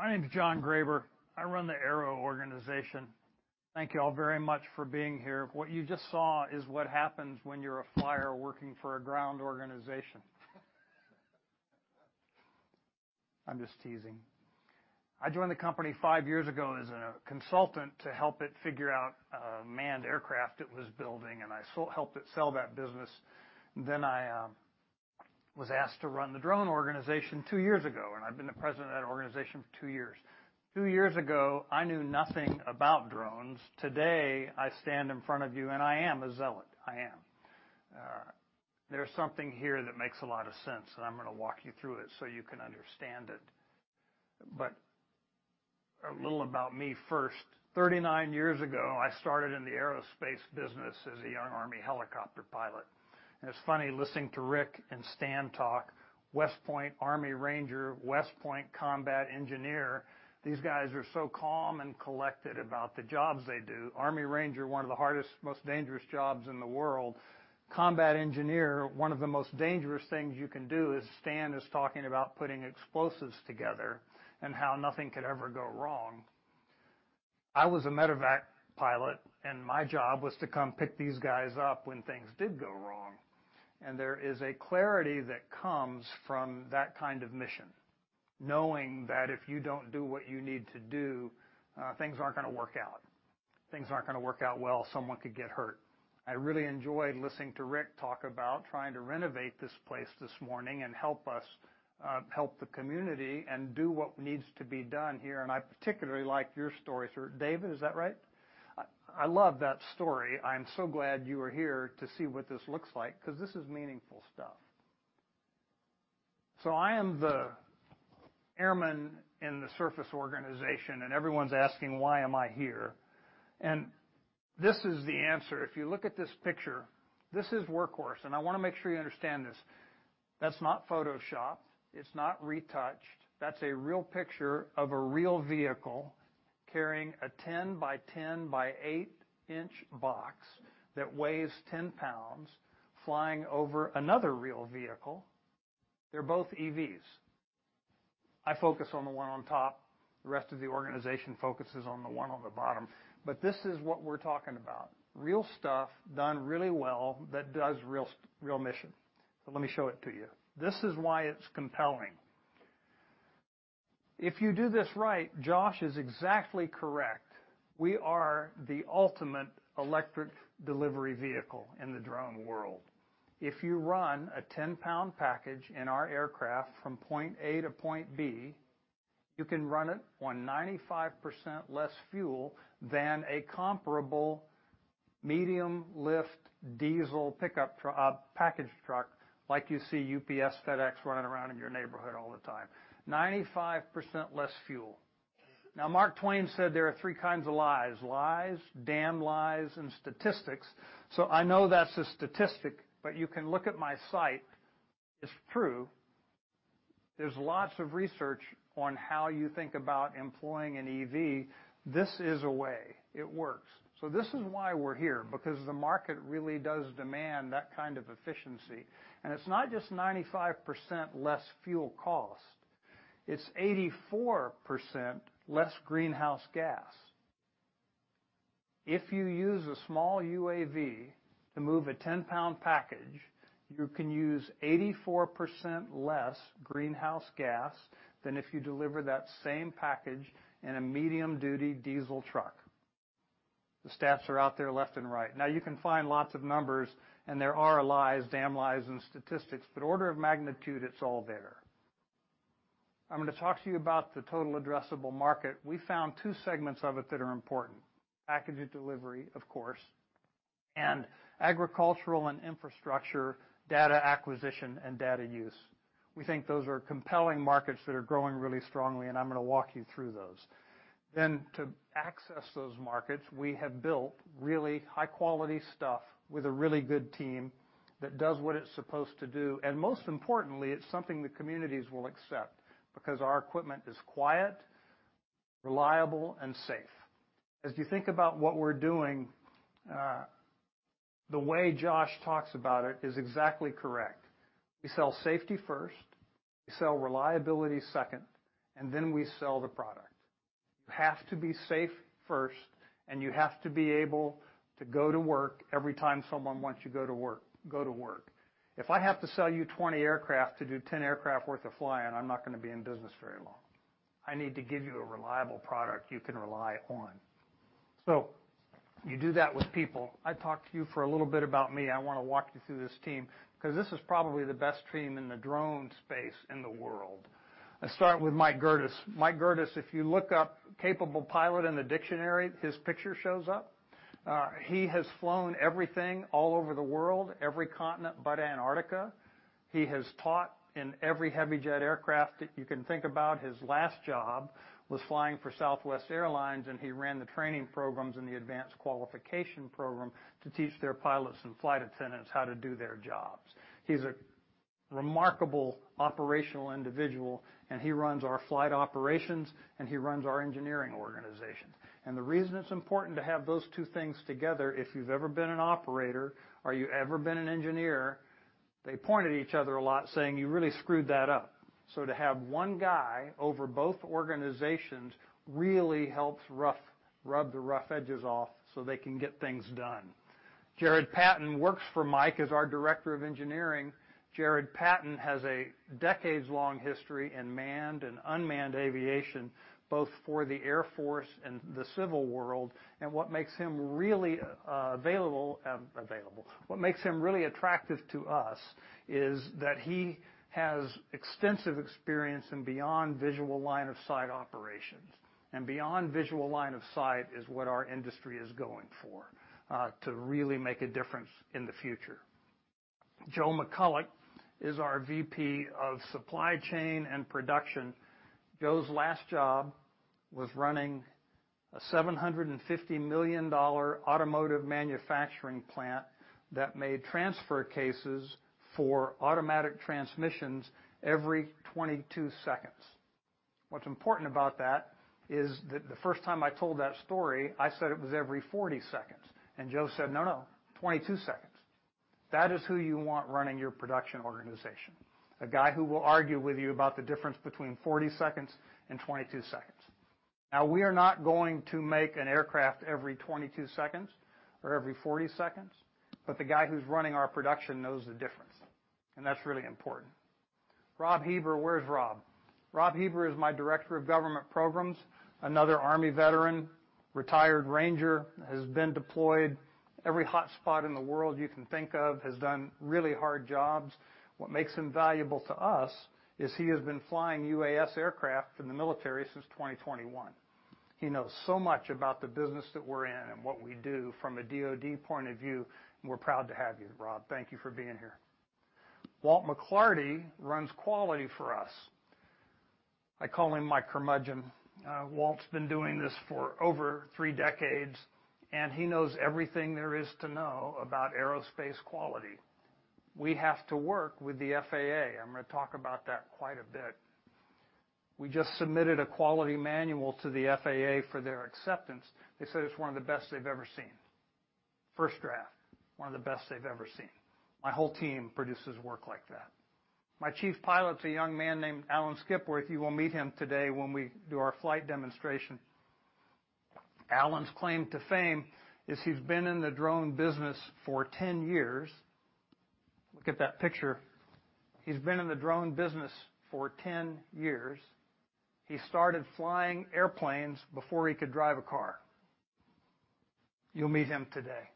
That's okay. Hey, John. Thank you. My name is John Graber. I run the Aero organization. Thank you all very much for being here. What you just saw is what happens when you're a flyer working for a ground organization. I'm just teasing. I joined the company five years ago as a consultant to help it figure out manned aircraft it was building, and I helped it sell that business. I was asked to run the drone organization two years ago, and I've been the president of that organization for two years. Twoyears ago, I knew nothing about drones. Today, I stand in front of you, and I am a zealot. I am. There's something here that makes a lot of sense, and I'm gonna walk you through it so you can understand it. A little about me first. 39 years ago, I started in the aerospace business as a young Army helicopter pilot. It's funny listening to Rick Dauch and Stan March talk, West Point, Army Ranger, West Point Combat Engineer. These guys are so calm and collected about the jobs they do. Army Ranger, one of the hardest, most dangerous jobs in the world. Combat Engineer, one of the most dangerous things you can do is Stan March is talking about putting explosives together and how nothing could ever go wrong. I was a medevac pilot, and my job was to come pick these guys up when things did go wrong. There is a clarity that comes from that kind of mission, knowing that if you don't do what you need to do, things aren't gonna work out. Things aren't gonna work out well. Someone could get hurt. I really enjoyed listening to Rick talk about trying to renovate this place this morning and help us, help the community and do what needs to be done here. I particularly like your story, sir. David, is that right? I love that story. I'm so glad you are here to see what this looks like because this is meaningful stuff. I am the airman in the surface organization, and everyone's asking why am I here? This is the answer. If you look at this picture, this is Workhorse, and I wanna make sure you understand this. That's not photoshopped. It's not retouched. That's a real picture of a real vehicle carrying a 10 by 10 by 8-in box that weighs 10 lbs flying over another real vehicle. They're both EVs. I focus on the one on top. The rest of the organization focuses on the one on the bottom. This is what we're talking about, real stuff done really well that does real mission. Let me show it to you. This is why it's compelling. If you do this right, Josh is exactly correct. We are the ultimate electric delivery vehicle in the drone world. If you run a 10-pound package in our aircraft from Point A to Point B, you can run it on 95% less fuel than a comparable medium-lift diesel package truck like you see UPS, FedEx running around in your neighborhood all the time. 95% less fuel. Mark Twain said there are three kinds of lies, damn lies, and statistics. I know that's a statistic, but you can look at my site. It's true. There's lots of research on how you think about employing an EV. This is a way. It works. This is why we're here, because the market really does demand that kind of efficiency. It's not just 95% less fuel cost. It's 84% less greenhouse gas. If you use a small UAV to move a 10-pound package, you can use 84% less greenhouse gas than if you deliver that same package in a medium-duty diesel truck. The stats are out there left and right. You can find lots of numbers, and there are lies, damn lies, and statistics, but order of magnitude, it's all there. I'm gonna talk to you about the total addressable market. We found two segments of it that are important, package and delivery, of course. Agricultural and infrastructure, data acquisition and data use. We think those are compelling markets that are growing really strongly, and I'm going to walk you through those. To access those markets, we have built really high-quality stuff with a really good team that does what it's supposed to do. Most importantly, it's something the communities will accept because our equipment is quiet, reliable, and safe. As you think about what we're doing, the way Josh talks about it is exactly correct. We sell safety first, we sell reliability second, and then we sell the product. You have to be safe first, and you have to be able to go to work every time someone wants you go to work. If I have to sell you 20 aircraft to do 10 aircraft worth of flying, I'm not going to be in business very long. I need to give you a reliable product you can rely on. You do that with people. I talked to you for a little bit about me. I want to walk you through this team because this is probably the best team in the drone space in the world. Let's start with Mike Gerdes. Mike Gerdes, if you look up capable pilot in the dictionary, his picture shows up. He has flown everything all over the world, every continent but Antarctica. He has taught in every heavy jet aircraft that you can think about. His last job was flying for Southwest Airlines, and he ran the training programs and the advanced qualification program to teach their pilots and flight attendants how to do their jobs. He's a remarkable operational individual, and he runs our flight operations, and he runs our engineering organization. The reason it's important to have those two things together, if you've ever been an operator or you ever been an engineer, they point at each other a lot saying, "You really screwed that up." To have one guy over both organizations really helps rub the rough edges off so they can get things done. Jarod Patton works for Mike as our Director of Engineering. Jarod Patton has a decades-long history in manned and unmanned aviation, both for the Air Force and the civil world. What makes him really available. What makes him really attractive to us is that he has extensive experience in beyond visual line of sight operations. Beyond visual line of sight is what our industry is going for to really make a difference in the future. Joe McCulloch is our VP of Supply Chain and Production. Joe's last job was running a $750 million automotive manufacturing plant that made transfer cases for automatic transmissions every 22 seconds. What's important about that is that the first time I told that story, I said it was every 40 seconds, Joe said, "No, no, 22 seconds." That is who you want running your production organization. A guy who will argue with you about the difference between 40 seconds and 22 seconds. We are not going to make an aircraft every 22 seconds or every 40 seconds, the guy who's running our production knows the difference, that's really important. Rob Heber. Where's Rob? Rob Heber is my Director of Government Programs, another Army veteran, retired Ranger, has been deployed every hot spot in the world you can think of, has done really hard jobs. What makes him valuable to us is he has been flying UAS aircraft in the military since 2021. He knows so much about the business that we're in and what we do from a DoD point of view, and we're proud to have you, Rob. Thank you for being here. Walt McClarty runs quality for us. I call him my curmudgeon. Walt's been doing this for over three decades, and he knows everything there is to know about aerospace quality. We have to work with the FAA. I'm going to talk about that quite a bit. We just submitted a quality manual to the FAA for their acceptance. They said it's one of the best they've ever seen. First draft, one of the best they've ever seen. My whole team produces work like that. My chief pilot is a young man named Ronnie Skipworth. You will meet him today when we do our flight demonstration. Alan's claim to fame is he's been in the drone business for 10 years. Look at that picture. He's been in the drone business for 10 years. He started flying airplanes before he could drive a car. You'll meet him today.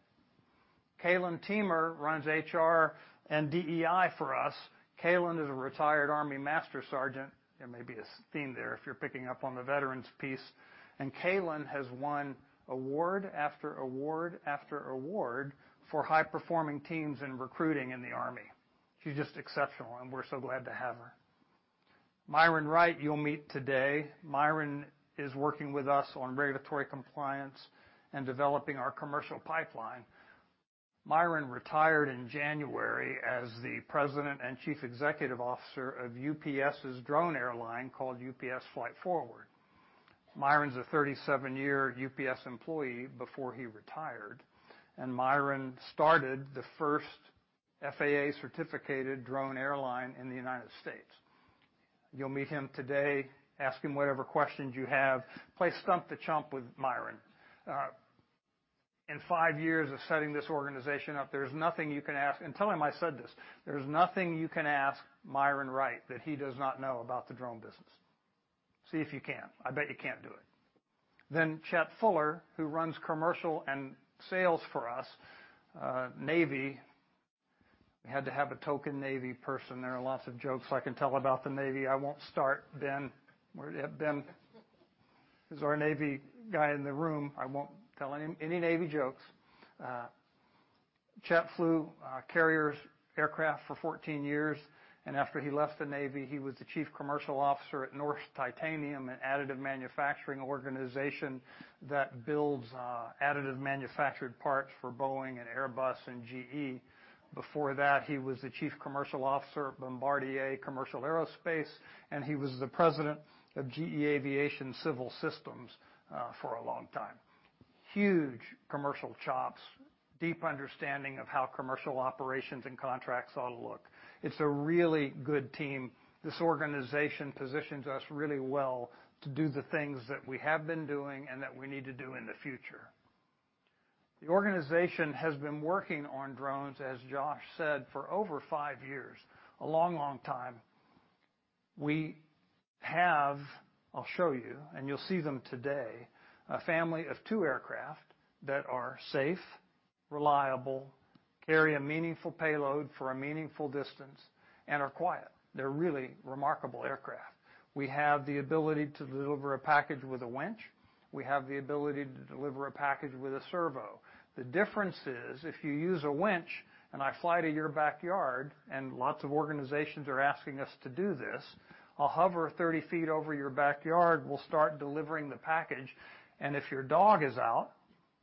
Kaylin Teemer runs HR and DEI for us. Kaylin is a retired Army Master Sergeant. There may be a theme there if you're picking up on the veterans piece. Kaylin has won award after award after award for high-performing teams in recruiting in the Army. She's just exceptional, and we're so glad to have her. Myron Wright, you'll meet today. Myron is working with us on regulatory compliance and developing our commercial pipeline. Myron retired in January as the President and Chief Executive Officer of UPS's drone airline called UPS Flight Forward. Myron's a 37-year UPS employee before he retired. Myron started the first FAA-certificated drone airline in the United States. You'll meet him today, ask him whatever questions you have. Play stump the chump with Myron. In five years of setting this organization up, there's nothing you can ask. Tell him I said this. There's nothing you can ask Myron Wright that he does not know about the drone business. See if you can. I bet you can't do it. Chet Fuller, who runs commercial and sales for us, Navy. We had to have a token Navy person. There are lots of jokes I can tell about the Navy. I won't start. Ben, where Ben is our Navy guy in the room. I won't tell any Navy jokes. Chet flew carriers aircraft for 14 years. After he left the Navy, he was the Chief Commercial Officer at Norsk Titanium, an additive manufacturing organization that builds additive manufactured parts for Boeing and Airbus and GE. Before that, he was the Chief Commercial Officer at Bombardier Commercial Aerospace. He was the President of GE Aviation Civil Systems for a long time. Huge commercial chops, deep understanding of how commercial operations and contracts ought to look. It's a really good team. This organization positions us really well to do the things that we have been doing and that we need to do in the future. The organization has been working on drones, as Josh said, for over five years, a long, long time. We have, I'll show you, and you'll see them today, a family of two aircraft that are safe, reliable, carry a meaningful payload for a meaningful distance, and are quiet. They're really remarkable aircraft. We have the ability to deliver a package with a winch. We have the ability to deliver a package with a servo. The difference is, if you use a winch and I fly to your backyard, and lots of organizations are asking us to do this, I'll hover 30 ft over your backyard. We'll start delivering the package. If your dog is out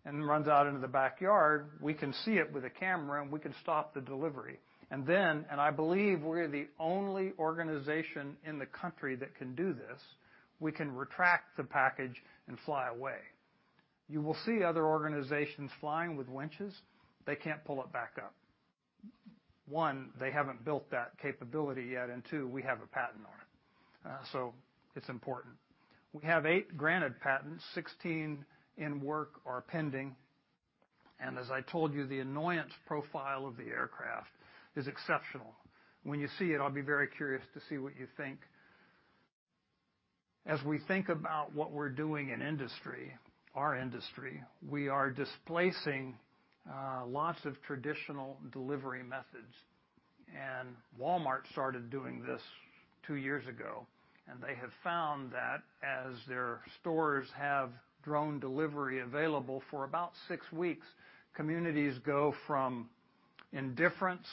and runs out into the backyard, we can see it with a camera, and we can stop the delivery. Then, I believe we're the only organization in the country that can do this, we can retract the package and fly away. You will see other organizations flying with winches. They can't pull it back up. One, they haven't built that capability yet, and two, we have a patent on it. It's important. We have eight granted patents, 16 in work or pending. As I told you, the annoyance profile of the aircraft is exceptional. When you see it, I'll be very curious to see what you think. As we think about what we're doing in industry, our industry, we are displacing lots of traditional delivery methods. Walmart started doing this two years ago, and they have found that as their stores have drone delivery available for about six weeks, communities go from indifference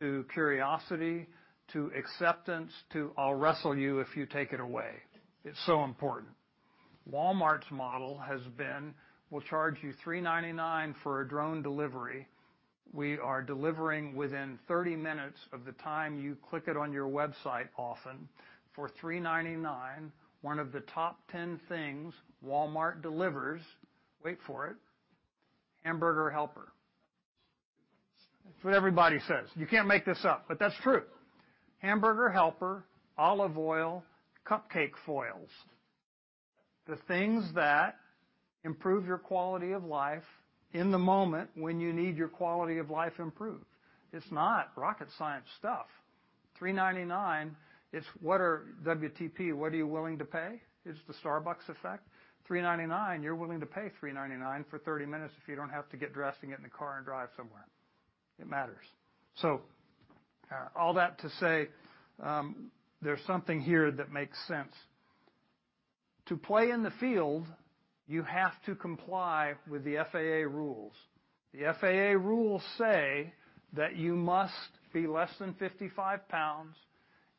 to curiosity to acceptance to, "I'll wrestle you if you take it away." It's so important. Walmart's model has been, we'll charge you $3.99 for a drone delivery. We are delivering within 30 minutes of the time you click it on your website often. For $3.99, one of the top 10 things Walmart delivers, wait for it, Hamburger Helper. That's what everybody says. You can't make this up, but that's true. Hamburger Helper, olive oil, cupcake foils. The things that improve your quality of life in the moment when you need your quality of life improved. It's not rocket science stuff. $3.99, it's what are WTP, what are you willing to pay? It's the Starbucks effect. $3.99, you're willing to pay $3.99 for 30 minutes if you don't have to get dressed and get in the car and drive somewhere. It matters. All that to say, there's something here that makes sense. To play in the field, you have to comply with the FAA rules. The FAA rules say that you must be less than 55 lbs,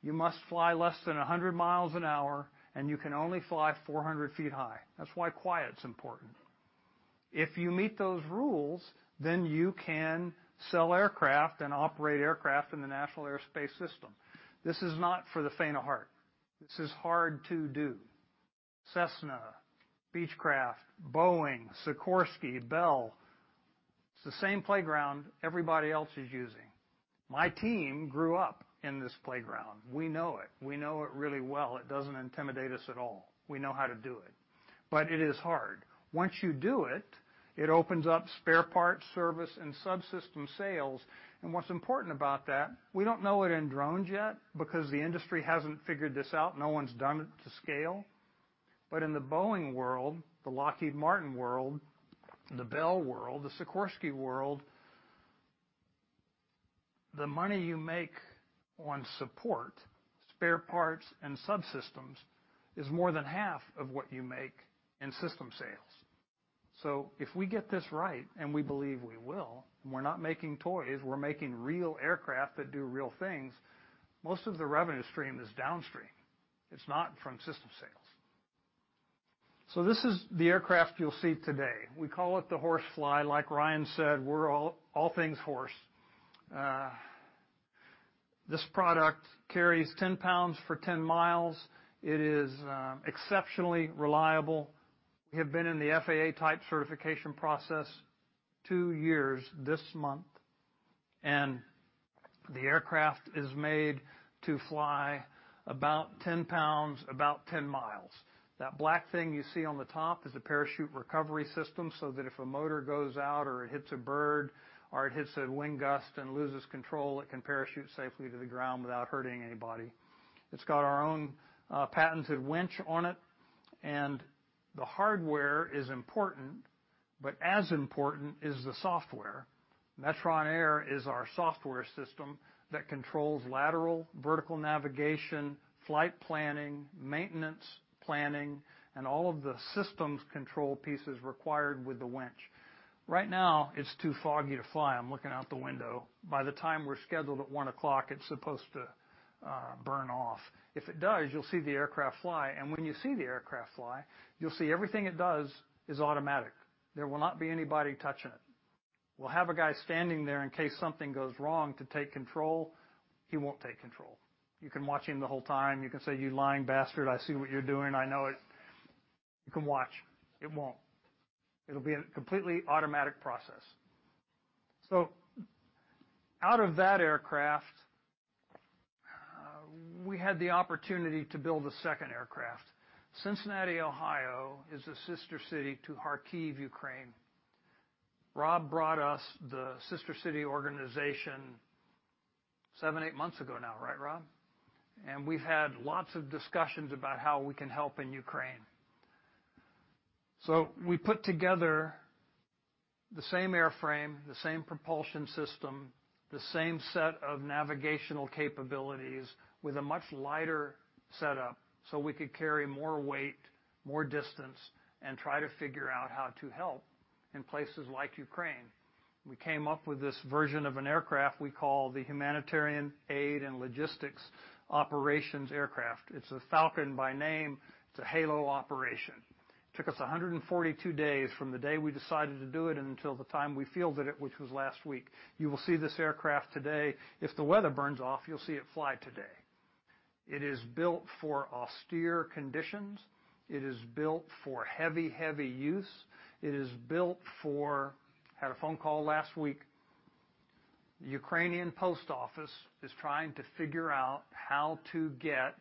you must fly less than 100 mi an hour, and you can only fly 400 ft high. That's why quiet's important. If you meet those rules, you can sell aircraft and operate aircraft in the National Airspace System. This is not for the faint of heart. This is hard to do. Cessna, Beechcraft, Boeing, Sikorsky, Bell. It's the same playground everybody else is using. My team grew up in this playground. We know it. We know it really well. It doesn't intimidate us at all. We know how to do it is hard. Once you do it opens up spare parts, service, and subsystem sales. What's important about that, we don't know it in drones yet because the industry hasn't figured this out. No one's done it to scale. In the Boeing world, the Lockheed Martin world, the Bell world, the Sikorsky world, the money you make on support, spare parts, and subsystems is more than half of what you make in system sales. If we get this right, and we believe we will, we're not making toys, we're making real aircraft that do real things, most of the revenue stream is downstream. It's not from system sales. This is the aircraft you'll see today. We call it the HorseFly. Like Ryan said, we're all things horse. This product carries 10 lbs for 10 mi. It is exceptionally reliable. We have been in the FAA type certification process two years this month, and the aircraft is made to fly about 10 lbs about 10 mi. That black thing you see on the top is a parachute recovery system so that if a motor goes out or it hits a bird or it hits a wind gust and loses control, it can parachute safely to the ground without hurting anybody. It's got our own patented winch on it. The hardware is important, but as important is the software. Metron Air is our software system that controls lateral, vertical navigation, flight planning, maintenance planning, and all of the systems control pieces required with the winch. Right now, it's too foggy to fly. I'm looking out the window. By the time we're scheduled at 1:00, it's supposed to burn off. If it does, you'll see the aircraft fly. When you see the aircraft fly, you'll see everything it does is automatic. There will not be anybody touching it. We'll have a guy standing there in case something goes wrong to take control. He won't take control. You can watch him the whole time. You can say, "You lying bastard. I see what you're doing. I know it." You can watch. It won't. It'll be a completely automatic process. Out of that aircraft, we had the opportunity to build a second aircraft. Cincinnati, Ohio, is a sister city to Kharkiv, Ukraine. Rob brought us the sister city organization seven, eight months ago now, right, Rob? We've had lots of discussions about how we can help in Ukraine. We put together the same airframe, the same propulsion system, the same set of navigational capabilities with a much lighter setup, so we could carry more weight, more distance, and try to figure out how to help in places like Ukraine. We came up with this version of an aircraft we call the Humanitarian Aid and Logistics Operations Aircraft. It's a Falcon by name. It's a HALO operation. Took us 142 days from the day we decided to do it until the time we feel that it, which was last week. You will see this aircraft today. If the weather burns off, you'll see it fly today. It is built for austere conditions. It is built for heavy use. It is built for. Had a phone call last week. Ukrainian Post Office is trying to figure out how to get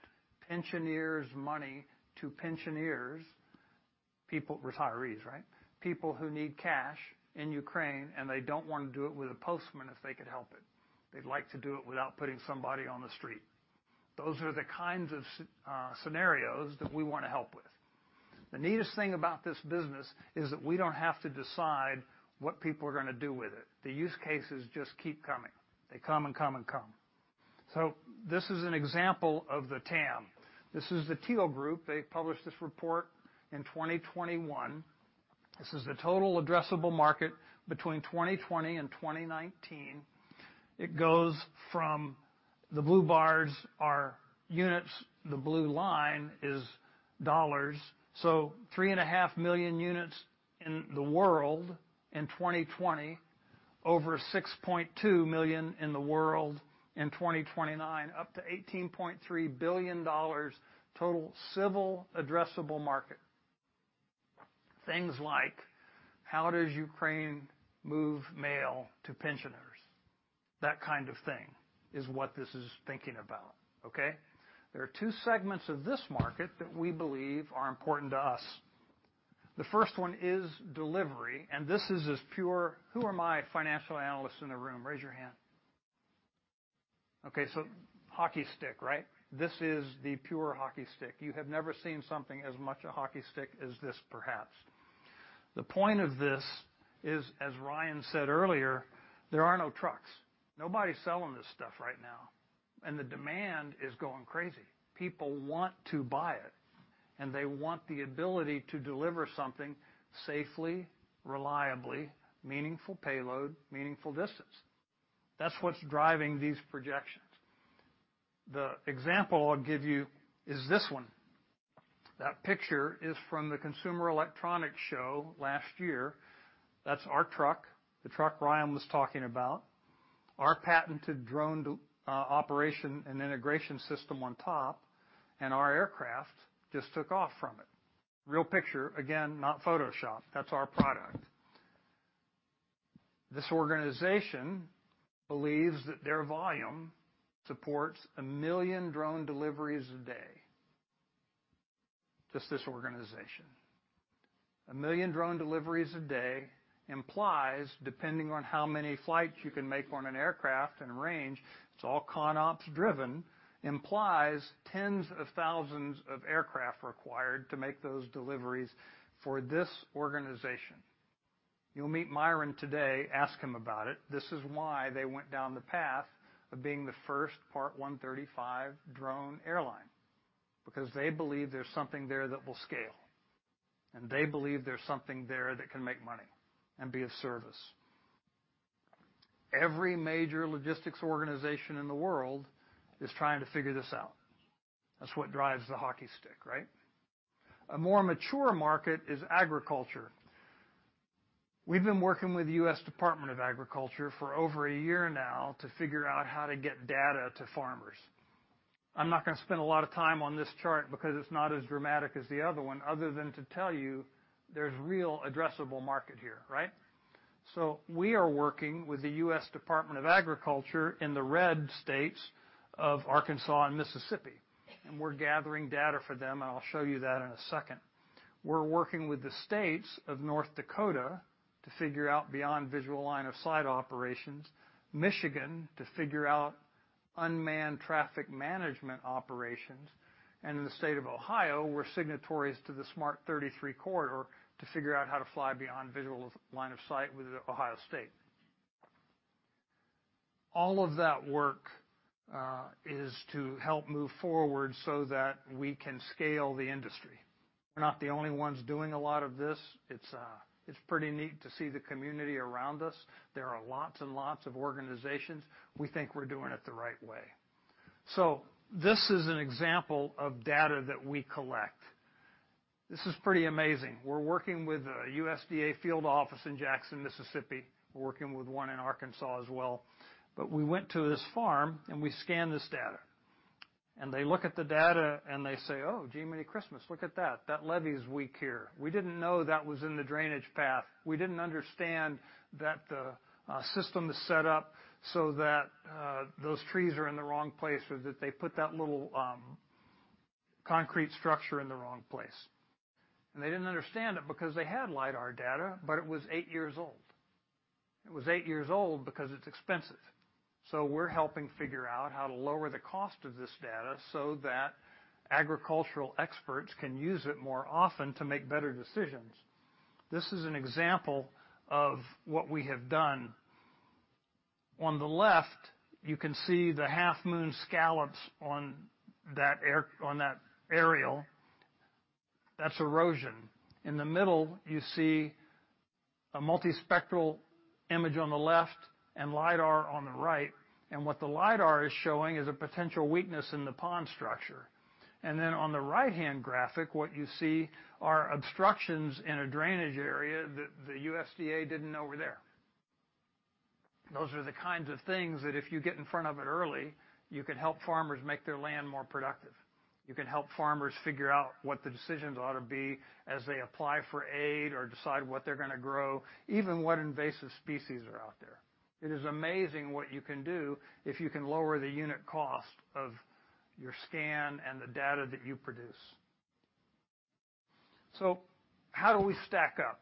pensioners' money to pensioners', people, retirees, right? People who need cash in Ukraine, they don't want to do it with a postman if they could help it. They'd like to do it without putting somebody on the street. Those are the kinds of scenarios that we wanna help with. The neatest thing about this business is that we don't have to decide what people are gonna do with it. The use cases just keep coming. They come and come and come. This is an example of the TAM. This is the Teal Group. They published this report in 2021. This is the total addressable market between 2020 and 2019. It goes from the blue bars are units. The blue line is dollars. 3.5 million units in the world in 2020, over 6.2 million in the world in 2029, up to $18.3 billion total civil addressable market. Things like how does Ukraine move mail to pensioners? That kind of thing is what this is thinking about, okay? There are two segments of this market that we believe are important to us. The first one is delivery. This is as pure. Who are my financial analysts in the room? Raise your hand. Okay, hockey stick, right? This is the pure hockey stick. You have never seen something as much a hockey stick as this, perhaps. The point of this is, as Ryan said earlier, there are no trucks. Nobody's selling this stuff right now. The demand is going crazy. People want to buy it. They want the ability to deliver something safely, reliably, meaningful payload, meaningful distance. That's what's driving these projections. The example I'll give you is this one. That picture is from the Consumer Electronics Show last year. That's our truck, the truck Ryan was talking about. Our patented drone operation and integration system on top, and our aircraft just took off from it. Real picture, again, not photoshopped. That's our product. This organization believes that their volume supports 1 million drone deliveries a day. Just this organization. 1 million drone deliveries a day implies, depending on how many flights you can make on an aircraft and range, it's all ConOps driven, implies tens of thousands of aircraft required to make those deliveries for this organization. You'll meet Myron today. Ask him about it. This is why they went down the path of being the first Part 135 drone airline, because they believe there's something there that will scale, and they believe there's something there that can make money and be of service. Every major logistics organization in the world is trying to figure this out. That's what drives the hockey stick, right? A more mature market is agriculture. We've been working with the U.S. Department of Agriculture for over a year now to figure out how to get data to farmers. I'm not gonna spend a lot of time on this chart because it's not as dramatic as the other one, other than to tell you there's real addressable market here, right? We are working with the U.S. Department of Agriculture in the red states of Arkansas and Mississippi, and we're gathering data for them, and I'll show you that in a second. We're working with the states of North Dakota to figure out beyond visual line of sight operations, Michigan to figure out Unmanned traffic management operations. In the state of Ohio, we're signatories to the Smart 33 Corridor to figure out how to fly beyond visual line of sight with the Ohio State. All of that work is to help move forward so that we can scale the industry. We're not the only ones doing a lot of this. It's pretty neat to see the community around us. There are lots and lots of organizations. We think we're doing it the right way. This is an example of data that we collect. This is pretty amazing. We're working with a USDA field office in Jackson, Mississippi. We're working with one in Arkansas as well. We went to this farm, and we scanned this data. They look at the data, and they say, "Oh, jiminy Christmas, look at that. That levee is weak here. We didn't know that was in the drainage path. We didn't understand that the system is set up so that those trees are in the wrong place or that they put that little concrete structure in the wrong place. They didn't understand it because they had lidar data, but it was eight years old. It was eight years old because it's expensive. We're helping figure out how to lower the cost of this data so that agricultural experts can use it more often to make better decisions. This is an example of what we have done. On the left, you can see the half-moon scallops on that aerial. That's erosion. In the middle, you see a multispectral image on the left and lidar on the right. What the lidar is showing is a potential weakness in the pond structure. On the right-hand graphic, what you see are obstructions in a drainage area that the USDA didn't know were there. Those are the kinds of things that if you get in front of it early, you can help farmers make their land more productive. You can help farmers figure out what the decisions ought to be as they apply for aid or decide what they're gonna grow, even what invasive species are out there. It is amazing what you can do if you can lower the unit cost of your scan and the data that you produce. How do we stack up?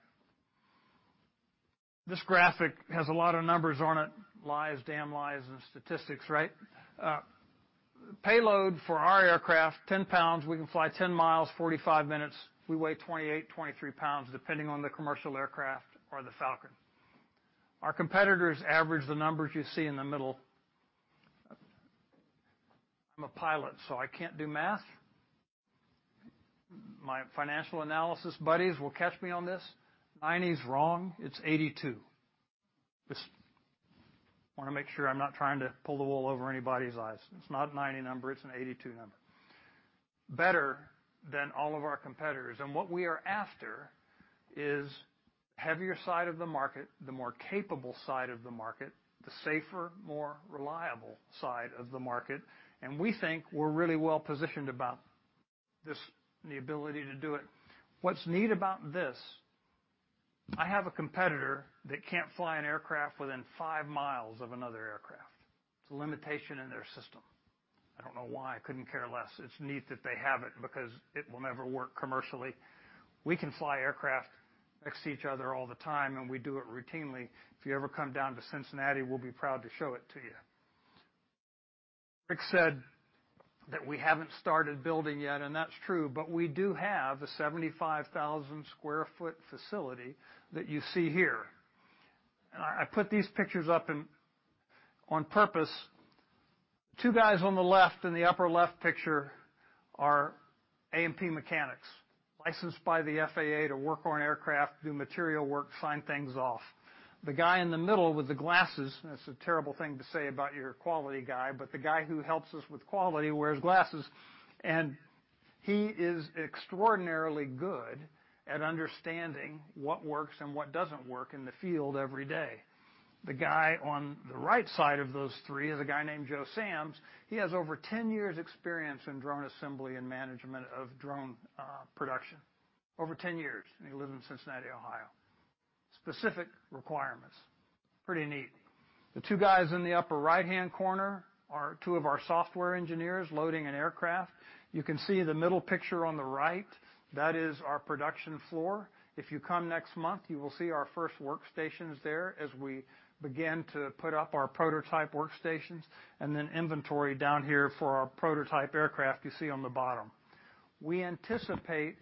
This graphic has a lot of numbers on it. Lies, damn lies, and statistics, right? Payload for our aircraft, 10 lbs. We can fly 10 mi, 45 min. We weigh 28, 23 lbs, depending on the commercial aircraft or the Falcon. Our competitors average the numbers you see in the middle. I'm a pilot, so I can't do math. My financial analysis buddies will catch me on this. 90 is wrong. It's 82. Just wanna make sure I'm not trying to pull the wool over anybody's eyes. It's not a 90 number, it's an 82 number. Better than all of our competitors. What we are after is heavier side of the market, the more capable side of the market, the safer, more reliable side of the market. We think we're really well-positioned about this, the ability to do it. What's neat about this, I have a competitor that can't fly an aircraft within 5 mi of another aircraft. It's a limitation in their system. I don't know why. I couldn't care less. It's neat that they have it because it will never work commercially. We can fly aircraft next to each other all the time, and we do it routinely. If you ever come down to Cincinnati, we'll be proud to show it to you. Rick said that we haven't started building yet, and that's true, but we do have a 75,000 sq ft facility that you see here. I put these pictures up in, on purpose. Two guys on the left in the upper left picture are A&P mechanics, licensed by the FAA to work on aircraft, do material work, sign things off. The guy in the middle with the glasses, and it's a terrible thing to say about your quality guy, but the guy who helps us with quality wears glasses, and he is extraordinarily good at understanding what works and what doesn't work in the field every day. The guy on the right side of those three is a guy named Joe Sams. He has over 10 years' experience in drone assembly and management of drone production, over 10 years, and he lives in Cincinnati, Ohio. Specific requirements. Pretty neat. The two guys in the upper right-hand corner are two of our software engineers loading an aircraft. You can see the middle picture on the right, that is our production floor. If you come next month, you will see our first workstations there as we begin to put up our prototype workstations and then inventory down here for our prototype aircraft you see on the bottom. We anticipate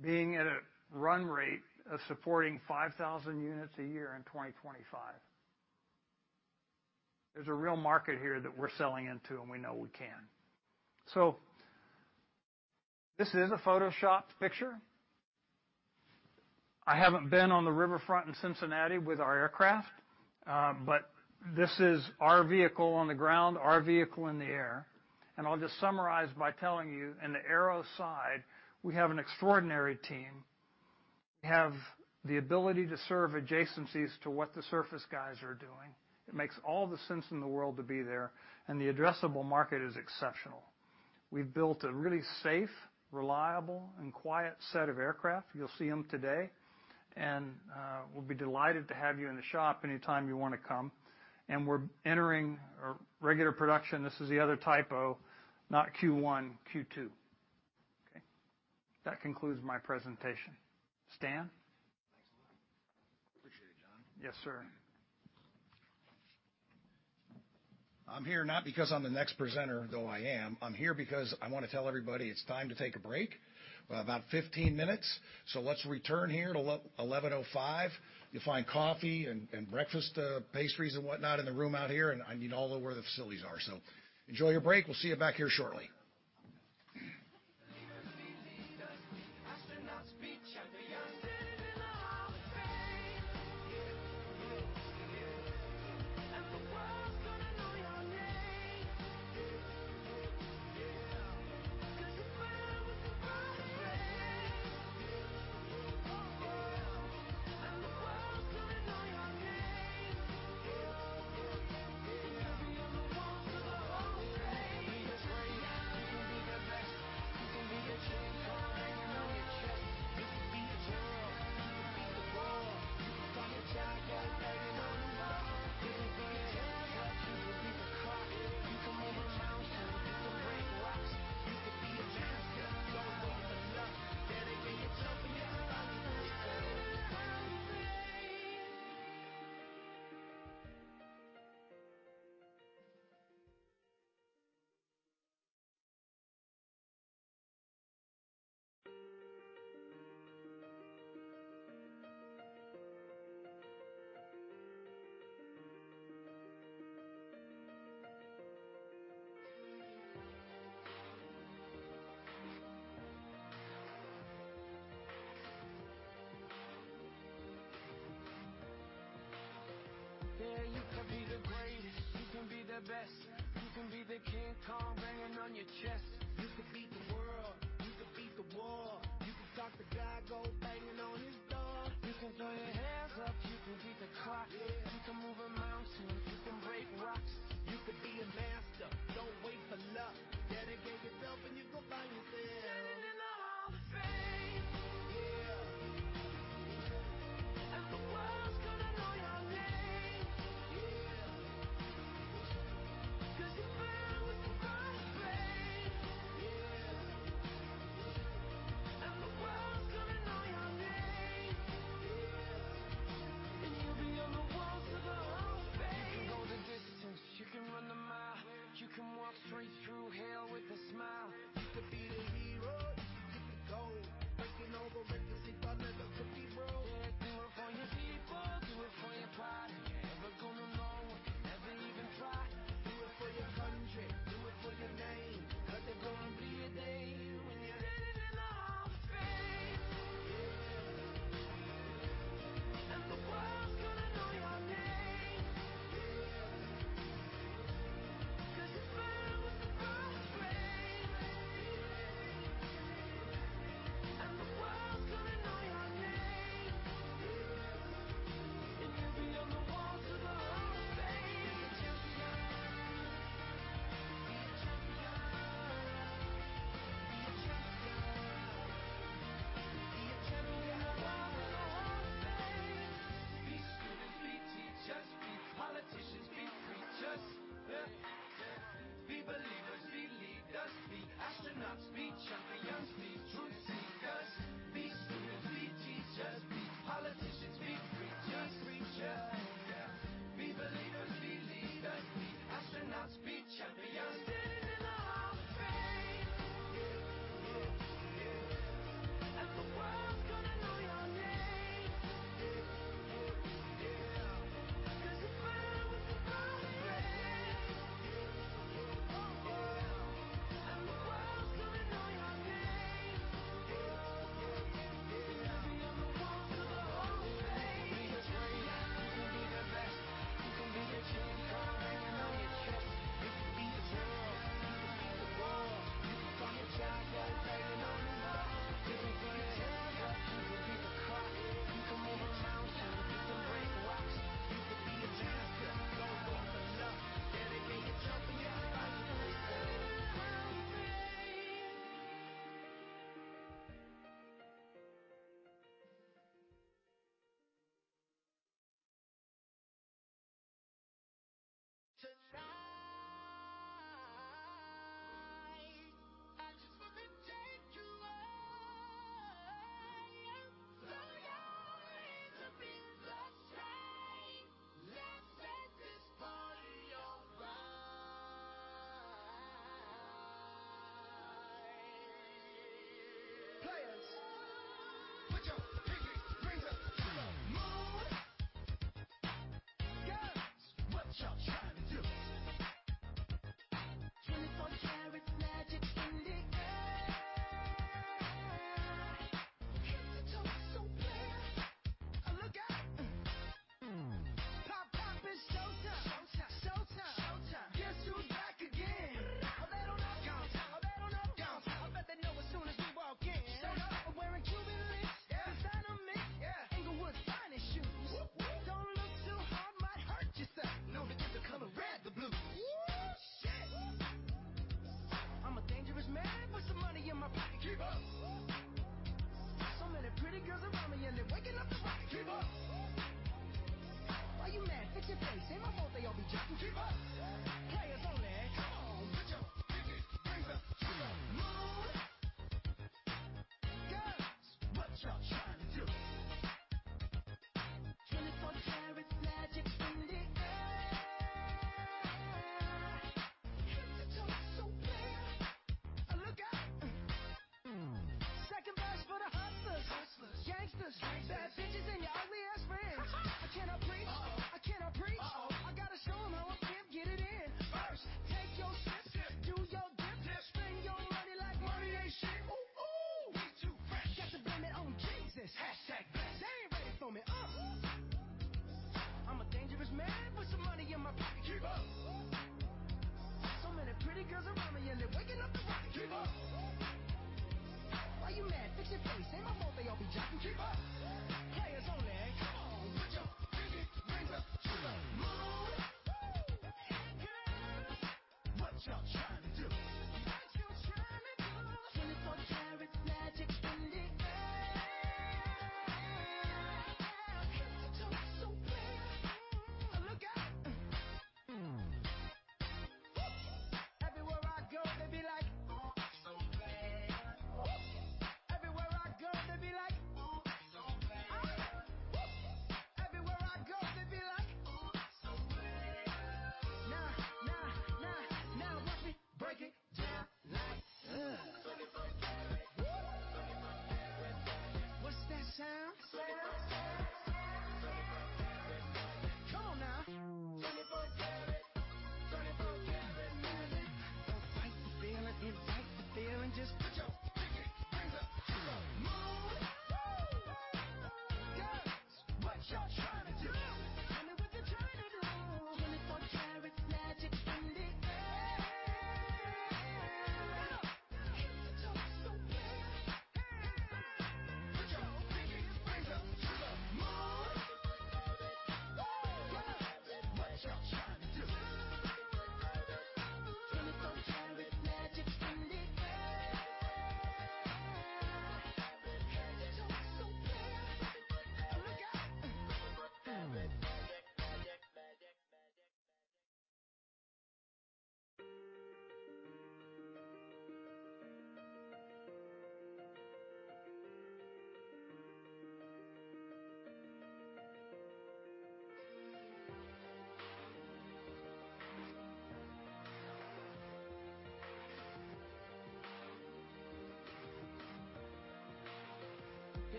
being at a run rate of supporting 5,000 units a year in 2025. There's a real market here that we're selling into, and we know we can. This is a photoshopped picture. I haven't been on the riverfront in Cincinnati with our aircraft, but this is our vehicle on the ground, our vehicle in the air. I'll just summarize by telling you, in the aero side, we have an extraordinary team. We have the ability to serve adjacencies to what the surface guys are doing. It makes all the sense in the world to be there, the addressable market is exceptional. We've built a really safe, reliable, and quiet set of aircraft. You'll see them today. We'll be delighted to have you in the shop anytime you wanna come. We're entering our regular production. This is the other typo, not Q1, Q2. Okay. That concludes my presentation. Stan? Yes, sir. I'm here not because I'm the next presenter, though I am. I'm here because I wanna tell everybody it's time to take a break. We've about 15 minutes. Let's return here at 11:05. You'll find coffee and breakfast pastries and whatnot in the room out here, and I mean, all of where the facilities are. Enjoy your break. We'll see you back here shortly.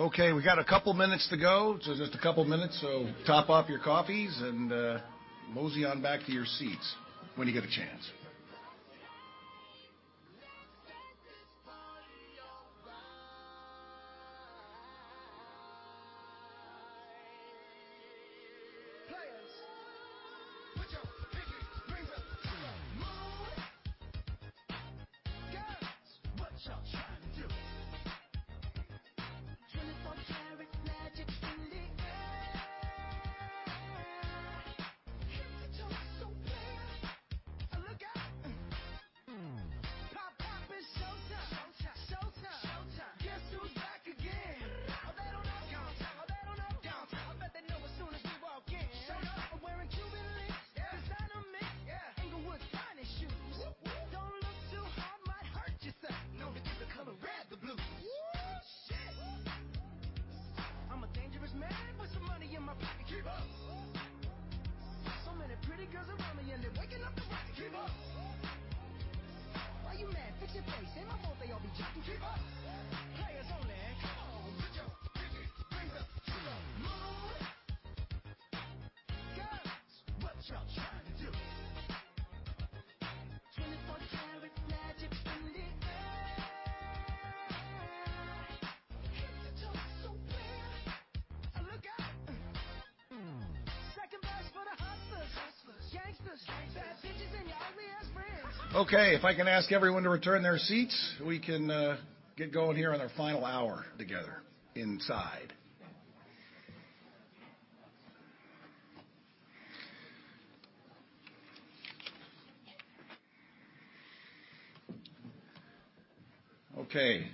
Okay, we got a couple minutes to go. Just a couple minutes, so top off your coffees and mosey on back to your seats when you get a chance. Okay, if I can ask everyone to return to their seats, we can get going here on our final hour together inside. Okay,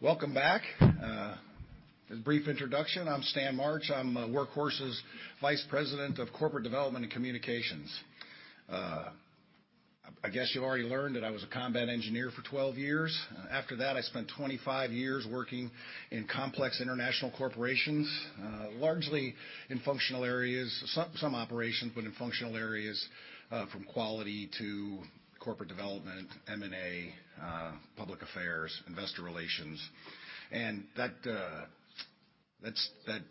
welcome back. As brief introduction, I'm Stan March. I'm Workhorse's vice president of corporate development and communications. I guess you've already learned that I was a combat engineer for 12 years. After that, I spent 25 years working in complex international corporations, largely in functional areas. Some operations, but in functional areas, from quality to corporate development, M&A, public affairs, investor relations. That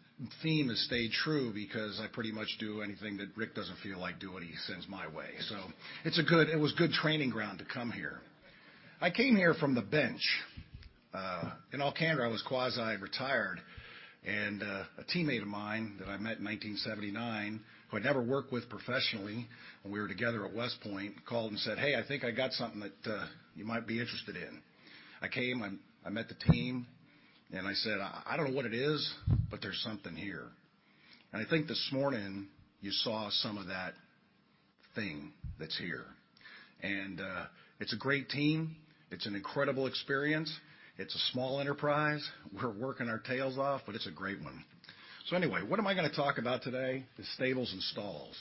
theme has stayed true because I pretty much do anything that Rick doesn't feel like doing, he sends my way. It was good training ground to come here. I came here from the bench. In Alcandra, I was quasi-retired, and a teammate of mine that I met in 1979, who I'd never worked with professionally, when we were together at West Point, called and said, "Hey, I think I got something that you might be interested in." I came, and I met the team, and I said, "I don't know what it is, but there's something here." I think this morning you saw some of that thing that's here. It's a great team. It's an incredible experience. It's a small enterprise. We're working our tails off, but it's a great one. Anyway, what am I gonna talk about today? The Stables and Stalls.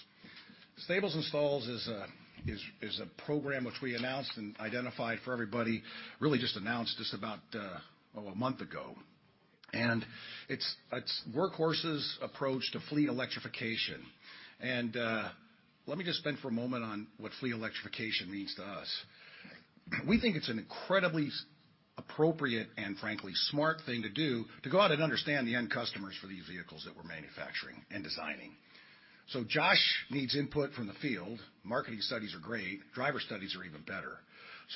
Stables and Stalls is a program which we announced and identified for everybody, really just announced just about, oh, a month ago. It's Workhorse's approach to fleet electrification. Let me just spend for a moment on what fleet electrification means to us. We think it's an incredibly appropriate and frankly, smart thing to do to go out and understand the end customers for these vehicles that we're manufacturing and designing. Josh needs input from the field. Marketing studies are great. Driver studies are even better.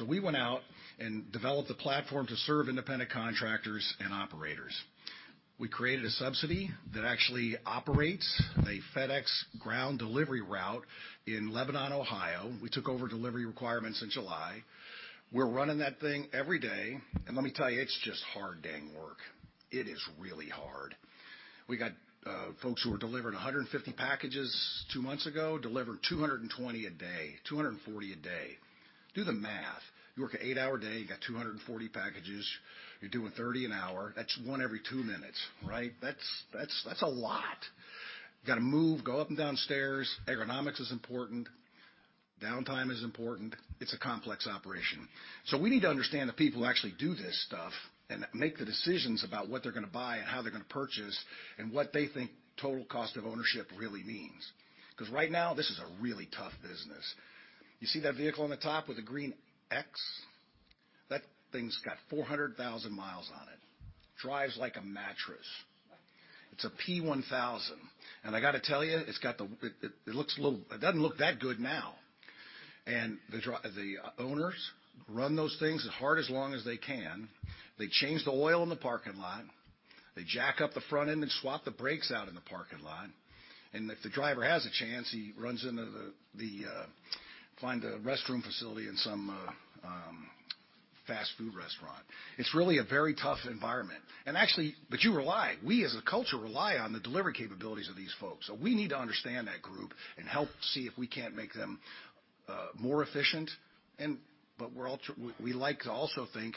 We went out and developed a platform to serve independent contractors and operators. We created a subsidy that actually operates a FedEx Ground delivery route in Lebanon, Ohio. We took over delivery requirements in July. We're running that thing every day. Let me tell you, it's just hard dang work. It is really hard. We got folks who were delivering 150 packages two months ago, delivered 220 a day, 240 a day. Do the math. You work an eight-hour day, you got 240 packages. You're doing 30 an hour. That's one every two minutes, right? That's a lot. You gotta move, go up and down stairs. Ergonomics is important. Downtime is important. It's a complex operation. We need to understand the people who actually do this stuff and make the decisions about what they're gonna buy and how they're gonna purchase, and what they think total cost of ownership really means. 'Cause right now, this is a really tough business. You see that vehicle on the top with a green X? That thing's got 400,000 mi on it. Drives like a mattress. It's a P1000. I gotta tell you, it doesn't look that good now. The owners run those things as hard as long as they can. They change the oil in the parking lot. They jack up the front end and swap the brakes out in the parking lot. If the driver has a chance, he runs into the find a restroom facility in some fast food restaurant. It's really a very tough environment. You rely, we as a culture, rely on the delivery capabilities of these folks. We need to understand that group and help see if we can't make them more efficient. We like to also think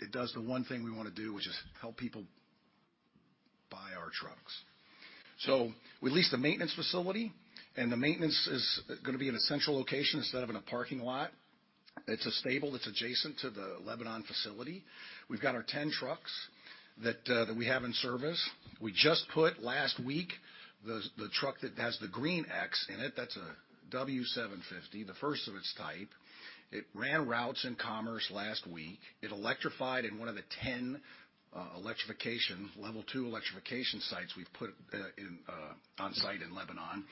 it does the one thing we wanna do, which is help people buy our trucks. We lease the maintenance facility, and the maintenance is gonna be in a central location instead of in a parking lot. It's a stable that's adjacent to the Lebanon facility. We've got our 10 trucks that we have in service. We just put last week, the truck that has the green X in it, that's a W750, the first of its type. It ran routes in Commerce last week. It electrified in one of the 10 electrification, level two electrification sites we've put in on site in Lebanon.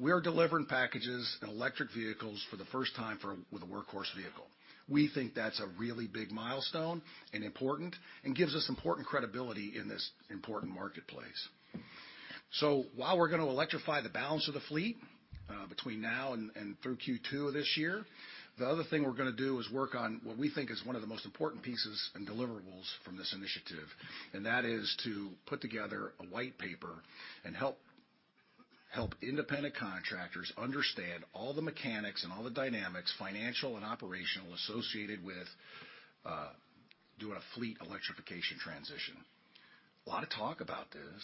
We're delivering packages in electric vehicles for the first time with a Workhorse vehicle. We think that's a really big milestone and important, and gives us important credibility in this important marketplace. While we're gonna electrify the balance of the fleet between now and through Q2 of this year, the other thing we're gonna do is work on what we think is one of the most important pieces and deliverables from this initiative. That is to put together a white paper and help independent contractors understand all the mechanics and all the dynamics, financial and operational, associated with doing a fleet electrification transition. A lot of talk about this,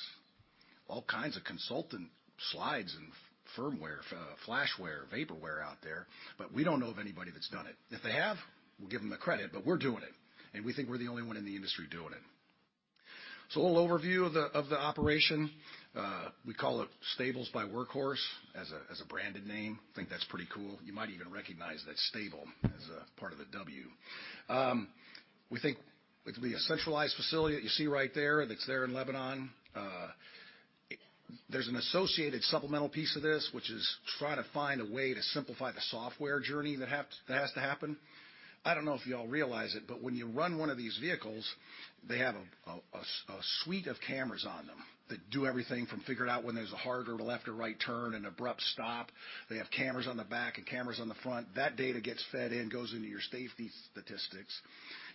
all kinds of consultant slides and firmware, flashware, vaporware out there, we don't know of anybody that's done it. If they have, we'll give them the credit, we're doing it, and we think we're the only one in the industry doing it. A little overview of the operation. We call it Stables by Workhorse as a branded name. I think that's pretty cool. You might even recognize that Stables as a part of the W. We think it could be a centralized facility that you see right there, that's there in Lebanon. There's an associated supplemental piece of this, which is try to find a way to simplify the software journey that has to happen. I don't know if you all realize it, but when you run one of these vehicles, they have a suite of cameras on them that do everything from figure out when there's a harder left or right turn, an abrupt stop. They have cameras on the back and cameras on the front. That data gets fed and goes into your safety statistics.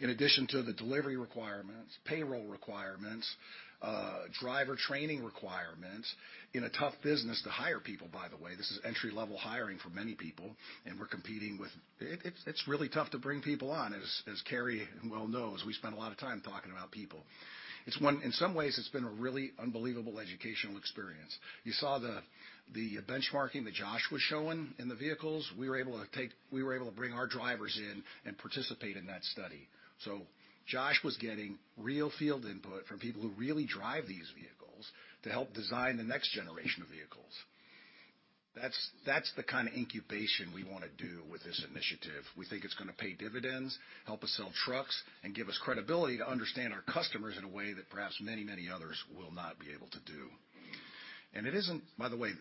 In addition to the delivery requirements, payroll requirements, driver training requirements. In a tough business to hire people, by the way, this is entry-level hiring for many people, and we're competing with. It's really tough to bring people on, as Carrie well knows. We spend a lot of time talking about people. In some ways, it's been a really unbelievable educational experience. You saw the benchmarking that Josh was showing in the vehicles. We were able to bring our drivers in and participate in that study. Josh was getting real field input from people who really drive these vehicles to help design the next generation of vehicles. That's the kind of incubation we wanna do with this initiative. We think it's gonna pay dividends, help us sell trucks, and give us credibility to understand our customers in a way that perhaps many, many others will not be able to do. By the way,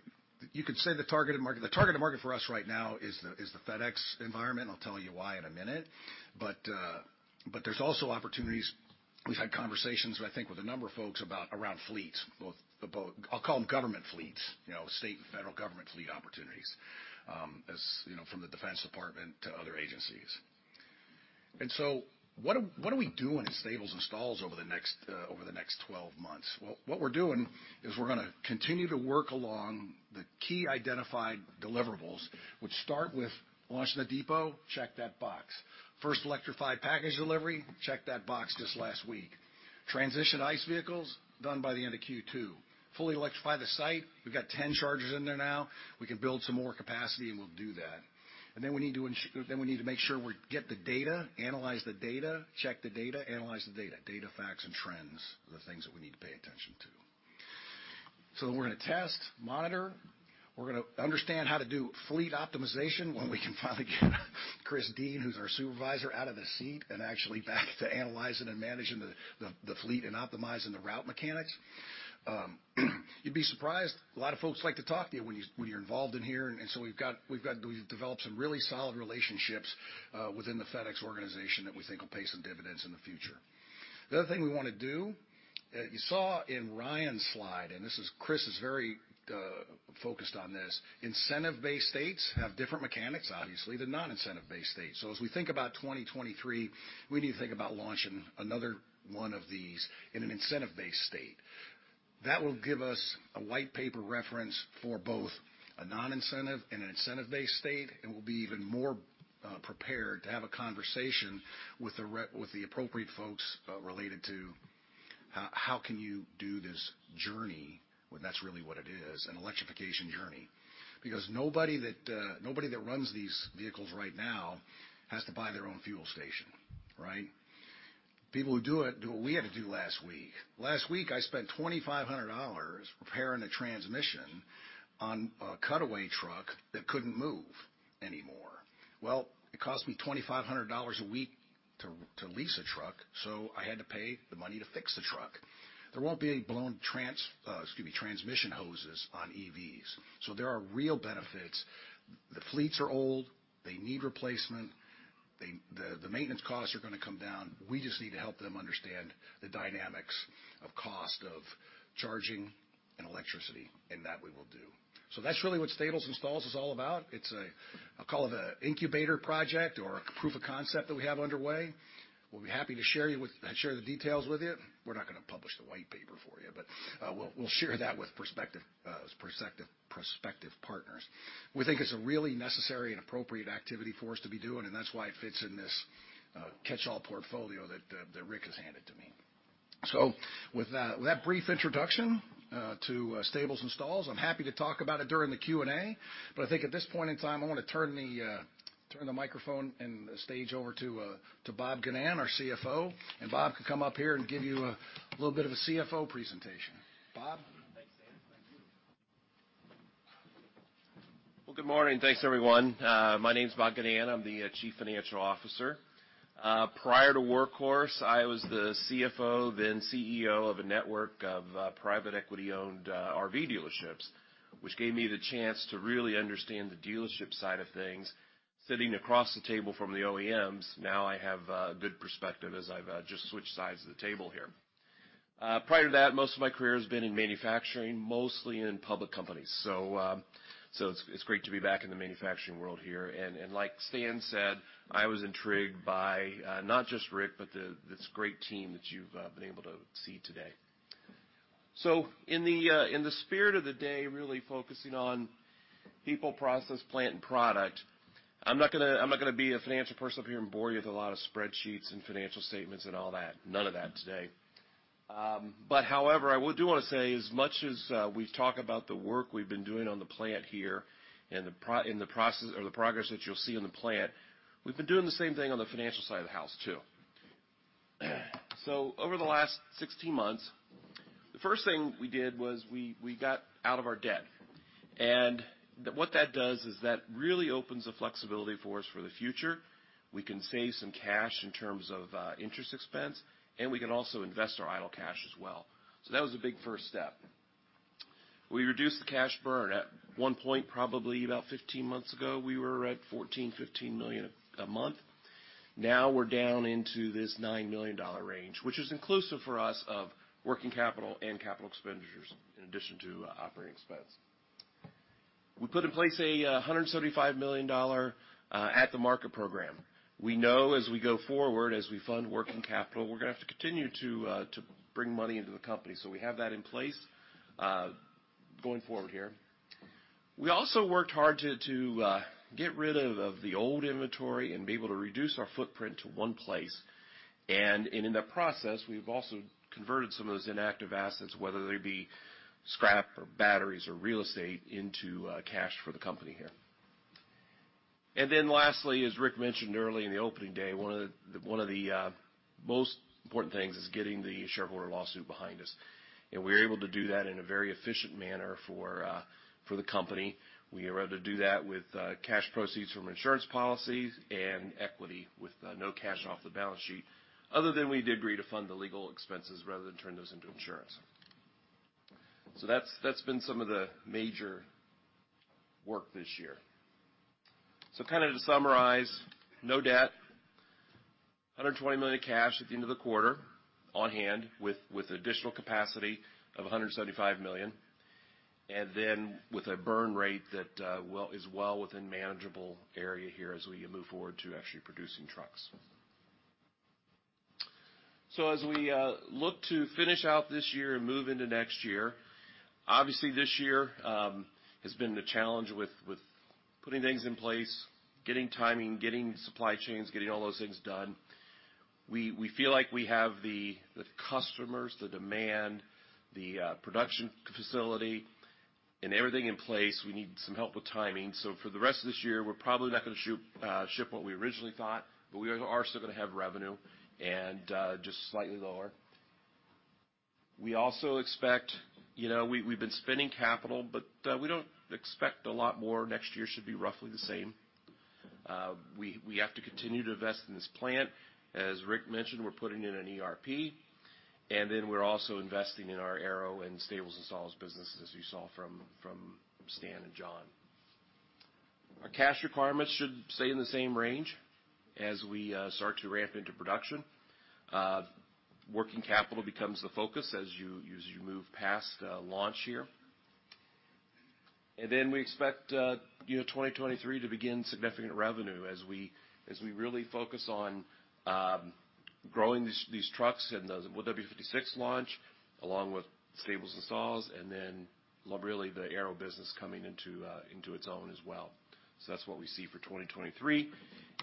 you could say the targeted market. The targeted market for us right now is the FedEx environment. I'll tell you why in a minute. There's also opportunities. We've had conversations, I think, with a number of folks about around fleets, both government fleets. You know, state and federal government fleet opportunities, as, you know, from the Defense Department to other agencies. What are we doing in Stables and Stalls over the next 12 months? What we're doing is we're gonna continue to work along the key identified deliverables, which start with launching the depot. Check that box. First electrified package delivery, check that box this last week. Transition ICE vehicles done by the end of Q2. Fully electrify the site. We've got 10 chargers in there now. We can build some more capacity, and we'll do that. Then we need to make sure we get the data, analyze the data, check the data, analyze the data. Data, facts, and trends are the things that we need to pay attention to. We're gonna test, monitor. We're gonna understand how to do fleet optimization when we can finally get Chris Dean, who's our supervisor, out of the seat and actually back to analyzing and managing the fleet and optimizing the route mechanics. You'd be surprised, a lot of folks like to talk to you when you're involved in here. We've developed some really solid relationships within the FedEx organization that we think will pay some dividends in the future. The other thing we wanna do, you saw in Ryan's slide, and this is Chris is very focused on this. Incentive-based states have different mechanics, obviously, than non-incentive-based states. As we think about 2023, we need to think about launching another one of these in an incentive-based state. That will give us a white paper reference for both a non-incentive and an incentive-based state, and we'll be even more prepared to have a conversation with the appropriate folks related to how can you do this journey? Well, that's really what it is, an electrification journey. Nobody that runs these vehicles right now has to buy their own fuel station, right? People who do it do what we had to do last week. Last week, I spent $2,500 repairing a transmission on a cutaway truck that couldn't move anymore. Well, it cost me $2,500 a week to lease a truck, so I had to pay the money to fix the truck. There won't be any blown trans, excuse me, transmission hoses on EVs. There are real benefits. The fleets are old. They need replacement. The maintenance costs are gonna come down. We just need to help them understand the dynamics of cost of charging and electricity, and that we will do. That's really what Stables and Stalls is all about. It's a, I'll call it a incubator project or a proof of concept that we have underway. We'll be happy to share the details with you. We're not gonna publish the white paper for you, we'll share that with prospective partners. We think it's a really necessary and appropriate activity for us to be doing, that's why it fits in this catch-all portfolio that Rick Dauch has handed to me. With that, with that brief introduction to Stables and Stalls, I'm happy to talk about it during the Q&A. I think at this point in time, I wanna turn the microphone and the stage over to Bob Ginnan, our CFO. Bob can come up here and give you a little bit of a CFO presentation. Bob. Thanks, Stan. Thank you. Well, good morning. Thanks, everyone. My name's Bob Ginnan. I'm the Chief Financial Officer. Prior to Workhorse, I was the CFO, then CEO of a network of private equity-owned RV dealerships, which gave me the chance to really understand the dealership side of things sitting across the table from the OEMs. I have good perspective as I've just switched sides of the table here. Prior to that, most of my career has been in manufacturing, mostly in public companies. It's great to be back in the manufacturing world here. Like Stan said, I was intrigued by not just Rick, but this great team that you've been able to see today. In the spirit of the day, really focusing on people, process, plant, and product, I'm not gonna be a financial person up here and bore you with a lot of spreadsheets and financial statements and all that. None of that today. However, I do wanna say, as much as we've talked about the work we've been doing on the plant here and the process or the progress that you'll see on the plant, we've been doing the same thing on the financial side of the house, too. Over the last 16 months, the first thing we did was we got out of our debt. What that does is that really opens the flexibility for us for the future. We can save some cash in terms of interest expense, and we can also invest our idle cash as well. That was a big first step. We reduced the cash burn. At one point, probably about 15 months ago, we were at $14 million-$15 million a month. Now we're down into this $9 million range, which is inclusive for us of working capital and capital expenditures in addition to operating expense. We put in place a $175 million at the market program. We know as we go forward, as we fund working capital, we're gonna have to continue to bring money into the company. We have that in place going forward here. We also worked hard to get rid of the old inventory and be able to reduce our footprint to one place. In that process, we've also converted some of those inactive assets, whether they be scrap or batteries or real estate, into cash for the company here. Lastly, as Rick mentioned early in the opening day, one of the most important things is getting the shareholder lawsuit behind us. We were able to do that in a very efficient manner for the company. We were able to do that with cash proceeds from insurance policies and equity with no cash off the balance sheet other than we did agree to fund the legal expenses rather than turn those into insurance. That's been some of the major work this year. Kind of to summarize, no debt, $120 million of cash at the end of the quarter on hand with additional capacity of $175 million. With a burn rate that is well within manageable area here as we move forward to actually producing trucks. As we look to finish out this year and move into next year, obviously this year has been the challenge with putting things in place, getting timing, getting supply chains, getting all those things done. We feel like we have the customers, the demand, the production facility and everything in place. We need some help with timing. For the rest of this year we're probably not gonna ship what we originally thought, but we are still gonna have revenue and just slightly lower. We also expect, you know, we've been spending capital, but we don't expect a lot more. Next year should be roughly the same. We have to continue to invest in this plant. As Rick mentioned, we're putting in an ERP, and then we're also investing in our Aero and Stables and Stalls businesses as you saw from Stan and John. Our cash requirements should stay in the same range as we start to ramp into production. Working capital becomes the focus as you move past launch here. We expect, you know, 2023 to begin significant revenue as we really focus on growing these trucks and the W56 launch along with Stables and Stalls, and then really the Aero business coming into its own as well. That's what we see for 2023.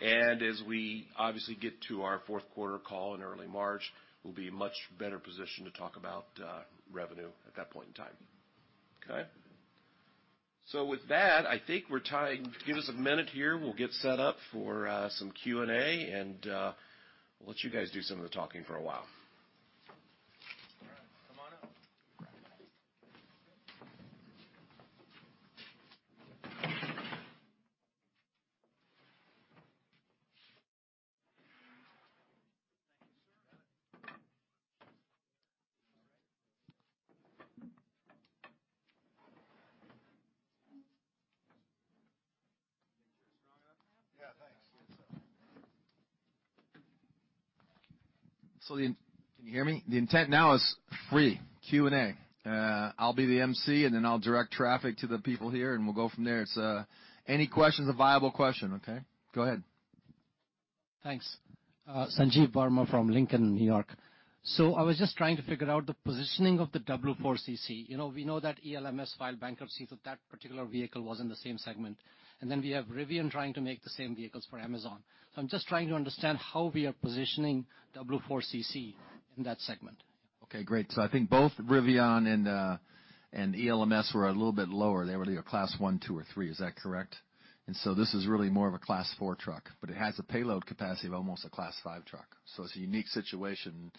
As we obviously get to our fourth quarter call in early March, we'll be in much better position to talk about revenue at that point in time. Okay? With that, I think we're give us a minute here. We'll get set up for some Q&A, and we'll let you guys do some of the talking for a while. All right, come on up. Thank you, sir. Got it. All right. Make sure it's strong enough. Yeah, thanks. Yes, sir. Can you hear me? The intent now is free Q&A. I'll be the emcee, and then I'll direct traffic to the people here, and we'll go from there. Any question's a viable question, okay? Go ahead. Thanks. Sanjeev Varma from Lincoln, New York. I was just trying to figure out the positioning of the W4 CC. You know, we know that ELMS filed bankruptcy, so that particular vehicle was in the same segment. We have Rivian trying to make the same vehicles for Amazon. I'm just trying to understand how we are positioning W4 CC in that segment. Okay, great. I think both Rivian and ELMS were a little bit lower. They were either Class one, two or three. Is that correct? This is really more of a Class four truck, but it has a payload capacity of almost a Class five truck. It's a unique situation. In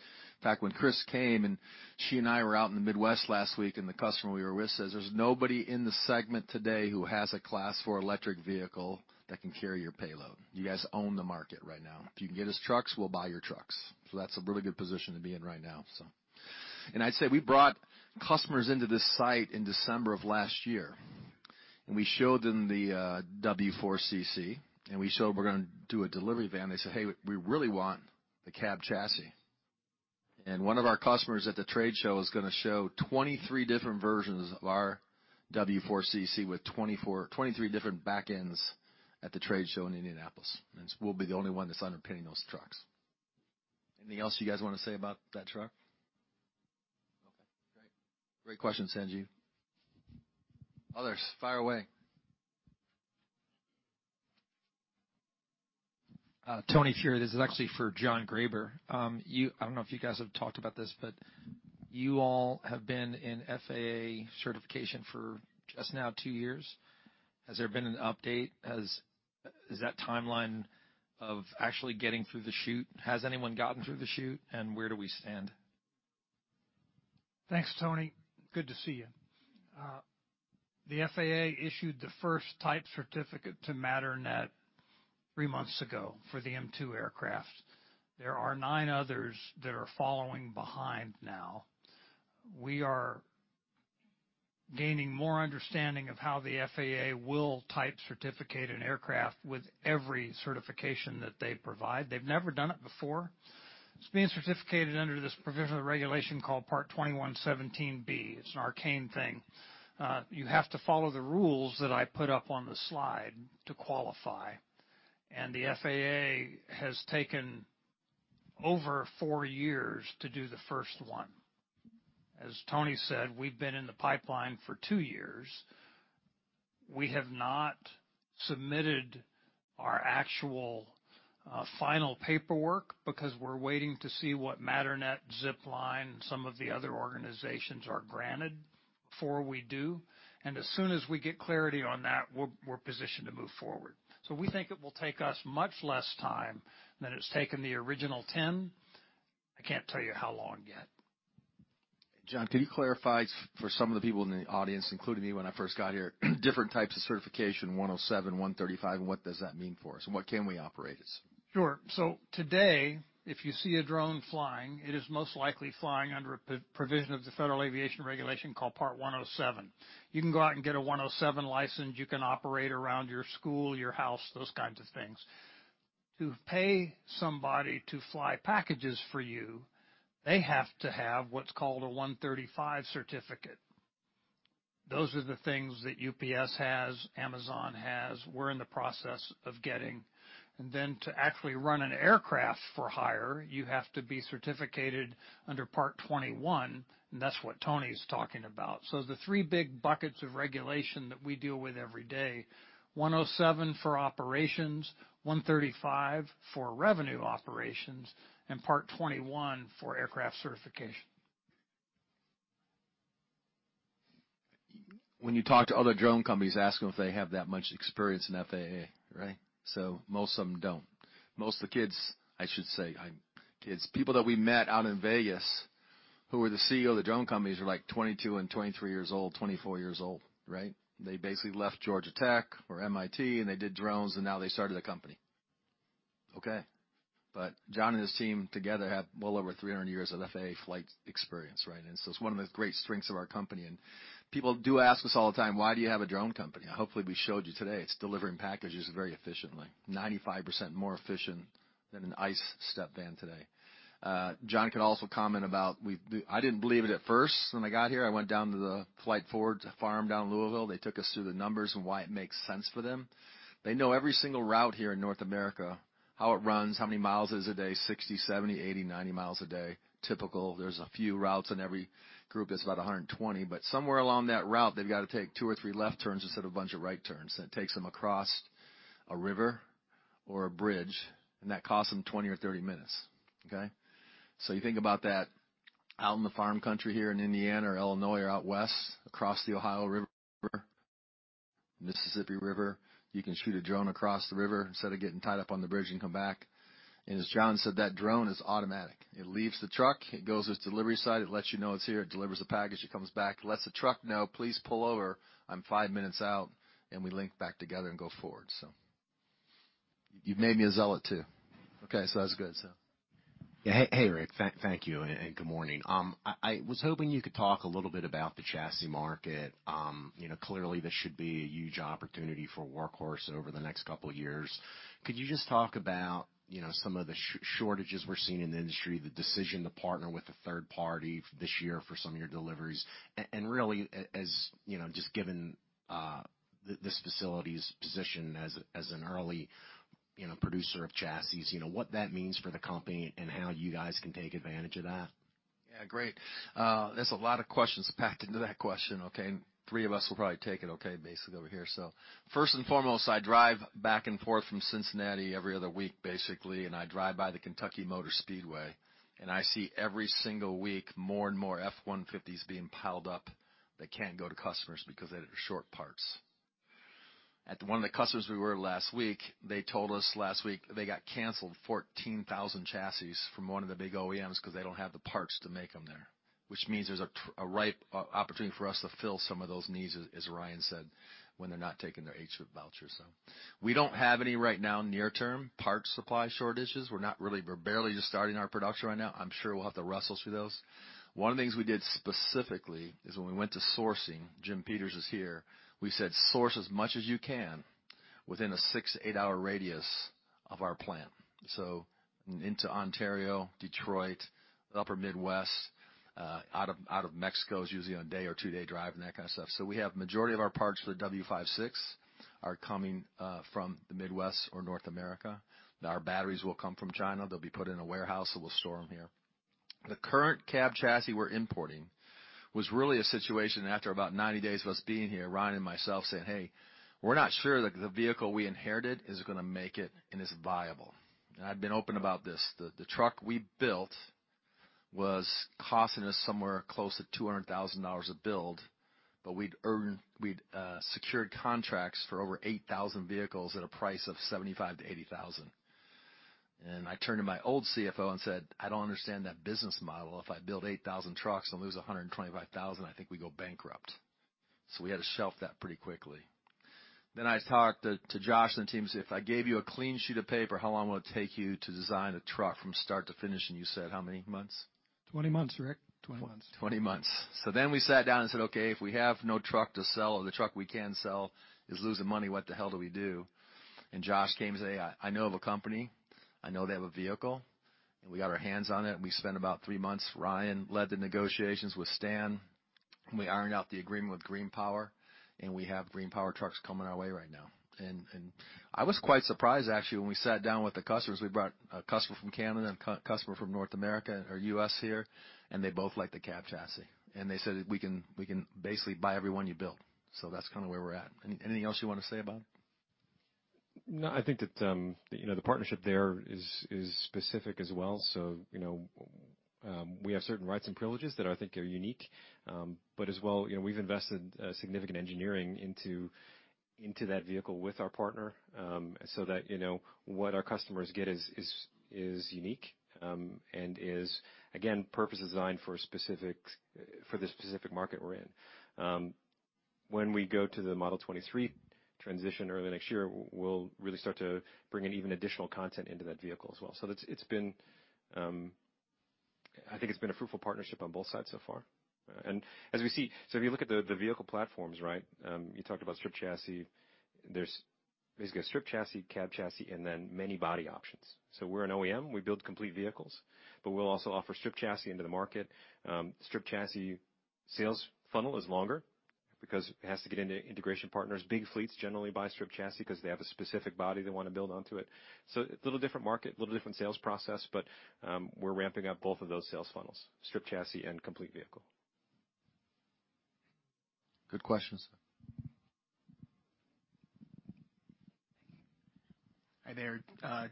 fact, when Chris came, and she and I were out in the Midwest last week, and the customer we were with says, "There's nobody in the segment today who has a Class four electric vehicle that can carry your payload. You guys own the market right now. If you can get us trucks, we'll buy your trucks." That's a really good position to be in right now. I'd say we brought customers into this site in December of last year, we showed them the W4 CC, and we showed we're gonna do a delivery van. They said, "Hey, we really want the cab chassis." One of our customers at the trade show is gonna show 23 different versions of our W4 CC with 23 different backends at the trade show in Indianapolis, we'll be the only one that's underpinning those trucks. Anything else you guys wanna say about that truck? Okay, great. Great question, Sanjeev. Others, fire away. Tony here. This is actually for John Graber. I don't know if you guys have talked about this, but you all have been in FAA certification for just now two years. Has there been an update? Is that timeline of actually getting through the chute, has anyone gotten through the chute, and where do we stand? Thanks, Tony. Good to see you. The FAA issued the first type certificate to Matternet three months ago for the M2 aircraft. There are nine others that are following behind now. We are gaining more understanding of how the FAA will type certificate an aircraft with every certification that they provide. They've never done it before. It's being certificated under this provisional regulation called Part 21.17(b). It's an arcane thing. You have to follow the rules that I put up on the slide to qualify. The FAA has taken over four years to do the first one. As Tony said, we've been in the pipeline for two years. We have not submitted our final paperwork because we're waiting to see what Matternet, Zipline, and some of the other organizations are granted before we do. As soon as we get clarity on that, we're positioned to move forward. We think it will take us much less time than it's taken the original 10. I can't tell you how long yet. John, can you clarify for some of the people in the audience, including me when I first got here, different types of certification Part 107, Part 135, and what does that mean for us and what can we operate as? Sure. Today, if you see a drone flying, it is most likely flying under a provision of the Federal Aviation regulation called Part 107. You can go out and get a 107 license. You can operate around your school, your house, those kinds of things. To pay somebody to fly packages for you, they have to have what's called a 135 certificate. Those are the things that UPS has, Amazon has. We're in the process of getting. To actually run an aircraft for hire, you have to be certificated under Part 21, and that's what Tony's talking about. The three big buckets of regulation that we deal with every day, 107 for operations, 135 for revenue operations, and Part 21 for aircraft certification. When you talk to other drone companies, ask them if they have that much experience in FAA, right? Most of them don't. Most of the kids, I should say, kids. People that we met out in Vegas who were the CEO of the drone companies are, like, 22 and 23 years old, 24 years old, right? They basically left Georgia Tech or MIT, and they did drones, and now they started a company. Okay. John and his team together have well over 300 years of FAA flight experience, right? It's one of the great strengths of our company. People do ask us all the time, "Why do you have a drone company?" Hopefully, we showed you today it's delivering packages very efficiently, 95% more efficient than an ICE step van today. John could also comment about I didn't believe it at first when I got here. I went down to the Floyds Fork farm down in Louisville. They took us through the numbers and why it makes sense for them. They know every single route here in North America, how it runs, how many miles it is a day, 60 mi, 70 mi, 80 mi, 90 mi a day, typical. There's a few routes, and every group is about 120. Somewhere along that route, they've got to take two or three left turns instead of a bunch of right turns. That takes them across a river or a bridge, and that costs them 20 or 30 minutes. Okay? You think about that out in the farm country here in Indiana or Illinois or out west across the Ohio River, Mississippi River. You can shoot a drone across the river instead of getting tied up on the bridge and come back. As John said, that drone is automatic. It leaves the truck, it goes to its delivery site, it lets you know it's here, it delivers a package, it comes back, lets the truck know, "Please pull over, I'm five minutes out," and we link back together and go forward so. You've made me a zealot, too. Okay, that's good so. Hey, hey, Rick. Thank you and good morning. I was hoping you could talk a little bit about the chassis market. You know, clearly this should be a huge opportunity for Workhorse over the next couple of years. Could you just talk about, you know, some of the shortages we're seeing in the industry, the decision to partner with a third party this year for some of your deliveries, and really as, you know, just given this facility's position as an early, you know, producer of chassis, you know, what that means for the company and how you guys can take advantage of that? Yeah. Great. There's a lot of questions packed into that question, okay? Three of us will probably take it okay, basically over here. First and foremost, I drive back and forth from Cincinnati every other week, basically, and I drive by the Kentucky Motor Speedway. I see every single week more and more F-150s being piled up that can't go to customers because they're short parts. At one of the customers we were last week, they told us last week they got canceled 14,000 chassis from one of the big OEMs 'cause they don't have the parts to make them there, which means there's a ripe opportunity for us to fill some of those needs, as Ryan said, when they're not taking their H voucher. We don't have any right now near-term parts supply shortages. We're barely just starting our production right now. I'm sure we'll have to wrestle through those. One of the things we did specifically is when we went to sourcing, Jim Peters is here, we said, "Source as much as you can within a six to eight-hour radius of our plant." Into Ontario, Detroit, Upper Midwest, out of Mexico is usually a day or two-day drive and that kind of stuff. We have majority of our parts for the W56 are coming from the Midwest or North America. Our batteries will come from China. They'll be put in a warehouse, and we'll store them here. The current cab chassis we're importing was really a situation after about 90 days of us being here, Ryan and myself saying, "Hey, we're not sure that the vehicle we inherited is gonna make it and is viable." I've been open about this. The truck we built was costing us somewhere close to $200,000 a build, but we'd secured contracts for over 8,000 vehicles at a price of $75,000-$80,000. I turned to my old CFO and said, "I don't understand that business model. If I build 8,000 trucks, I'll lose $125,000. I think we go bankrupt." We had to shelf that pretty quickly. I talked to Josh and the team and said, "If I gave you a clean sheet of paper, how long will it take you to design a truck from start to finish?" You said how many months? 20 months, Rick. 20 months. 20 months. We sat down and said, "Okay, if we have no truck to sell or the truck we can sell is losing money, what the hell do we do?" Josh came and say, "I know of a company. I know they have a vehicle." We got our hands on it, and we spent about three months. Ryan led the negotiations with Stan, and we ironed out the agreement with GreenPower, and we have GreenPower trucks coming our way right now. I was quite surprised, actually, when we sat down with the customers. We brought a customer from Canada and a customer from North America or U.S. here, and they both liked the cab chassis. They said, "We can basically buy every one you build." That's kinda where we're at. Anything else you want to say about it? No, I think that, you know, the partnership there is specific as well. You know, we have certain rights and privileges that I think are unique, but as well, you know, we've invested significant engineering into that vehicle with our partner, so that, you know, what our customers get is unique, and is again, purpose designed for the specific market we're in. When we go to the model 23 transition early next year, we'll really start to bring in even additional content into that vehicle as well. It's been, I think it's been a fruitful partnership on both sides so far. As we see. If you look at the vehicle platforms, right? You talked about strip chassis. There's basically a strip chassis, cab chassis, and then many body options. We're an OEM, we build complete vehicles, but we'll also offer strip chassis into the market. Strip chassis sales funnel is longer because it has to get into integration partners. Big fleets generally buy strip chassis 'cause they have a specific body they wanna build onto it. A little different market, a little different sales process, but we're ramping up both of those sales funnels, strip chassis and complete vehicle. Good question, sir. Hi there.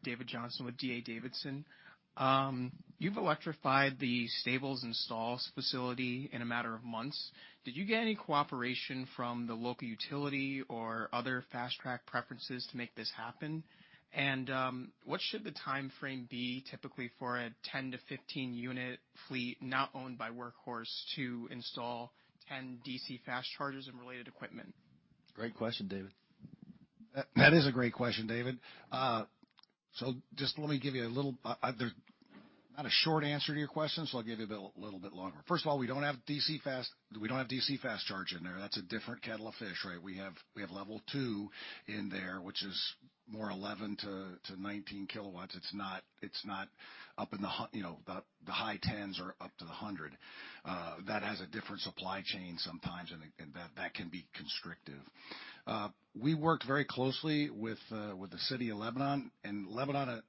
David Johnson with D.A. Davidson. You've electrified the Stables and Stalls facility in a matter of months. Did you get any cooperation from the local utility or other fast-track preferences to make this happen? What should the timeframe be typically for a 10-15 unit fleet not owned by Workhorse to install 10 DC fast chargers and related equipment? Great question, David. That is a great question, David. Just let me give you a little, there's not a short answer to your question, so I'll give you a little bit longer. First of all, we don't have DC fast charge in there. That's a different kettle of fish, right? We have level two in there, which is more 11 kW to 19 kW. It's not up in the, you know, the high tens or up to the hundred. That has a different supply chain sometimes, and that can be constrictive. We worked very closely with the city of Lebanon,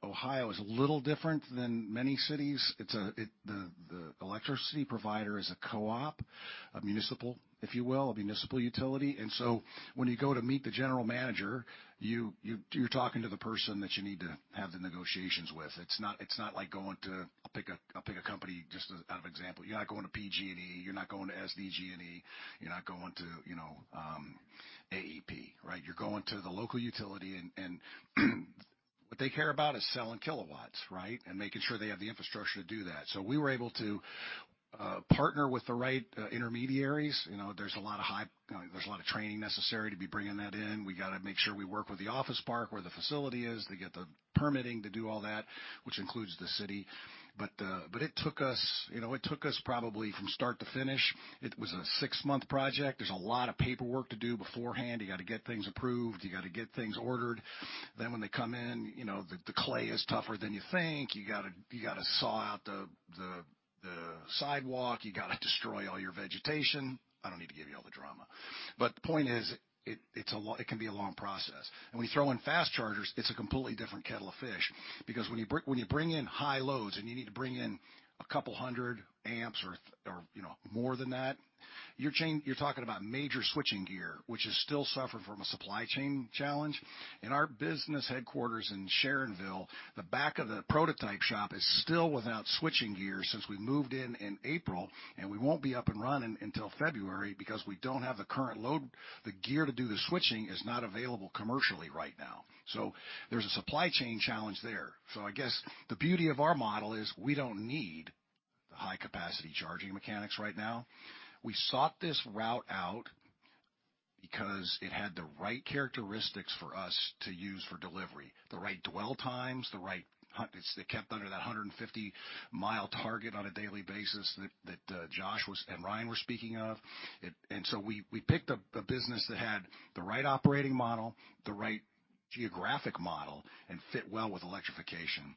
Ohio is a little different than many cities. The electricity provider is a co-op, a municipal, if you will, a municipal utility. When you go to meet the general manager, you're talking to the person that you need to have the negotiations with. It's not like going to, I'll pick a company just as an example. You're not going to PG&E, you're not going to SDG&E, you're not going to, you know, AEP, right? You're going to the local utility, and what they care about is selling kilowatts, right? Making sure they have the infrastructure to do that. We were able to partner with the right intermediaries. You know, there's a lot of hype, there's a lot of training necessary to be bringing that in. We gotta make sure we work with the office park where the facility is to get the permitting to do all that, which includes the city. It took us, you know, it took us probably from start to finish, it was a six-month project. There's a lot of paperwork to do beforehand. You gotta get things approved, you gotta get things ordered. When they come in, you know, the clay is tougher than you think. You gotta saw out the sidewalk. You gotta destroy all your vegetation. I don't need to give you all the drama. The point is, it's a long process. When you throw in fast chargers, it's a completely different kettle of fish because when you bring in high loads and you need to bring in a couple 100 amps or, you know, more than that, you're talking about major switching gear, which is still suffering from a supply chain challenge. In our business headquarters in Sharonville, the back of the prototype shop is still without switching gear since we moved in in April, and we won't be up and running until February because we don't have the current load. The gear to do the switching is not available commercially right now. There's a supply chain challenge there. I guess the beauty of our model is we don't need the high capacity charging mechanics right now. We sought this route out because it had the right characteristics for us to use for delivery, the right dwell times, the right they kept under that 150 mi target on a daily basis that, Josh was, and Ryan were speaking of. We picked a business that had the right operating model, the right geographic model, and fit well with electrification.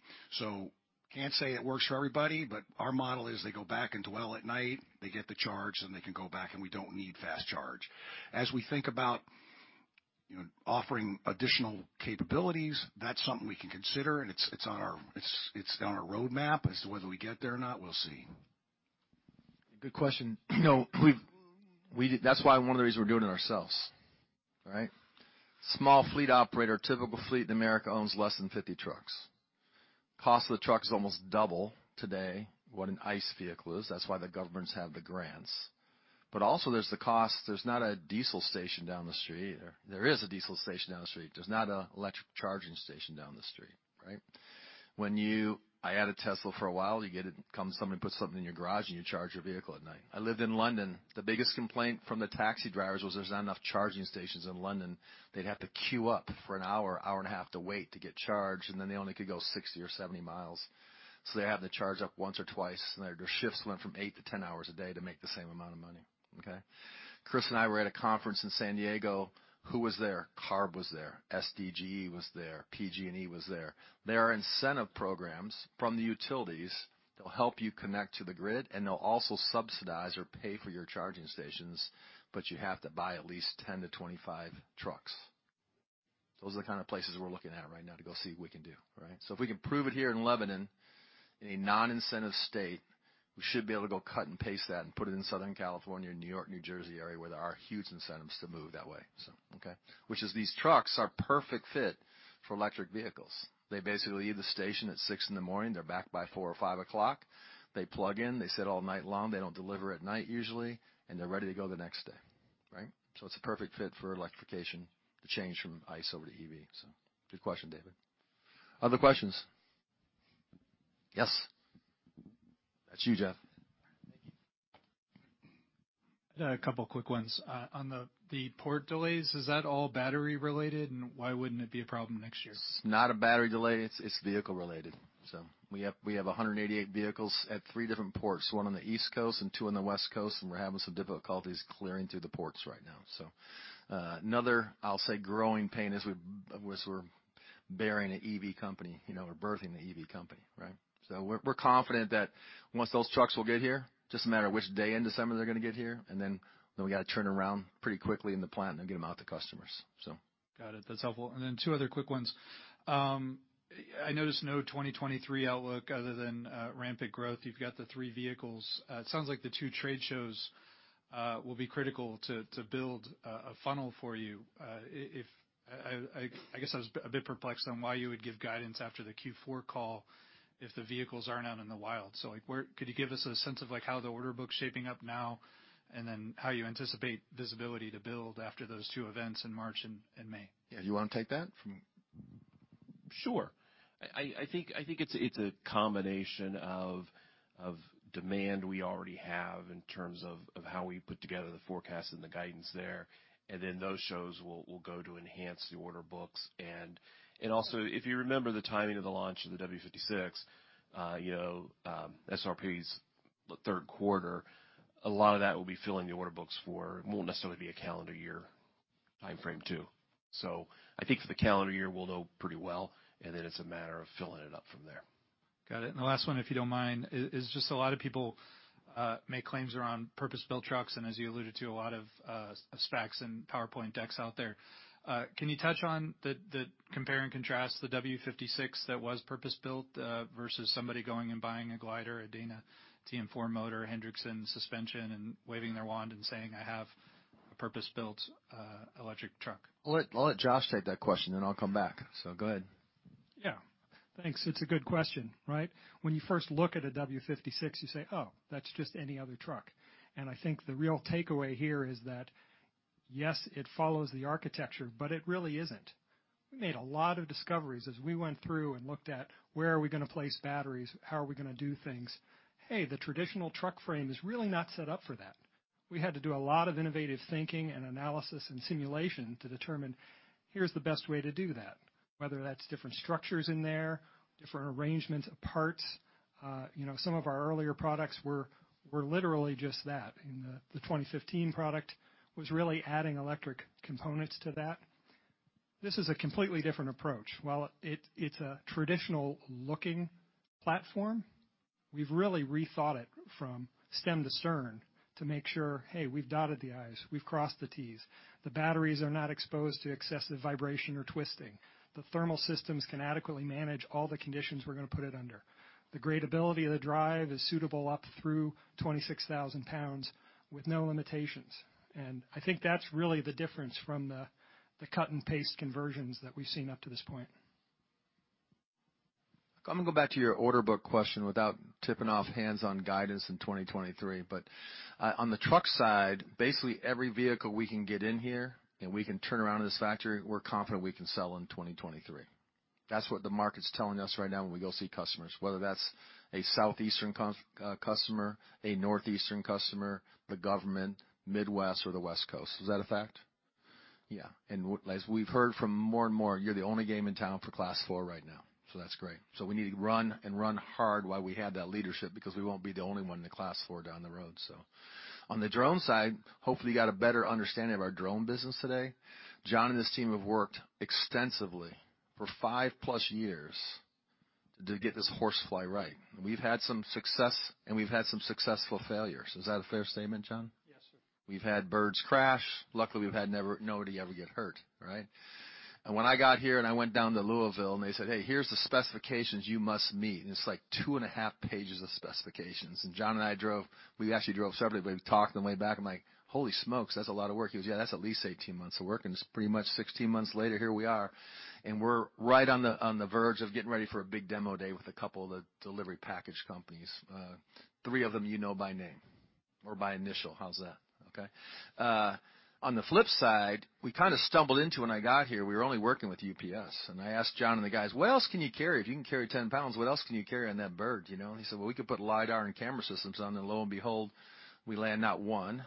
Can't say it works for everybody, but our model is they go back and dwell at night, they get the charge, and they can go back and we don't need fast charge. As we think about, you know, offering additional capabilities, that's something we can consider, and it's on our roadmap. As to whether we get there or not, we'll see. Good question. You know, we've, that's why one of the reasons we're doing it ourselves, right? Small fleet operator, typical fleet in America owns less than 50 trucks. Cost of the truck is almost double today what an ICE vehicle is. That's why the governments have the grants. Also there's the cost. There's not a diesel station down the street either. There is a diesel station down the street. There's not an electric charging station down the street, right? When you. I had a Tesla for a while. You get it, comes, somebody puts something in your garage, and you charge your vehicle at night. I lived in London. The biggest complaint from the taxi drivers was there's not enough charging stations in London. They'd have to queue up for an hour and a half to wait to get charged, and then they only could go 60 or 70 mi. They're having to charge up once or twice, and their shifts went from eight to 10 hours a day to make the same amount of money, okay? Chris and I were at a conference in San Diego. Who was there? CARB was there. SDG&E was there. PG&E was there. There are incentive programs from the utilities that'll help you connect to the grid, and they'll also subsidize or pay for your charging stations, but you have to buy at least 10 to 25 trucks. Those are the kind of places we're looking at right now to go see if we can do, right? If we can prove it here in Lebanon. In a non-incentive state, we should be able to go cut and paste that and put it in Southern California, New York, New Jersey area where there are huge incentives to move that way, okay. Which is these trucks are perfect fit for electric vehicles. They basically leave the station at 6:00 A.M., they're back by 4:00 P.M. or 5:00 P.M. They plug in, they sit all night long, they don't deliver at night usually, and they're ready to go the next day, right? It's a perfect fit for electrification to change from ICE over to EV. Good question, David. Other questions? Yes. That's you, Jeff. Thank you. I got a couple quick ones. On the port delays, is that all battery related, and why wouldn't it be a problem next year? It's not a battery delay, it's vehicle related. We have 188 vehicles at three different ports, one on the East Coast and two on the West Coast, and we're having some difficulties clearing through the ports right now. Another I'll say growing pain of which we're birthing the EV company, right? We're confident that once those trucks will get here, just a matter of which day in December they're gonna get here, and then we gotta turn around pretty quickly in the plant and get them out to customers, so. Got it. That's helpful. Then two other quick ones. I noticed no 2023 outlook other than rampant growth. You've got the three vehicles. It sounds like the two trade shows will be critical to build a funnel for you. If I guess I was a bit perplexed on why you would give guidance after the Q4 call if the vehicles aren't out in the wild. Like, where could you give us a sense of, like, how the order book's shaping up now and then how you anticipate visibility to build after those two events in March and May? Yeah. You wanna take that from. Sure. I think it's a combination of demand we already have in terms of how we put together the forecast and the guidance there. Then those shows will go to enhance the order books. Also if you remember the timing of the launch of the W56, you know, SRPs the third quarter, a lot of that will be filling the order books for. It won't necessarily be a calendar year timeframe too. I think for the calendar year we'll know pretty well, and then it's a matter of filling it up from there. Got it. The last one, if you don't mind, is just a lot of people make claims around purpose-built trucks, and as you alluded to, a lot of specs and PowerPoint decks out there. Can you touch on the compare and contrast the W56 that was purpose-built versus somebody going and buying a glider, a Dana TM4 motor, Hendrickson suspension, and waving their wand and saying, "I have a purpose-built electric truck? I'll let Josh take that question, then I'll come back. Go ahead. Yeah. Thanks. It's a good question, right? When you first look at a W56, you say, "Oh, that's just any other truck." I think the real takeaway here is that, yes, it follows the architecture, but it really isn't. We made a lot of discoveries as we went through and looked at where are we gonna place batteries, how are we gonna do things. Hey, the traditional truck frame is really not set up for that. We had to do a lot of innovative thinking and analysis and simulation to determine here's the best way to do that, whether that's different structures in there, different arrangements of parts. You know, some of our earlier products were literally just that, and the 2015 product was really adding electric components to that. This is a completely different approach. While it's a traditional looking platform, we've really rethought it from stem to stern to make sure, hey, we've dotted the I's, we've crossed the T's. The batteries are not exposed to excessive vibration or twisting. The thermal systems can adequately manage all the conditions we're gonna put it under. The gradability of the drive is suitable up through 26,000 lbs with no limitations. I think that's really the difference from the cut-and-paste conversions that we've seen up to this point. I'm gonna go back to your order book question without tipping off hands on guidance in 2023. On the truck side, basically every vehicle we can get in here and we can turn around in this factory, we're confident we can sell in 2023. That's what the market's telling us right now when we go see customers, whether that's a southeastern customer, a northeastern customer, the government, Midwest, or the West Coast. Is that a fact? Yeah. As we've heard from more and more, you're the only game in town for Class four right now, so that's great. We need to run and run hard while we have that leadership because we won't be the only one in the Class four down the road, so. On the drone side, hopefully you got a better understanding of our drone business today. John and his team have worked extensively for 5+ years to get this HorseFly right. We've had some success and we've had some successful failures. Is that a fair statement, John? Yes, sir. We've had birds crash. Luckily, we've had nobody ever get hurt, right? When I got here and I went down to Louisville and they said, "Hey, here's the specifications you must meet." It's like 2.5 Pages of specifications. John and I drove, we actually drove separately, but we talked on the way back. I'm like, "Holy smokes. That's a lot of work." He goes, "Yeah, that's at least 18 months of work." It's pretty much 16 months later, here we are, and we're right on the, on the verge of getting ready for a big demo day with a couple of the delivery package companies. Three of them you know by name or by initial. How's that? Okay. On the flip side, we kinda stumbled into when I got here, we were only working with UPS. I asked John and the guys, "What else can you carry? If you can carry 10 lbs, what else can you carry on that bird?" You know, and he said, "Well, we could put lidar and camera systems on." Lo and behold, we land not one,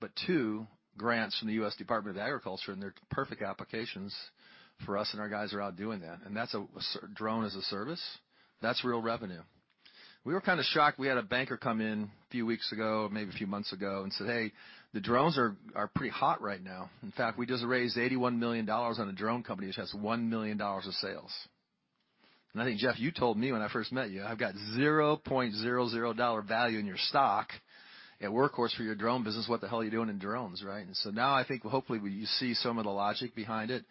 but two grants from the U.S. Department of Agriculture. They're perfect applications for us, and our guys are out doing that. That's a drone as a service. That's real revenue. We were kinda shocked. We had a banker come in a few weeks ago, maybe a few months ago, and said, "Hey, the drones are pretty hot right now." In fact, we just raised $81 million on a drone company which has $1 million of sales. I think, Jeff, you told me when I first met you, I've got $0.00 value in your stock at Workhorse for your drone business. What the hell are you doing in drones, right? Now I think hopefully you see some of the logic behind it.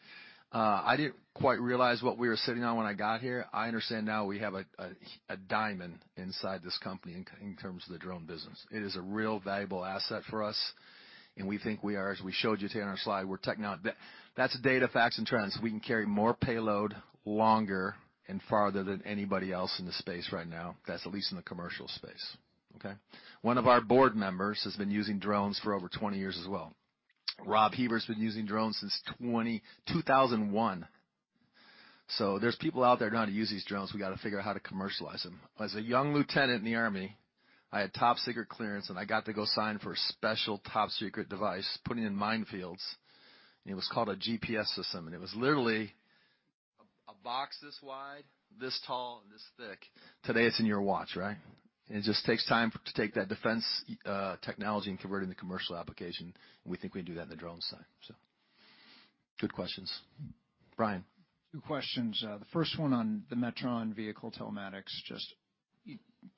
I didn't quite realize what we were sitting on when I got here. I understand now we have a diamond inside this company in terms of the drone business. It is a real valuable asset for us. We think we are, as we showed you today on our slide, That's data, facts, and trends. We can carry more payload longer and farther than anybody else in the space right now. That's at least in the commercial space. Okay? One of our board members has been using drones for over 20 years as well. Rob Heber's been using drones since 2001. There's people out there knowing how to use these drones. We got to figure out how to commercialize them. As a young lieutenant in the Army, I had top secret clearance, and I got to go sign for a special top-secret device to put in minefields, and it was called a GPS system. It was literally a box this wide, this tall, and this thick. Today, it's in your watch, right? It just takes time to take that defense technology and convert it into commercial application. We think we can do that on the drone side. Good questions. Brian? Two questions. The first one on the Metron vehicle telematics. Just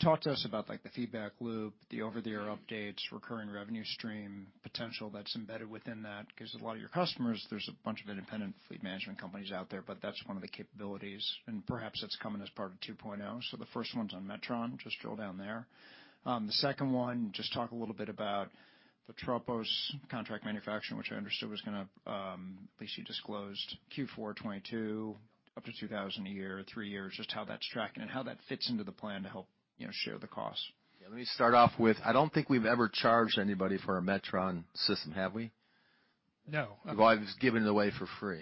talk to us about, like, the feedback loop, the over-the-air updates, recurring revenue stream potential that's embedded within that. 'Cause a lot of your customers, there's a bunch of independent fleet management companies out there, but that's one of the capabilities, and perhaps that's coming as part of 2.0. The first one's on Metron. Just drill down there. The second one, just talk a little bit about the Tropos contract manufacturing, which I understood was gonna, at least you disclosed Q4 2022, up to 2,000 a year, three years, just how that's tracking and how that fits into the plan to help, you know, share the costs. Yeah. Let me start off with, I don't think we've ever charged anybody for a Metron system, have we? No. We've always given it away for free.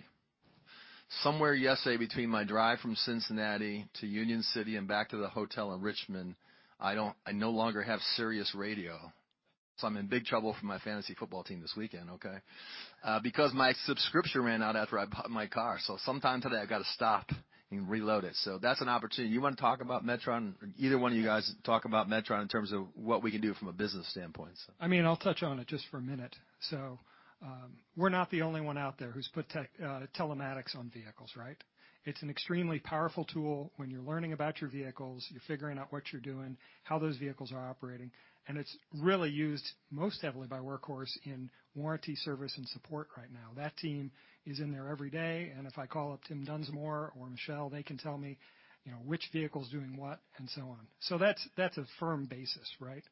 Somewhere yesterday between my drive from Cincinnati to Union City and back to the hotel in Richmond, I no longer have Sirius Radio, so I'm in big trouble for my fantasy football team this weekend, okay? Because my subscription ran out after I bought my car. Sometime today, I've got to stop and reload it. That's an opportunity. You want to talk about Metron? Either one of you guys talk about Metron in terms of what we can do from a business standpoint, so. I mean, I'll touch on it just for a minute. We're not the only one out there who's put tech telematics on vehicles, right? It's an extremely powerful tool when you're learning about your vehicles, you're figuring out what you're doing, how those vehicles are operating, and it's really used most heavily by Workhorse in warranty service and support right now. That team is in there every day, and if I call up Tim Dunsmore or Michelle, they can tell me, you know, which vehicle's doing what and so on. That's, that's a firm basis, right?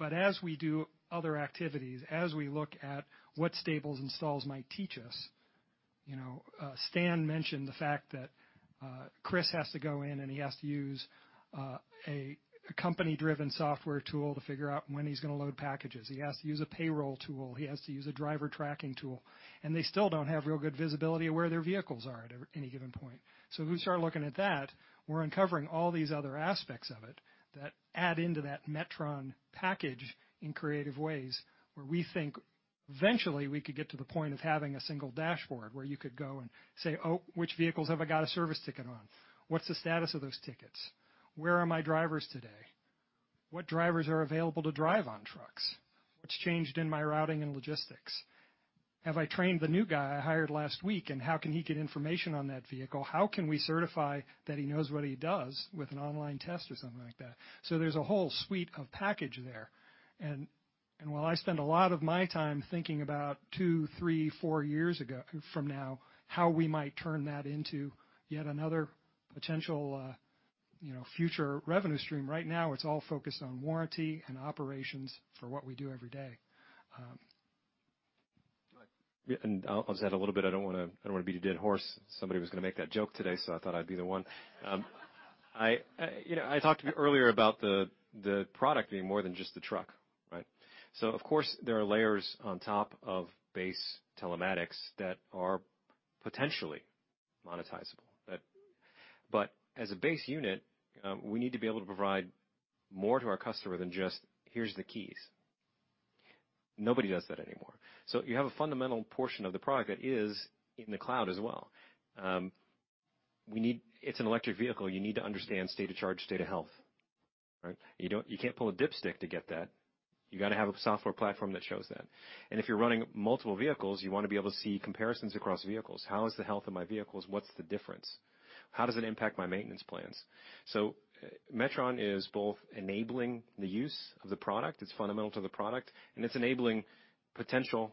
As we do other activities, as we look at what Stables and Stalls might teach us, you know, Stan mentioned the fact that Chris has to go in, and he has to use a company-driven software tool to figure out when he's gonna load packages. He has to use a payroll tool. He has to use a driver tracking tool. They still don't have real good visibility of where their vehicles are at any given point. We start looking at that, we're uncovering all these other aspects of it that add into that Metron package in creative ways, where we think eventually we could get to the point of having a single dashboard where you could go and say, "Oh, which vehicles have I got a service ticket on? What's the status of those tickets? Where are my drivers today? What drivers are available to drive on trucks? What's changed in my routing and logistics? Have I trained the new guy I hired last week, and how can he get information on that vehicle? How can we certify that he knows what he does with an online test or something like that?" There's a whole suite of package there. While I spend a lot of my time thinking about two, three, four years from now, how we might turn that into yet another potential, you know, future revenue stream. Right now, it's all focused on warranty and operations for what we do every day. Yeah. I'll just add a little bit. I don't wanna beat a dead horse. Somebody was gonna make that joke today, so I thought I'd be the one. I, you know, I talked earlier about the product being more than just the truck, right? Of course, there are layers on top of base telematics that are potentially monetizable. But as a base unit, we need to be able to provide more to our customer than just, "Here's the keys." Nobody does that anymore. You have a fundamental portion of the product that is in the cloud as well. It's an electric vehicle. You need to understand state of charge, state of health, right? You can't pull a dipstick to get that. You gotta have a software platform that shows that. If you're running multiple vehicles, you wanna be able to see comparisons across vehicles. How is the health of my vehicles? What's the difference? How does it impact my maintenance plans? Metron is both enabling the use of the product. It's fundamental to the product, and it's enabling potential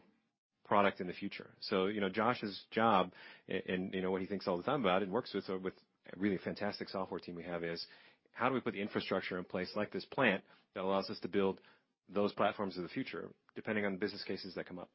product in the future. You know, Josh's job and, you know, what he thinks all the time about it and works with a really fantastic software team we have is, how do we put the infrastructure in place like this plant that allows us to build those platforms of the future depending on the business cases that come up?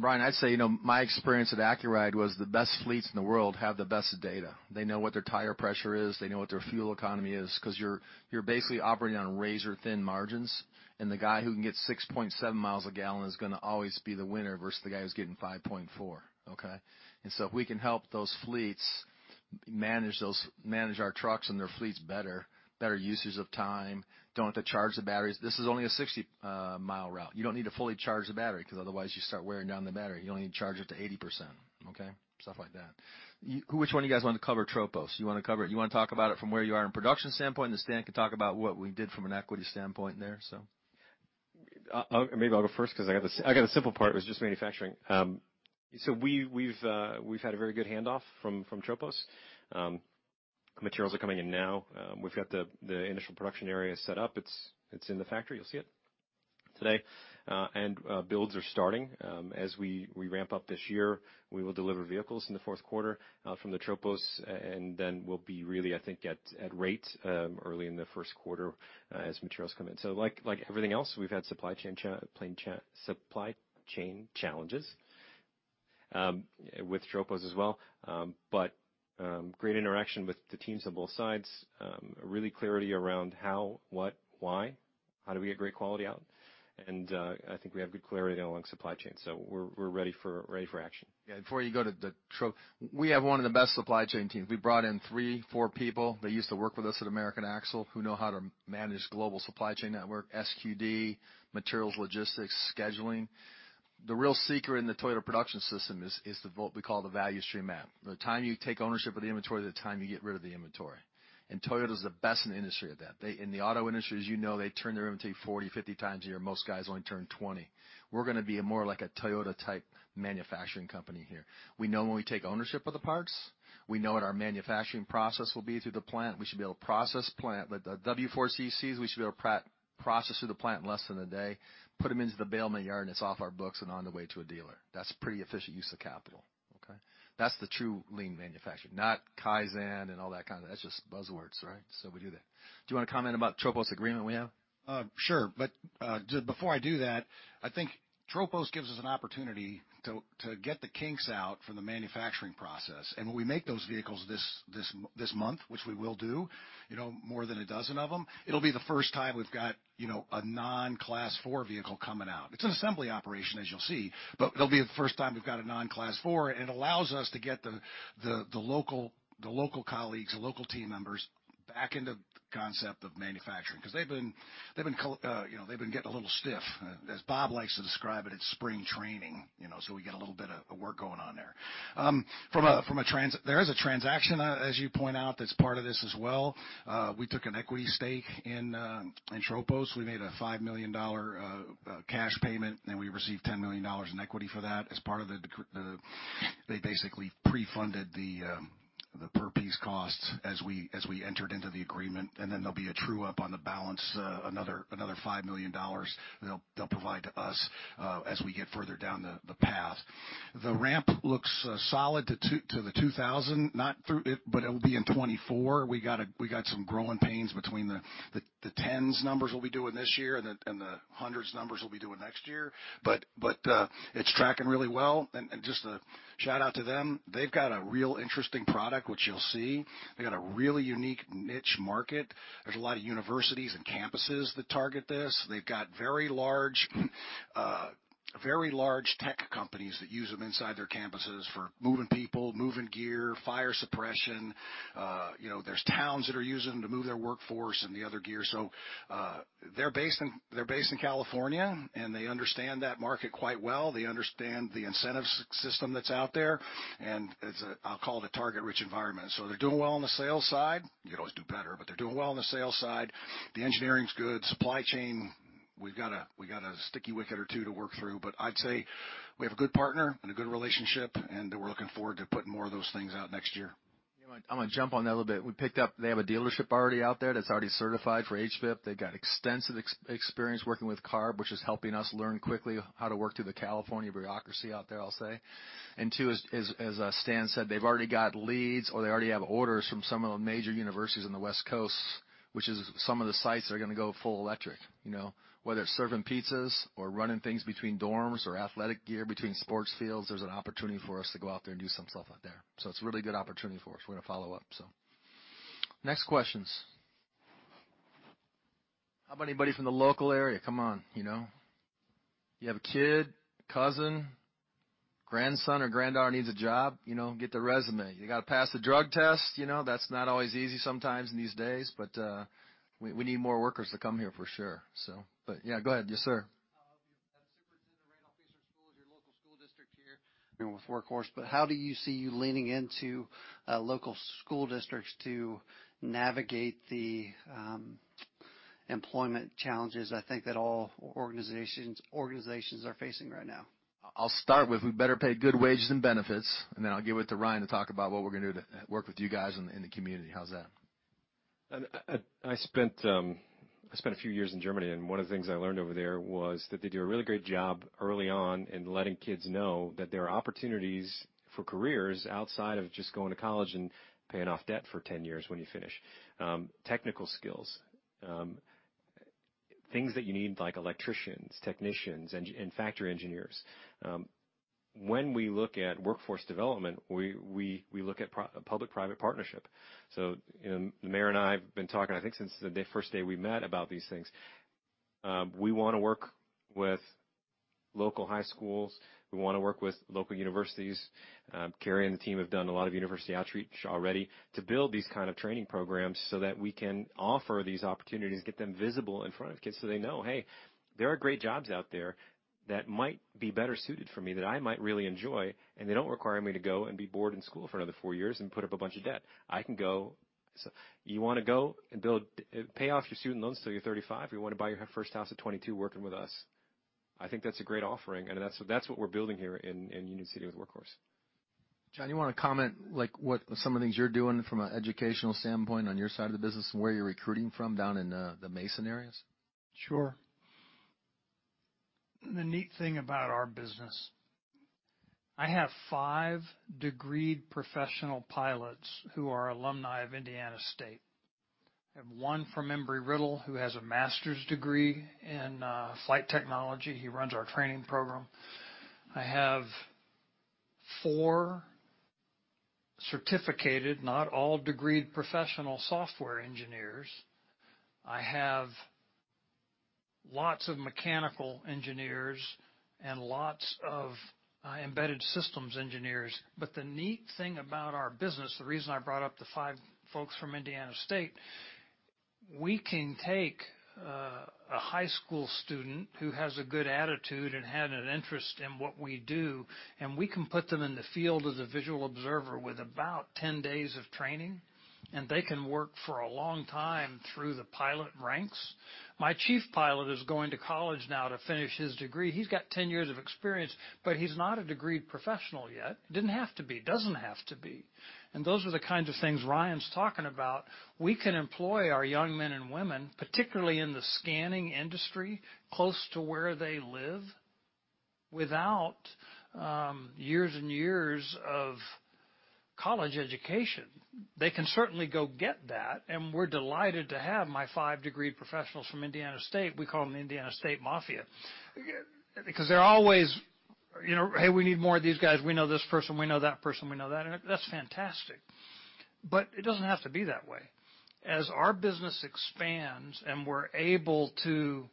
Brian, I'd say, you know, my experience at Accuride was the best fleets in the world have the best data. They know what their tire pressure is. They know what their fuel economy is 'cause you're basically operating on razor-thin margins, and the guy who can get 6.7 mi a gallon is gonna always be the winner versus the guy who's getting 5.4 mi, okay? If we can help those fleets manage our trucks and their fleets better usage of time, don't have to charge the batteries. This is only a 60 mi route. You don't need to fully charge the battery because otherwise you start wearing down the battery. You only need to charge it to 80%, okay? Stuff like that. Which one of you guys want to cover Tropos? You wanna talk about it from where you are in production standpoint, and then Stan can talk about what we did from an equity standpoint there, so. Maybe I'll go first 'cause I got a simple part, it was just manufacturing. We've had a very good handoff from Tropos. Materials are coming in now. We've got the initial production area set up. It's in the factory. You'll see it today. Builds are starting. As we ramp up this year, we will deliver vehicles in the fourth quarter from the Tropos and then we'll be really, I think at rate early in the first quarter as materials come in. Like everything else, we've had supply chain challenges with Tropos as well. Great interaction with the teams on both sides. really clarity around how, what, why, how do we get great quality out? I think we have good clarity along supply chain. We're ready for action. Before you go to the Trop, we have one of the best supply chain teams. We brought in three to four people that used to work with us at American Axle, who know how to manage global supply chain network, SQD, materials, logistics, scheduling. The real secret in the Toyota Production System is what we call the value stream map. The time you take ownership of the inventory, the time you get rid of the inventory. Toyota's the best in the industry at that. In the auto industry, as you know, they turn their inventory 40x-50x a year. Most guys only turn 20. We're gonna be more like a Toyota type manufacturing company here. We know when we take ownership of the parts. We know what our manufacturing process will be through the plant. We should be able to process plant. With the W4CCs, we should be able to process through the plant in less than a day, put them into the bailment yard, and it's off our books and on the way to a dealer. That's pretty efficient use of capital, okay? That's the true lean manufacturing, not Kaizen and all that kind of. That's just buzzwords, right? We do that. Do you wanna comment about Tropos agreement we have? Sure, before I do that, I think Tropos gives us an opportunity to get the kinks out from the manufacturing process. When we make those vehicles this month, which we will do, you know, more than 12 of them, it'll be the first time we've got, you know, a non-Class four vehicle coming out. It's an assembly operation, as you'll see, but it'll be the first time we've got a non-Class four, and it allows us to get the local colleagues, the local team members back into the concept of manufacturing. 'Cause they've been, you know, they've been getting a little stiff. As Bob likes to describe it's spring training, you know. We get a little bit of work going on there. From a transaction as you point out, that's part of this as well. We took an equity stake in Tropos. We made a $5 million cash payment, and we received $10 million in equity for that as part of they basically pre-funded the per piece costs as we entered into the agreement, and then there'll be a true up on the balance, another $5 million they'll provide to us as we get further down the path. The ramp looks solid to the 2,000, not through it, but it'll be in 2024. We got some growing pains between the 10s numbers we'll be doing this year and the 100s numbers we'll be doing next year. It's tracking really well. Just a shout out to them, they've got a real interesting product, which you'll see. They've got a really unique niche market. There's a lot of universities and campuses that target this. They've got very large, very large tech companies that use them inside their campuses for moving people, moving gear, fire suppression. You know, there's towns that are using them to move their workforce and the other gear. They're based in California, and they understand that market quite well. They understand the incentive system that's out there, and it's a, I'll call it a target-rich environment. They're doing well on the sales side. You could always do better, but they're doing well on the sales side. The engineering's good. Supply chain, we've got a, we got a sticky wicket or two to work through. I'd say we have a good partner and a good relationship, and that we're looking forward to putting more of those things out next year. I'm gonna jump on that a little bit. They have a dealership already out there that's already certified for HVIP. They've got extensive experience working with CARB, which is helping us learn quickly how to work through the California bureaucracy out there, I'll say. Two, as Stan said, they've already got leads, or they already have orders from some of the major universities on the West Coast, which is some of the sites that are gonna go full electric, you know. Whether it's serving pizzas or running things between dorms or athletic gear between sports fields, there's an opportunity for us to go out there and do some stuff out there. It's a really good opportunity for us. We're gonna follow up. Next questions. How about anybody from the local area? Come on, you know. You have a kid, cousin, grandson, or granddaughter needs a job, you know, get the resume. You gotta pass the drug test. You know, that's not always easy sometimes these days, but, we need more workers to come here for sure, so. Yeah, go ahead. Yes, sir. I'm the superintendent of Randolph-Macon School, your local school district here with Workhorse. How do you see you leaning into local school districts to navigate the employment challenges, I think that all organizations are facing right now? I'll start with we better pay good wages and benefits, and then I'll give it to Ryan to talk about what we're gonna do to work with you guys in the community. How's that? I spent a few years in Germany, and one of the things I learned over there was that they do a really great job early on in letting kids know that there are opportunities for careers outside of just going to college and paying off debt for 10 years when you finish. Technical skills, things that you need, like electricians, technicians, and factory engineers. When we look at workforce development, we look at public-private partnership. You know, the mayor and I have been talking, I think, since the first day we met about these things. We wanna work with local high schools. We wanna work with local universities. Carrie and the team have done a lot of university outreach already to build these kind of training programs so that we can offer these opportunities, get them visible in front of kids, so they know, hey, there are great jobs out there. That might be better suited for me, that I might really enjoy, and they don't require me to go and be bored in school for another four years and put up a bunch of debt. You wanna go and pay off your student loans till you're 35. You wanna buy your first house at 22 working with us. I think that's a great offering, and that's what we're building here in Union City with Workhorse. John, you wanna comment, like, what some of the things you're doing from an educational standpoint on your side of the business and where you're recruiting from down in the Mason areas? Sure. The neat thing about our business, I have five degreed professional pilots who are alumni of Indiana State. I have one from Embry-Riddle who has a master's degree in flight technology. He runs our training program. I have four certificated, not all degreed, professional software engineers. I have lots of mechanical engineers and lots of embedded systems engineers. The neat thing about our business, the reason I brought up the five folks from Indiana State, we can take a high school student who has a good attitude and had an interest in what we do, and we can put them in the field as a visual observer with about 10 days of training, and they can work for a long time through the pilot ranks. My chief pilot is going to college now to finish his degree. He's got 10 years of experience, but he's not a degreed professional yet. Didn't have to be. Doesn't have to be. Those are the kinds of things Ryan's talking about. We can employ our young men and women, particularly in the scanning industry, close to where they live without years and years of college education. They can certainly go get that, and we're delighted to have my five degreed professionals from Indiana State. We call them the Indiana State Mafia because they're always, you know, "Hey, we need more of these guys. We know this person. We know that person. We know that." That's fantastic. It doesn't have to be that way. As our business expands and we're able to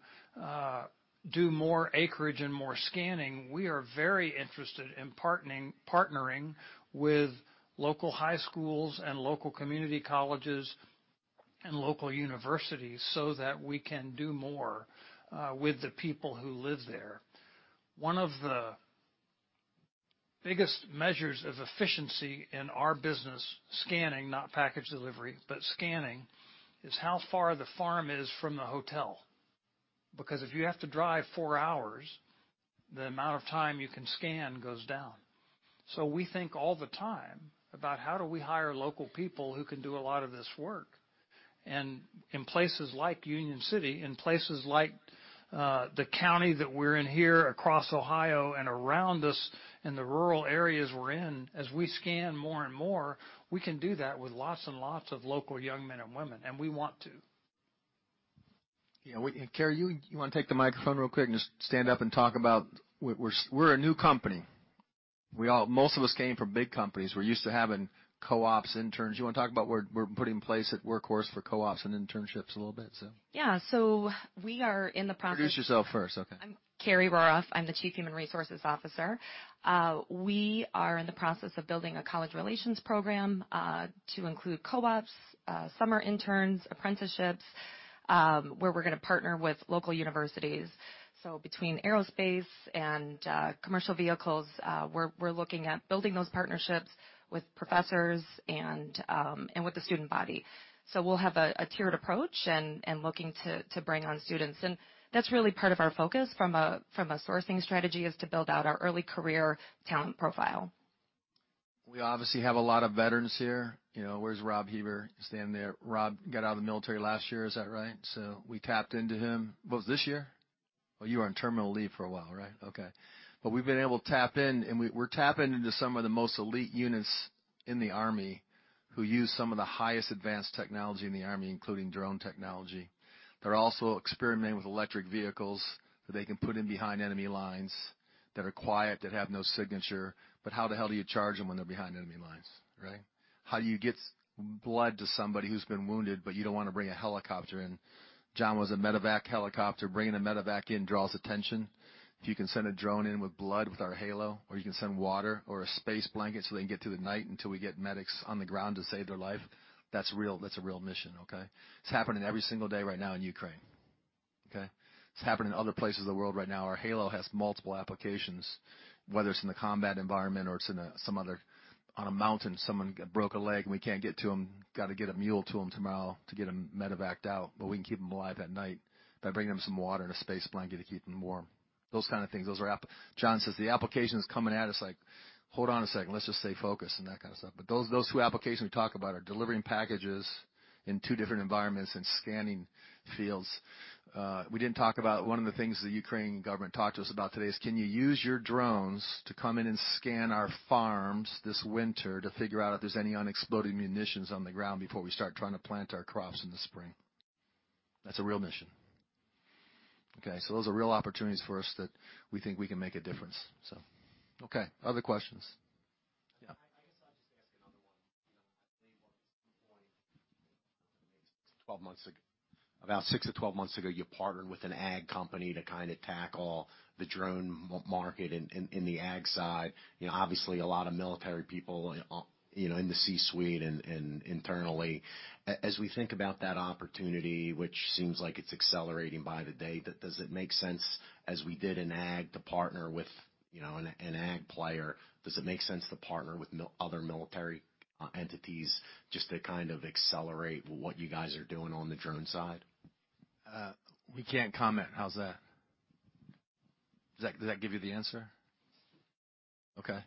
do more acreage and more scanning, we are very interested in partnering with local high schools and local community colleges and local universities so that we can do more with the people who live there. One of the biggest measures of efficiency in our business, scanning, not package delivery, but scanning, is how far the farm is from the hotel. If you have to drive four hours, the amount of time you can scan goes down. We think all the time about how do we hire local people who can do a lot of this work. In places like Union City, in places like the county that we're in here across Ohio and around us in the rural areas we're in, as we scan more and more, we can do that with lots and lots of local young men and women, and we want to. Carrie, you wanna take the microphone real quick and just stand up and talk about we're a new company. Most of us came from big companies. We're used to having co-ops, interns. You wanna talk about we're putting in place at Workhorse for co-ops and internships a little bit so. Yeah. Introduce yourself first. Okay. I'm Kerry Roraff. I'm the Chief Human Resources Officer. We are in the process of building a college relations program, to include co-ops, summer interns, apprenticeships, where we're gonna partner with local universities. Between aerospace and commercial vehicles, we're looking at building those partnerships with professors and with the student body. We'll have a tiered approach and looking to bring on students. That's really part of our focus from a sourcing strategy, is to build out our early career talent profile. We obviously have a lot of veterans here, you know. Where's Rob Heber? Standing there. Rob got out of the military last year. Is that right? We tapped into him. Was it this year? Oh, you were on terminal leave for a while, right? Okay. We've been able to tap in, and we're tapping into some of the most elite units in the Army who use some of the highest advanced technology in the Army, including drone technology. They're also experimenting with electric vehicles that they can put in behind enemy lines that are quiet, that have no signature. How the hell do you charge them when they're behind enemy lines, right? How do you get blood to somebody who's been wounded, but you don't wanna bring a helicopter in? John was a medevac helicopter. Bringing a medevac in draws attention. If you can send a drone in with blood with our Halo, or you can send water or a space blanket so they can get through the night until we get medics on the ground to save their life, that's real, that's a real mission, okay? It's happening every single day right now in Ukraine, okay? It's happening in other places in the world right now. Our Halo has multiple applications, whether it's in a combat environment or it's in a, some other. On a mountain, someone broke a leg and we can't get to them, gotta get a mule to them tomorrow to get them medevaced out. We can keep them alive at night by bringing them some water and a space blanket to keep them warm. Those kinds of things. Those are John says the applications coming at us like, hold on a second, let's just stay focused on that kind of stuff. Those two applications we talk about are delivering packages in two different environments and scanning fields. We didn't talk about one of the things the Ukraine government talked to us about today is, "Can you use your drones to come in and scan our farms this winter to figure out if there's any unexploded munitions on the ground before we start trying to plant our crops in the spring?" That's a real mission. Okay. Those are real opportunities for us that we think we can make a difference. Okay, other questions? Yeah. I just thought I'd just ask a question. 12 months ago. About six to 12 months ago, you partnered with an ag company to kind of tackle the drone market in the ag side. You know, obviously a lot of military people, you know, in the C-suite and internally. As we think about that opportunity, which seems like it's accelerating by the day, does it make sense, as we did in ag to partner with, you know, an ag player, does it make sense to partner with other military entities just to kind of accelerate what you guys are doing on the drone side? We can't comment. How's that? Does that, does that give you the answer? Okay.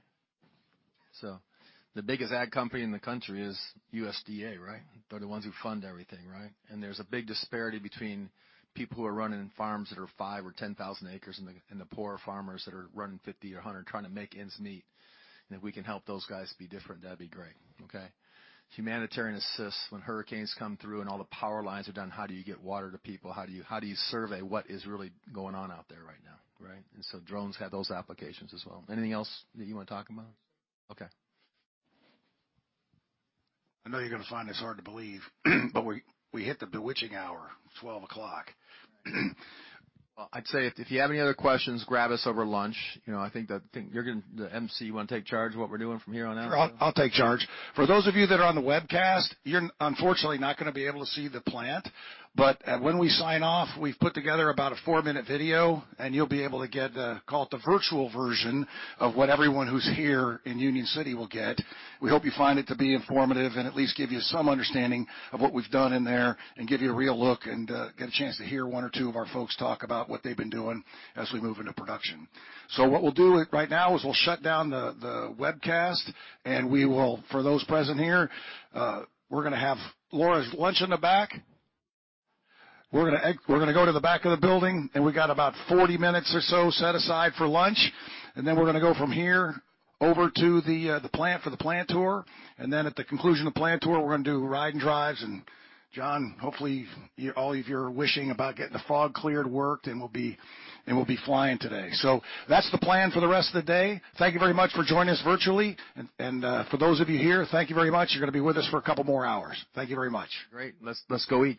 The biggest ag company in the country is USDA, right? They're the ones who fund everything, right? There's a big disparity between people who are running farms that are five or 10,000 acres and the, and the poorer farmers that are running 50 or 100, trying to make ends meet. If we can help those guys be different, that'd be great, okay? Humanitarian assist. When hurricanes come through and all the power lines are down, how do you get water to people? How do you, how do you survey what is really going on out there right now, right? Drones have those applications as well. Anything else that you wanna talk about? Okay. I know you're gonna find this hard to believe, but we hit the bewitching hour, 12 o'clock. I'd say if you have any other questions, grab us over lunch. You know, I think that you're gonna. The M.C., you wanna take charge of what we're doing from here on out? I'll take charge. For those of you that are on the webcast, you're unfortunately not gonna be able to see the plant. When we sign off, we've put together about a four-minute video, and you'll be able to get, call it the virtual version of what everyone who's here in Union City will get. We hope you find it to be informative and at least give you some understanding of what we've done in there and give you a real look and get a chance to hear one or two of our folks talk about what they've been doing as we move into production. What we'll do right now is we'll shut down the webcast, and we will, for those present here, we're gonna have Laura's lunch in the back. We're gonna go to the back of the building. We've got about 40 minutes or so set aside for lunch. Then we're gonna go from here over to the plant for the plant tour. Then at the conclusion of the plant tour, we're gonna do ride and drives. John, hopefully y-all of your wishing about getting the fog cleared worked, and we'll be flying today. That's the plan for the rest of the day. Thank you very much for joining us virtually. For those of you here, thank you very much. You're gonna be with us for a couple more hours. Thank you very much. Great. Let's go eat.